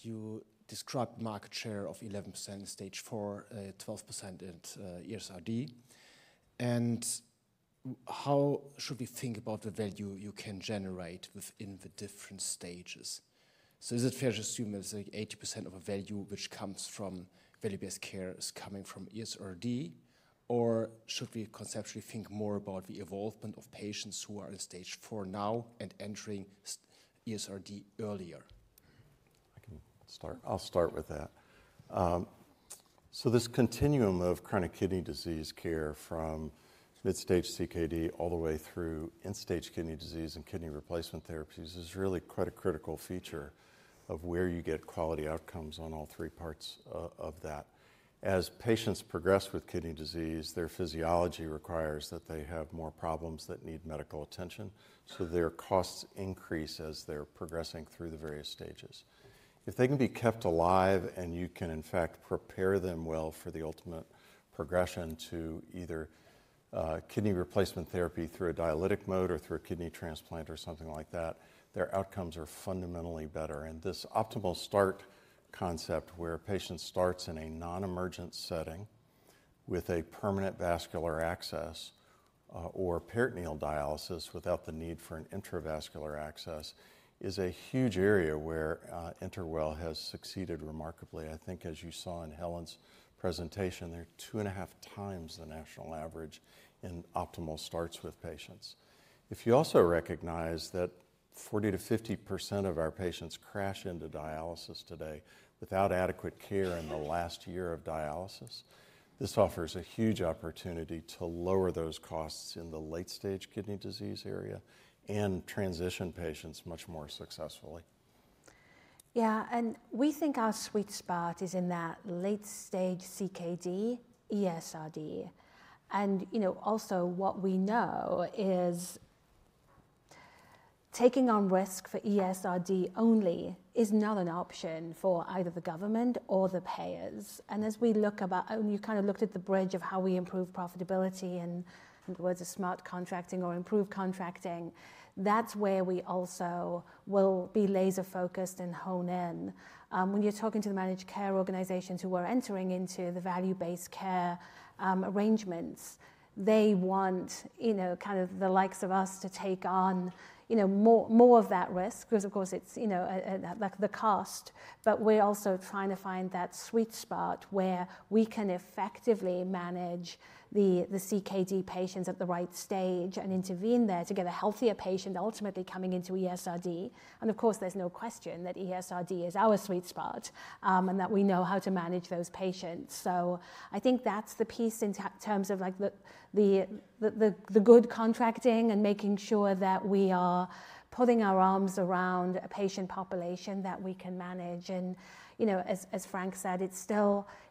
You described market share of 11% stage four, 12% at ESRD. How should we think about the value you can generate within the different stages? Is it fair to assume that 80% of the value which comes from value-based care is coming from ESRD? Or should we conceptually think more about the evolvement of patients who are in stage four now and entering ESRD earlier? I'll start with that. This continuum of chronic kidney disease care from mid-stage CKD all the way through end-stage kidney disease and kidney replacement therapies is really quite a critical feature of where you get quality outcomes on all three parts of that. As patients progress with kidney disease, their physiology requires that they have more problems that need medical attention. Their costs increase as they're progressing through the various stages. If they can be kept alive and you can, in fact, prepare them well for the ultimate progression to either kidney replacement therapy through a dialytic mode or through a kidney transplant or something like that, their outcomes are fundamentally better. This optimal start concept where a patient starts in a non-emergent setting with a permanent vascular access or peritoneal dialysis without the need for an intravascular access is a huge area where Interwell has succeeded remarkably. I think as you saw in Helen's presentation, they're two and a half times the national average in optimal starts with patients. If you also recognize that 40%-50% of our patients crash into dialysis today without adequate care in the last year of dialysis, this offers a huge opportunity to lower those costs in the late-stage kidney disease area and transition patients much more successfully. Yeah, and we think our sweet spot is in that late-stage CKD, ESRD. Also, what we know is taking on risk for ESRD only is not an option for either the government or the payers. As we look about, you kind of looked at the bridge of how we improve profitability in the words of smart contracting or improve contracting, that is where we also will be laser-focused and hone in. When you are talking to the managed care organizations who are entering into the value-based care arrangements, they want kind of the likes of us to take on more of that risk because, of course, it is the cost. We are also trying to find that sweet spot where we can effectively manage the CKD patients at the right stage and intervene there to get a healthier patient ultimately coming into ESRD. Of course, there's no question that ESRD is our sweet spot and that we know how to manage those patients. I think that's the piece in terms of the good contracting and making sure that we are putting our arms around a patient population that we can manage. As Frank said, it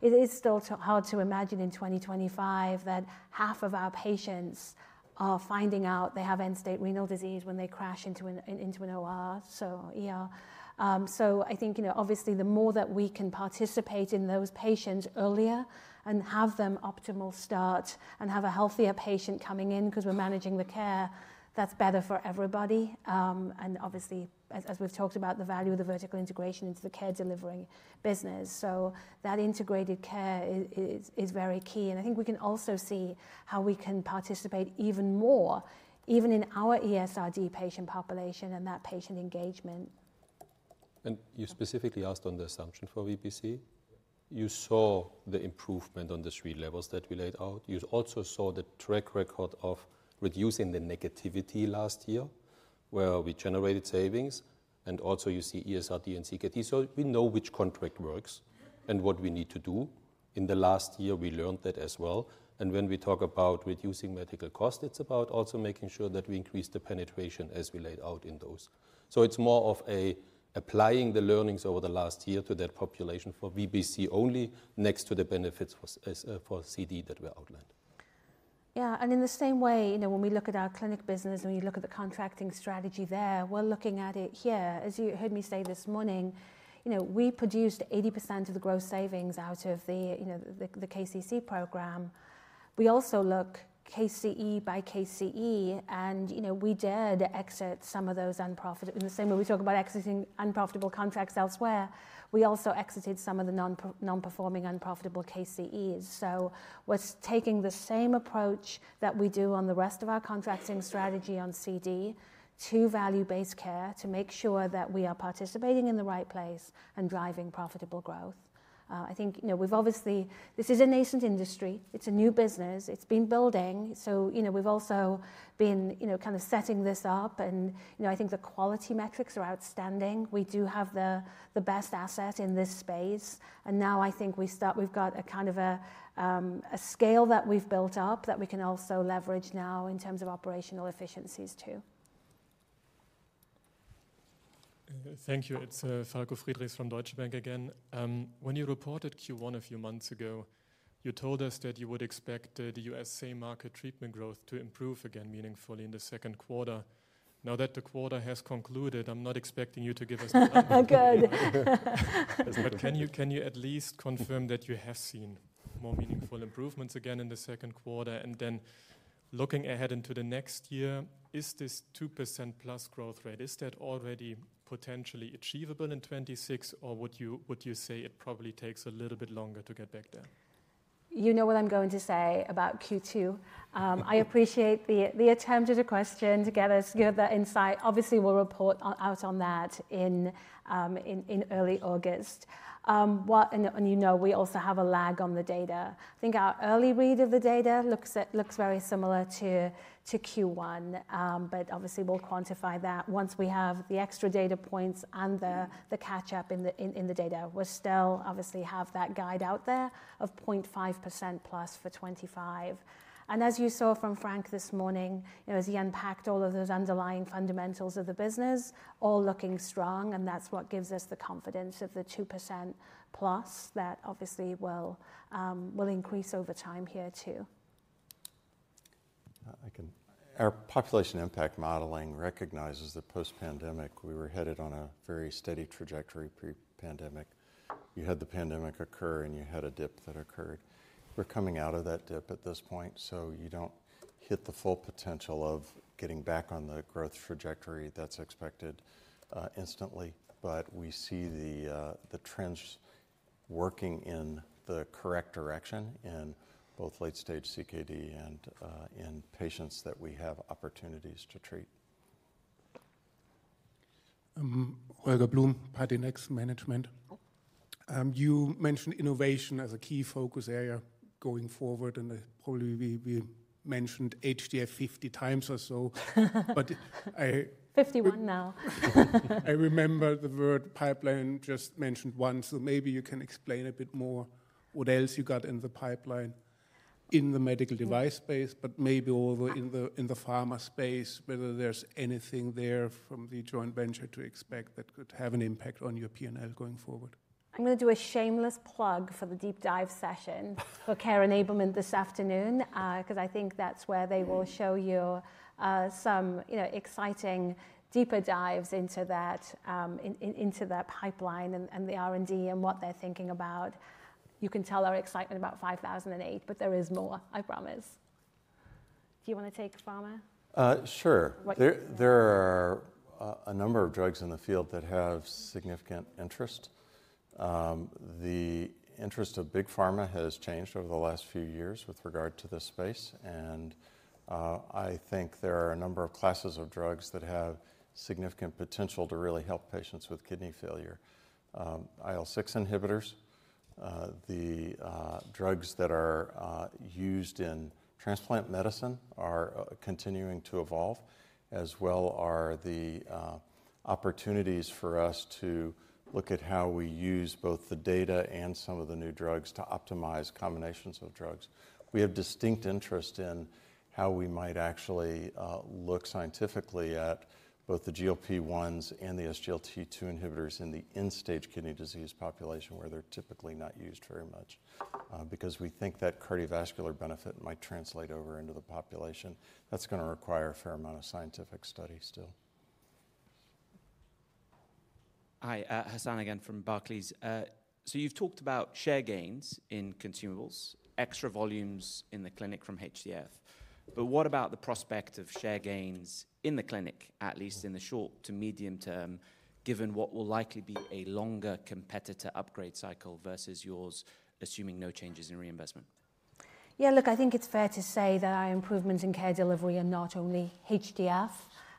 is still hard to imagine in 2025 that half of our patients are finding out they have end-stage renal disease when they crash into an OR. I think obviously the more that we can participate in those patients earlier and have them optimal start and have a healthier patient coming in because we're managing the care, that's better for everybody. Obviously, as we've talked about, the value of the vertical integration into the care delivering business. That integrated care is very key. I think we can also see how we can participate even more, even in our ESRD patient population and that patient engagement. You specifically asked on the assumption for VPC. You saw the improvement on the three levels that we laid out. You also saw the track record of reducing the negativity last year where we generated savings. You see ESRD and CKD. We know which contract works and what we need to do. In the last year, we learned that as well. When we talk about reducing medical cost, it is about also making sure that we increase the penetration as we laid out in those. It is more of applying the learnings over the last year to that population for VPC only next to the benefits for CD that were outlined. Yeah, and in the same way, when we look at our clinic business, when you look at the contracting strategy there, we're looking at it here. As you heard me say this morning, we produced 80% of the gross savings out of the KCC program. We also look KCE by KCE. And we dared to exit some of those unprofitable. In the same way, we talk about exiting unprofitable contracts elsewhere. We also exited some of the non-performing unprofitable KCEs. So we're taking the same approach that we do on the rest of our contracting strategy on CD to value-based care to make sure that we are participating in the right place and driving profitable growth. I think this is a nascent industry. It's a new business. It's been building. So we've also been kind of setting this up. And I think the quality metrics are outstanding. We do have the best asset in this space. Now I think we've got a kind of a scale that we've built up that we can also leverage now in terms of operational efficiencies too. Thank you. It's Falko Friedrichs from Deutsche Bank again. When you reported Q1 a few months ago, you told us that you would expect the U.S. same market treatment growth to improve again meaningfully in the second quarter. Now that the quarter has concluded, I'm not expecting you to give us. Oh, good. Can you at least confirm that you have seen more meaningful improvements again in the second quarter? Looking ahead into the next year, is this 2%+ growth rate already potentially achievable in 2026? Or would you say it probably takes a little bit longer to get back there? You know what I'm going to say about Q2. I appreciate the attempt at a question to get us, give us that insight. Obviously, we'll report out on that in early August. You know we also have a lag on the data. I think our early read of the data looks very similar to Q1. Obviously, we'll quantify that once we have the extra data points and the catch-up in the data. We still obviously have that guide out there of 0.5%+ for 2025. As you saw from Frank this morning, as he unpacked all of those underlying fundamentals of the business, all looking strong. That is what gives us the confidence of the 2%+ that obviously will increase over time here too. Our population impact modeling recognizes that post-pandemic, we were headed on a very steady trajectory pre-pandemic. You had the pandemic occur and you had a dip that occurred. We are coming out of that dip at this point. You do not hit the full potential of getting back on the growth trajectory that is expected instantly. We see the trends working in the correct direction in both late-stage CKD and in patients that we have opportunities to treat. Holger Blum, Patinex Management. You mentioned innovation as a key focus area going forward. You probably mentioned HDF 50x or so. I. 51 now. I remember the word pipeline just mentioned once. Maybe you can explain a bit more what else you got in the pipeline in the medical device space, but maybe also in the pharma space, whether there's anything there from the joint venture to expect that could have an impact on your P&L going forward. I'm going to do a shameless plug for the deep dive session for Care Enablement this afternoon because I think that's where they will show you some exciting deeper dives into that pipeline and the R&D and what they're thinking about. You can tell our excitement about 5008, but there is more, I promise. Do you want to take pharma? Sure. There are a number of drugs in the field that have significant interest. The interest of big pharma has changed over the last few years with regard to this space. I think there are a number of classes of drugs that have significant potential to really help patients with kidney failure. IL-6 inhibitors, the drugs that are used in transplant medicine, are continuing to evolve, as well are the opportunities for us to look at how we use both the data and some of the new drugs to optimize combinations of drugs. We have distinct interest in how we might actually look scientifically at both the GLP-1s and the SGLT2 inhibitors in the end-stage kidney disease population where they're typically not used very much because we think that cardiovascular benefit might translate over into the population. That's going to require a fair amount of scientific study still. Hi, Hassan again from Barclays. You've talked about share gains in consumables, extra volumes in the clinic from HDF. What about the prospect of share gains in the clinic, at least in the short to medium term, given what will likely be a longer competitor upgrade cycle versus yours assuming no changes in reimbursement? Yeah, look, I think it's fair to say that our improvements in care delivery are not only HDF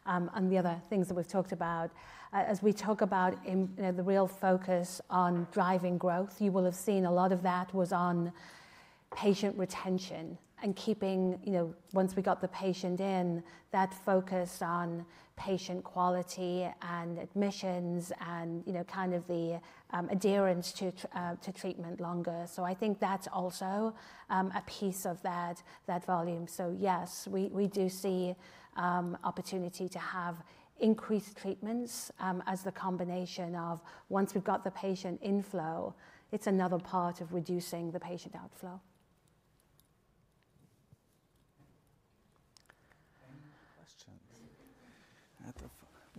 and the other things that we've talked about. As we talk about the real focus on driving growth, you will have seen a lot of that was on patient retention and keeping, once we got the patient in, that focus on patient quality and admissions and kind of the adherence to treatment longer. I think that's also a piece of that volume. Yes, we do see opportunity to have increased treatments as the combination of once we've got the patient inflow, it's another part of reducing the patient outflow. Questions.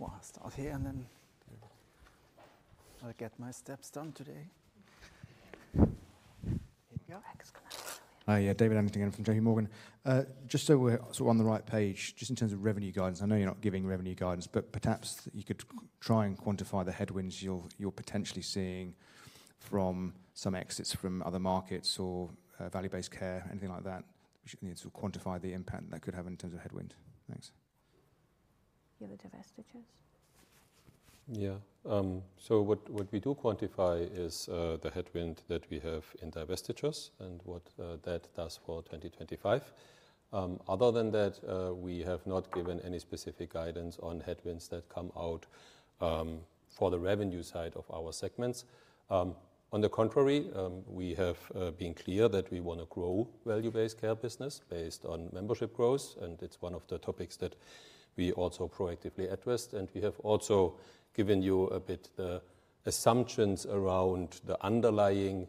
I'll start here and then I'll get my steps done today. Here we go. Hi, David Adlington again from JPMorgan. Just so we're on the right page, just in terms of revenue guidance, I know you're not giving revenue guidance, but perhaps you could try and quantify the headwinds you're potentially seeing from some exits from other markets or value-based care, anything like that, to quantify the impact that could have in terms of headwind. Thanks. The other divestitures. Yeah. What we do quantify is the headwind that we have in divestitures and what that does for 2025. Other than that, we have not given any specific guidance on headwinds that come out for the revenue side of our segments. On the contrary, we have been clear that we want to grow value-based care business based on membership growth. It is one of the topics that we also proactively addressed. We have also given you a bit the assumptions around the underlying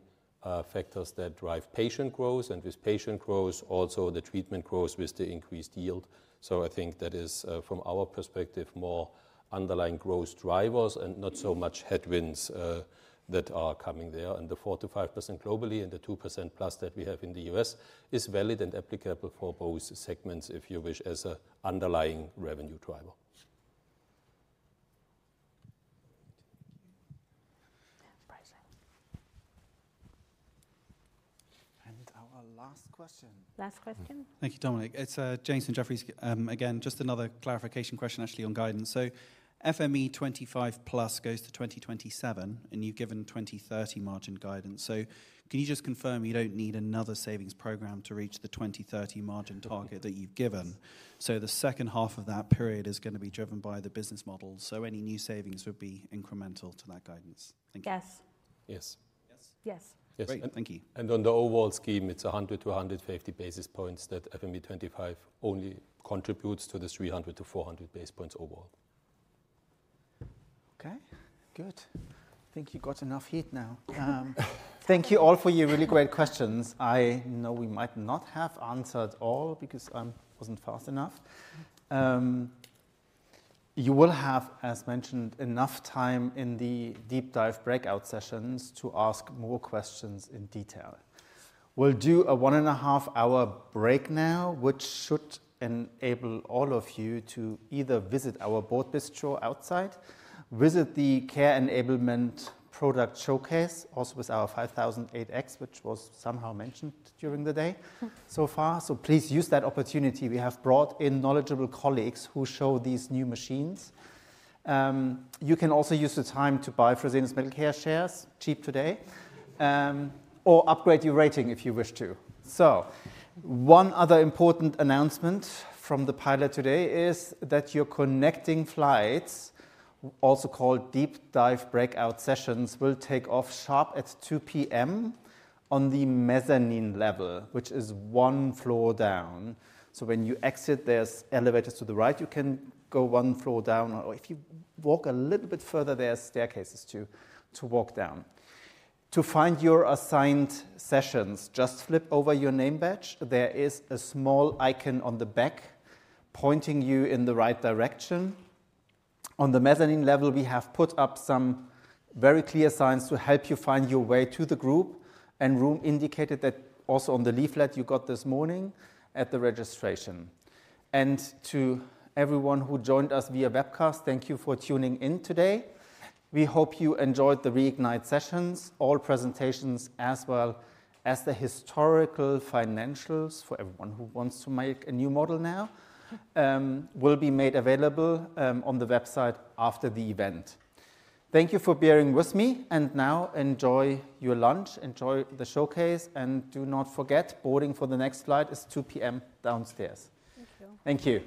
factors that drive patient growth. With patient growth, also the treatment grows with the increased yield. I think that is, from our perspective, more underlying growth drivers and not so much headwinds that are coming there. The 4%-5% globally and the 2% plus that we have in the U.S. is valid and applicable for both segments if you wish as an underlying revenue driver. Our last question. Last question. Thank you, Dominik. It's Jason Jefferies. Again, just another clarification question actually on guidance. So FME25+ goes to 2027, and you've given 2030 margin guidance. Can you just confirm you don't need another savings program to reach the 2030 margin target that you've given? The second half of that period is going to be driven by the business model. Any new savings would be incremental to that guidance. Yes. Yes. Yes. Yes. Yes. Great. Thank you. On the overall scheme, it's 100-150 basis points that FME25 only contributes to the 300-400 basis points overall. Okay. Good. I think you got enough heat now. Thank you all for your really great questions. I know we might not have answered all because I was not fast enough. You will have, as mentioned, enough time in the deep dive breakout sessions to ask more questions in detail. We will do a one and a half hour break now, which should enable all of you to either visit our board bistro outside, visit the Care Enablement product showcase also with our 5008X, which was somehow mentioned during the day so far. Please use that opportunity. We have brought in knowledgeable colleagues who show these new machines. You can also use the time to buy Fresenius Medical Care shares, cheap today, or upgrade your rating if you wish to. One other important announcement from the pilot today is that your connecting flights, also called deep dive breakout sessions, will take off sharp at 2:00 P.M. on the mezzanine level, which is one floor down. When you exit, there are elevators to the right. You can go one floor down. Or if you walk a little bit further, there are staircases to walk down. To find your assigned sessions, just flip over your name badge. There is a small icon on the back pointing you in the right direction. On the mezzanine level, we have put up some very clear signs to help you find your way to the group and room indicated, that also on the leaflet you got this morning at the registration. To everyone who joined us via webcast, thank you for tuning in today. We hope you enjoyed the Reignite sessions. All presentations, as well as the historical financials for everyone who wants to make a new model now, will be made available on the website after the event. Thank you for bearing with me. Now enjoy your lunch, enjoy the showcase. Do not forget, boarding for the next flight is 2:00 P.M. downstairs. Thank you. Thank you.